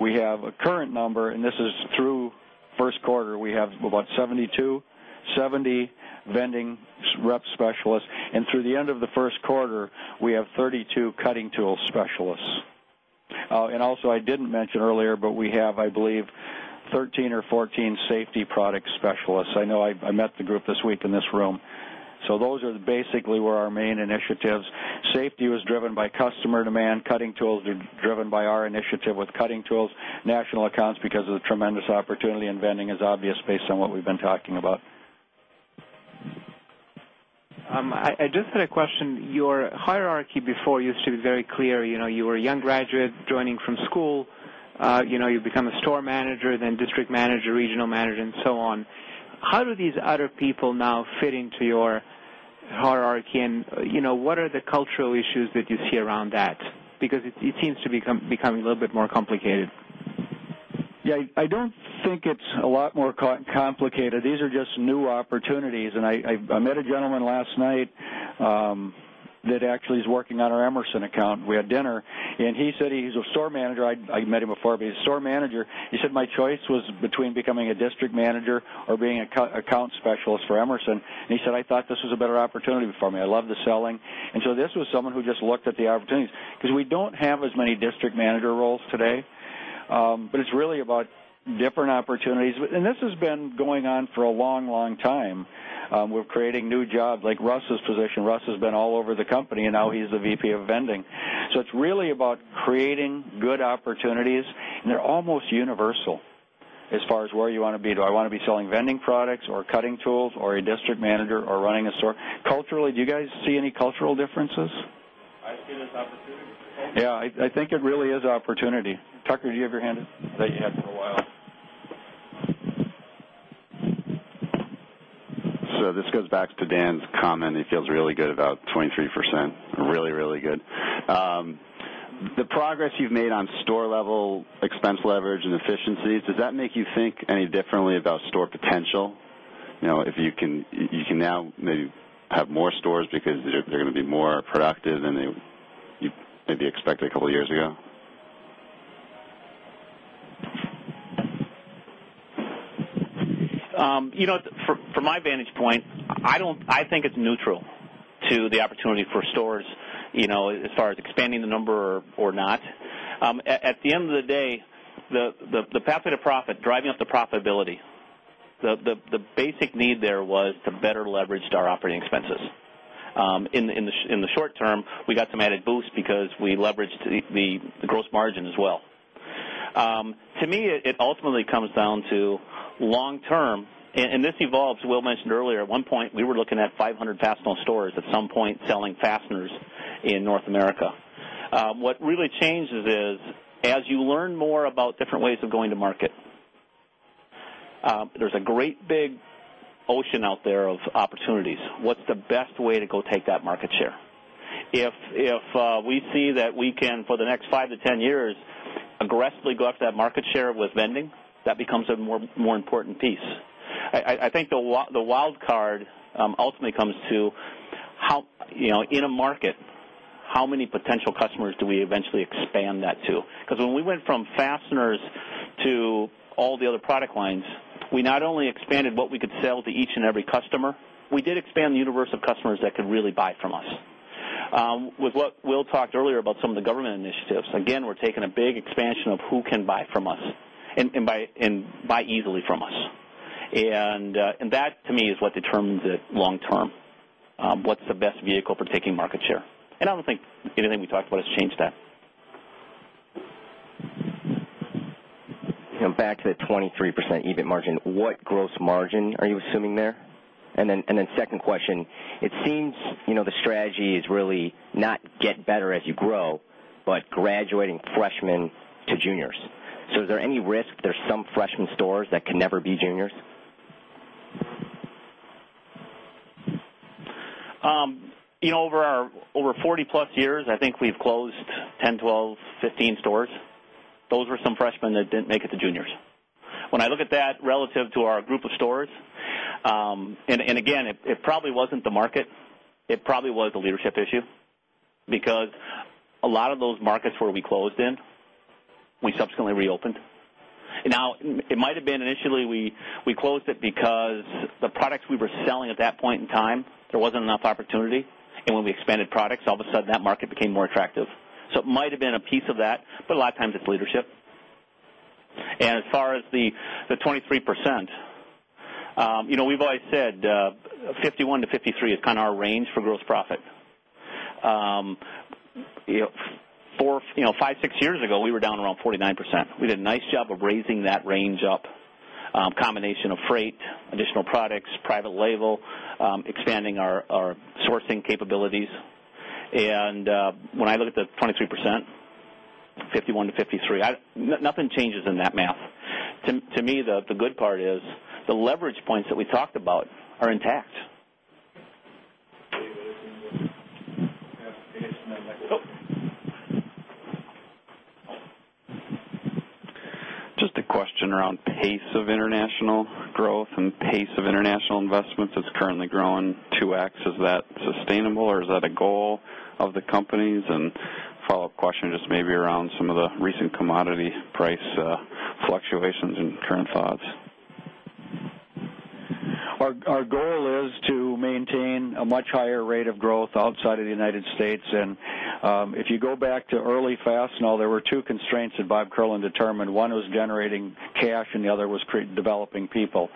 We have a current number, and this is through First Quarter, we have about 72 vending rep specialists. Through the end of the First Quarter, we have 32 cutting tool specialists. Also, I didn't mention earlier, but we have, I believe, 13 or 14 safety product specialists. I know I met the group this week in this room. Those are basically where our main initiatives. Safety was driven by customer demand. Cutting tools are driven by our initiative with cutting tools, national accounts because of the tremendous opportunity, and vending is obvious based on what we've been talking about. I just had a question. Your hierarchy before used to be very clear. You know, you were a young graduate joining from school. You become a Store Manager, then District Manager, Regional Manager, and so on. How do these other people now fit into your hierarchy, and what are the cultural issues that you see around that? It seems to be becoming a little bit more complicated. Yeah, I don't think it's a lot more complicated. These are just new opportunities. I met a gentleman last night that actually is working on our Emerson account. We had dinner. He said he's a Store Manager. I met him before, but he's a Store Manager. He said, "My choice was between becoming a District Manager or being an Account Specialist for Emerson." He said, "I thought this was a better opportunity for me. I love the selling." This was someone who just looked at the opportunities because we don't have as many District Manager roles today. It's really about different opportunities. This has been going on for a long, long time. We're creating new jobs like Russ's position. Russ has been all over the company and now he's the VP of Vending. It's really about creating good opportunities and they're almost universal as far as where you want to be. Do I want to be selling vending products or cutting tools or a District Manager or running a store? Culturally, do you guys see any cultural differences? Yeah, I think it really is opportunity. Tucker, do you have your hand up? I thought you had for a while. So. This goes back to Dan's comment. He feels really good about 23%. Really, really good. The progress you've made on store level expense leverage and efficiencies, does that make you think any differently about store potential? If you can now maybe have more stores because they're going to be more productive than you maybe expected a couple of years ago? From my vantage point, I think it's neutral to the opportunity for stores, you know, as far as expanding the number or not. At the end of the day, the Pathway to Profit, driving up the profitability, the basic need there was to better leverage our operating expenses. In the short term, we got some added boost because we leveraged the gross margin as well. To me, it ultimately comes down to long term. This evolves. Will mentioned earlier, at one point we were looking at 500 Fastenal stores at some point selling fasteners in North America. What really changes is as you learn more about different ways of going to market. There's a great big ocean out there of opportunities. What's the best way to go take that market share? If we see that we can, for the next 5 years to 10 years, aggressively go after that market share with vending, that becomes a more important piece. I think the wildcard ultimately comes to how, you know, in a market, how many potential customers do we eventually expand that to? Because when we went from fasteners to all the other product lines, we not only expanded what we could sell to each and every customer, we did expand the universe of customers that could really buy from us. With what Will talked earlier about some of the government initiatives, we're taking a big expansion of who can buy from us and buy easily from us. That, to me, is what determines it long term. What's the best vehicle for taking market share? I don't think anything we talked about has changed that, you know. Back to that 23% EBIT margin, what gross margin are you assuming there? My second question, it seems you know the strategy is really not get better as you grow, but graduating freshmen to juniors. Is there any risk there's some freshman stores that can never be juniors? Over 40+ years, I think we've closed 10, 12, 15 stores. Those were some freshmen that didn't make it to juniors. When I look at that relative to our group of stores, it probably wasn't the market, it probably was a leadership issue because a lot of those markets where we closed in, we subsequently reopened. It might have been initially we closed it because the products we were selling at that point in time, there wasn't enough opportunity. When we expanded products, all of a sudden that market became more attractive. It might have been a piece of that, but a lot of times it's leadership. As far as the 23%, you know we've always said 51%-53% is kind of our range for gross profit. Five, six years ago, we were down around 49%. We did a nice job of raising that range up, a combination of freight, additional products, private label, expanding our sourcing capabilities. When I look at the 23%, 51%-53%, nothing changes in that math. To me, the good part is the leverage points that we talked about are intact. Just a question around pace of international growth and pace of international investments that's currently growing 2X. Is that sustainable or is that a goal of the companies? A follow-up question just maybe around some of the recent commodity price fluctuations and current thoughts. Our goal is to maintain a much higher rate of growth outside of the United States. If you go back to early Fastenal, there were two constraints that Bob Kierlin determined. One was generating cash and the other was developing people.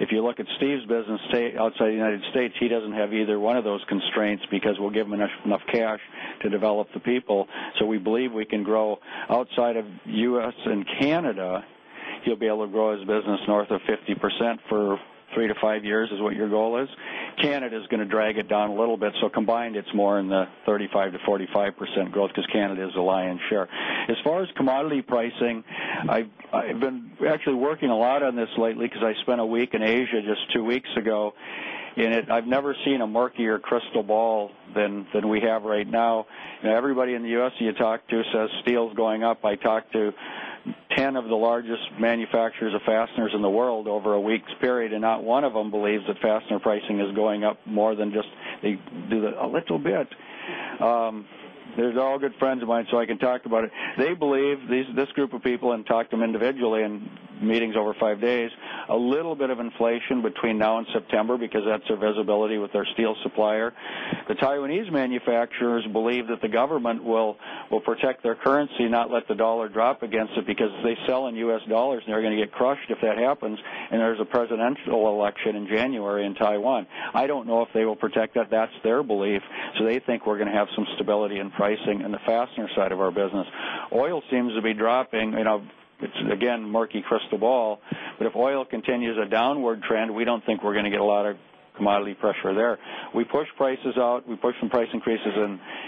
If you look at Steve's business outside the United States, he doesn't have either one of those constraints because we'll give him enough cash to develop the people. We believe we can grow outside of the U.S. and Canada. He'll be able to grow his business north of 50% for three to five years, is what your goal is. Canada is going to drag it down a little bit. Combined, it's more in the 35% to 45% growth because Canada is a lion's share. As far as commodity pricing, I've been actually working a lot on this lately because I spent a week in Asia just two weeks ago. I've never seen a murkier crystal ball than we have right now. Everybody in the U.S. you talk to says steel is going up. I talked to 10 of the largest manufacturers of fasteners in the world over a week's period, and not one of them believes that fastener pricing is going up more than just they do a little bit. They're all good friends of mine, so I can talk about it. They believe, this group of people, and talked to them individually in meetings over five days, a little bit of inflation between now and September because that's their visibility with their steel supplier. The Taiwanese manufacturers believe that the government will protect their currency, not let the dollar drop against it because they sell in U.S. dollars and they're going to get crushed if that happens. There's a presidential election in January in Taiwan. I don't know if they will protect that. That's their belief. They think we're going to have some stability in pricing in the fastener side of our business. Oil seems to be dropping. It's again, murky crystal ball. If oil continues a downward trend, we don't think we're going to get a lot of commodity pressure there. We push prices out. We push some price increases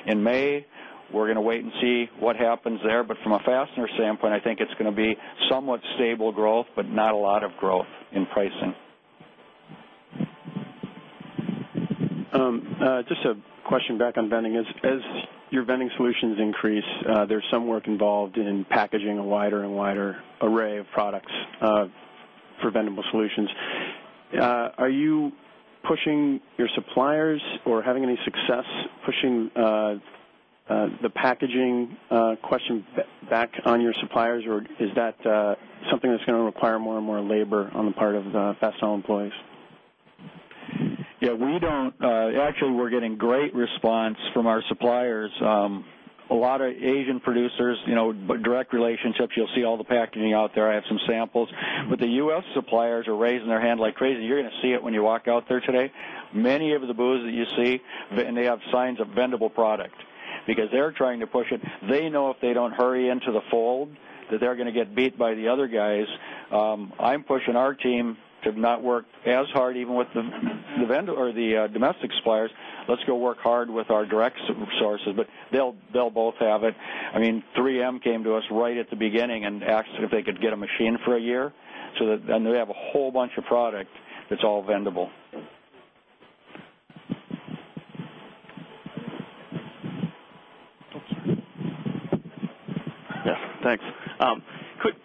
in May. We're going to wait and see what happens there. From a fastener standpoint, I think it's going to be somewhat stable growth, but not a lot of growth in pricing. Just a question back on vending. As your vending solutions increase, there's some work involved in packaging a wider and wider array of products for vendable solutions. Are you pushing your suppliers or having any success pushing the packaging question back on your suppliers, or is that something that's going to require more and more labor on the part of the Fastenal employees? Yeah, we don't. Actually, we're getting great response from our suppliers. A lot of Asian producers, you know, direct relationships, you'll see all the packaging out there. I have some samples. The U.S. suppliers are raising their hand like crazy. You're going to see it when you walk out there today. Many of the booths that you see, and they have signs of vendable product because they're trying to push it. They know if they don't hurry into the fold that they're going to get beat by the other guys. I'm pushing our team to not work as hard even with the domestic suppliers. Let's go work hard with our direct sources, but they'll both have it. I mean, 3M came to us right at the beginning and asked if they could get a machine for a year. They have a whole bunch of product that's all vendable. Yes, thanks.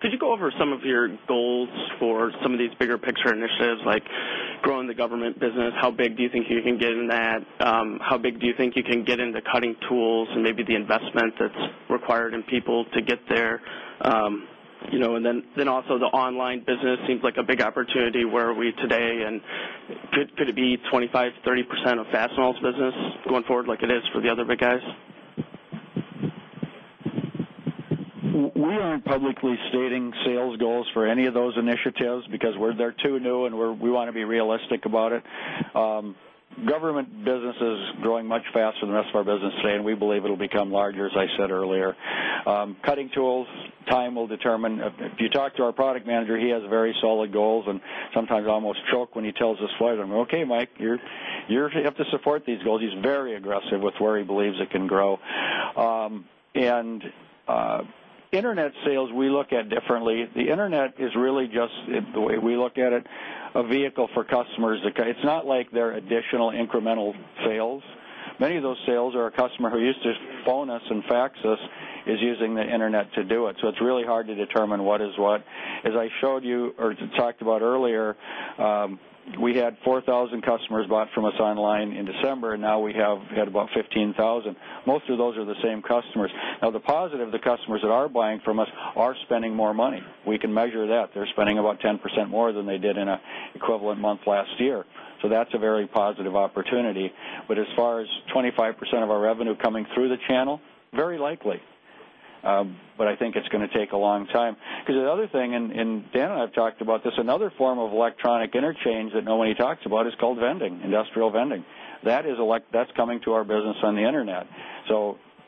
Could you go over some of your goals for some of these bigger picture initiatives like growing the government business? How big do you think you can get in that? How big do you think you can get into cutting tools and maybe the investment that's required in people to get there? Also, the online business seems like a big opportunity. Where are we today? Could it be 25%, 30% of Fastenal's business going forward like it is for the other big guys? We aren't publicly stating sales goals for any of those initiatives because they're too new and we want to be realistic about it. Government business is growing much faster than the rest of our business today, and we believe it'll become larger, as I said earlier. Cutting tools, time will determine. If you talk to our product manager, he has very solid goals and sometimes almost chokes when he tells us what. I'm like, "Okay, Mike, you have to support these goals." He's very aggressive with where he believes it can grow. Internet sales, we look at differently. The internet is really just the way we look at it, a vehicle for customers. It's not like they're additional incremental sales. Many of those sales are a customer who used to phone us and fax us is using the internet to do it. It's really hard to determine what is what. As I showed you or talked about earlier, we had 4,000 customers buy from us online in December, and now we have had about 15,000. Most of those are the same customers. The positive of the customers that are buying from us are spending more money. We can measure that. They're spending about 10% more than they did in an equivalent month last year. That's a very positive opportunity. As far as 25% of our revenue coming through the channel, very likely. I think it's going to take a long time. Dan and I have talked about this, another form of electronic interchange that nobody talks about is called vending, industrial vending. That's coming to our business on the internet.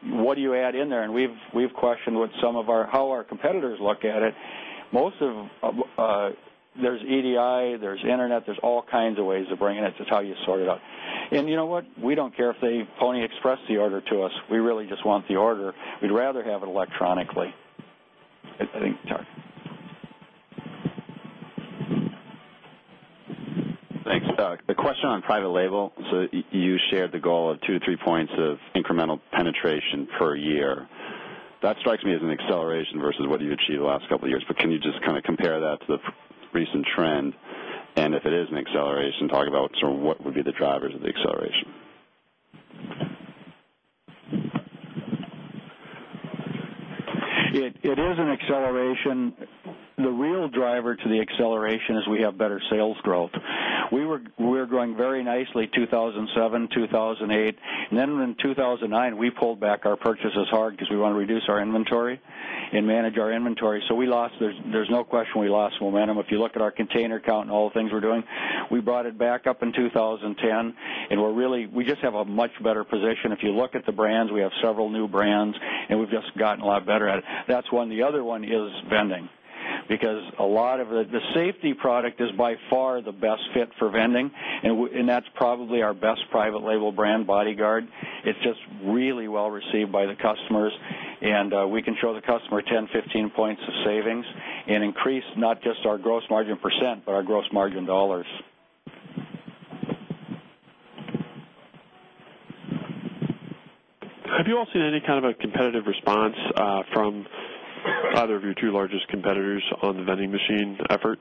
What do you add in there? We've questioned how our competitors look at it. Most of there's EDI, there's internet, there's all kinds of ways of bringing it. It's just how you sort it out. You know what? We don't care if they Pony Express the order to us. We really just want the order. We'd rather have it electronically. I think it's hard. Thanks. A question on private label. You shared the goal of 2 points to 3 points of incremental penetration per year. That strikes me as an acceleration versus what you achieved the last couple of years. Can you just kind of compare that to the recent trend? If it is an acceleration, talk about what would be the drivers of the acceleration. It is an acceleration. The real driver to the acceleration is we have better sales growth. We were growing very nicely in 2007, 2008. In 2009, we pulled back our purchases hard because we want to reduce our inventory and manage our inventory. We lost, there's no question we lost momentum. If you look at our container count and all the things we're doing, we brought it back up in 2010. We just have a much better position. If you look at the brands, we have several new brands, and we've just gotten a lot better at it. That's one. The other one is vending because a lot of the safety product is by far the best fit for vending. That's probably our best private label brand, Bodyguard. It's just really well received by the customers. We can show the customer 10%, 15% of savings and increase not just our gross margin percent, but our gross margin dollars. Have you all seen any kind of a competitive response from either of your two largest competitors on the vending machine effort?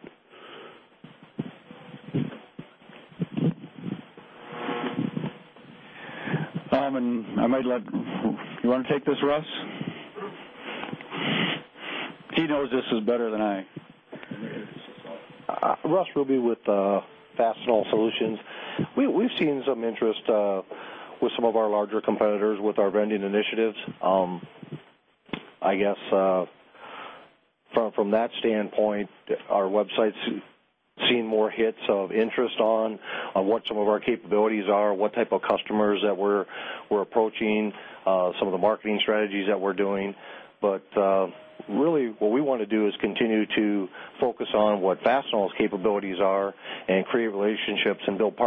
I might let you take this, Russ. He knows this better than I. Russ Rubie with Fastenal Solutions. We've seen some interest with some of our larger competitors with our vending initiatives. From that standpoint, our website's seen more hits of interest on what some of our capabilities are, what type of customers that we're approaching, some of the marketing strategies that we're doing. What we want to do is continue to focus on what Fastenal's capabilities are and create relationships and build.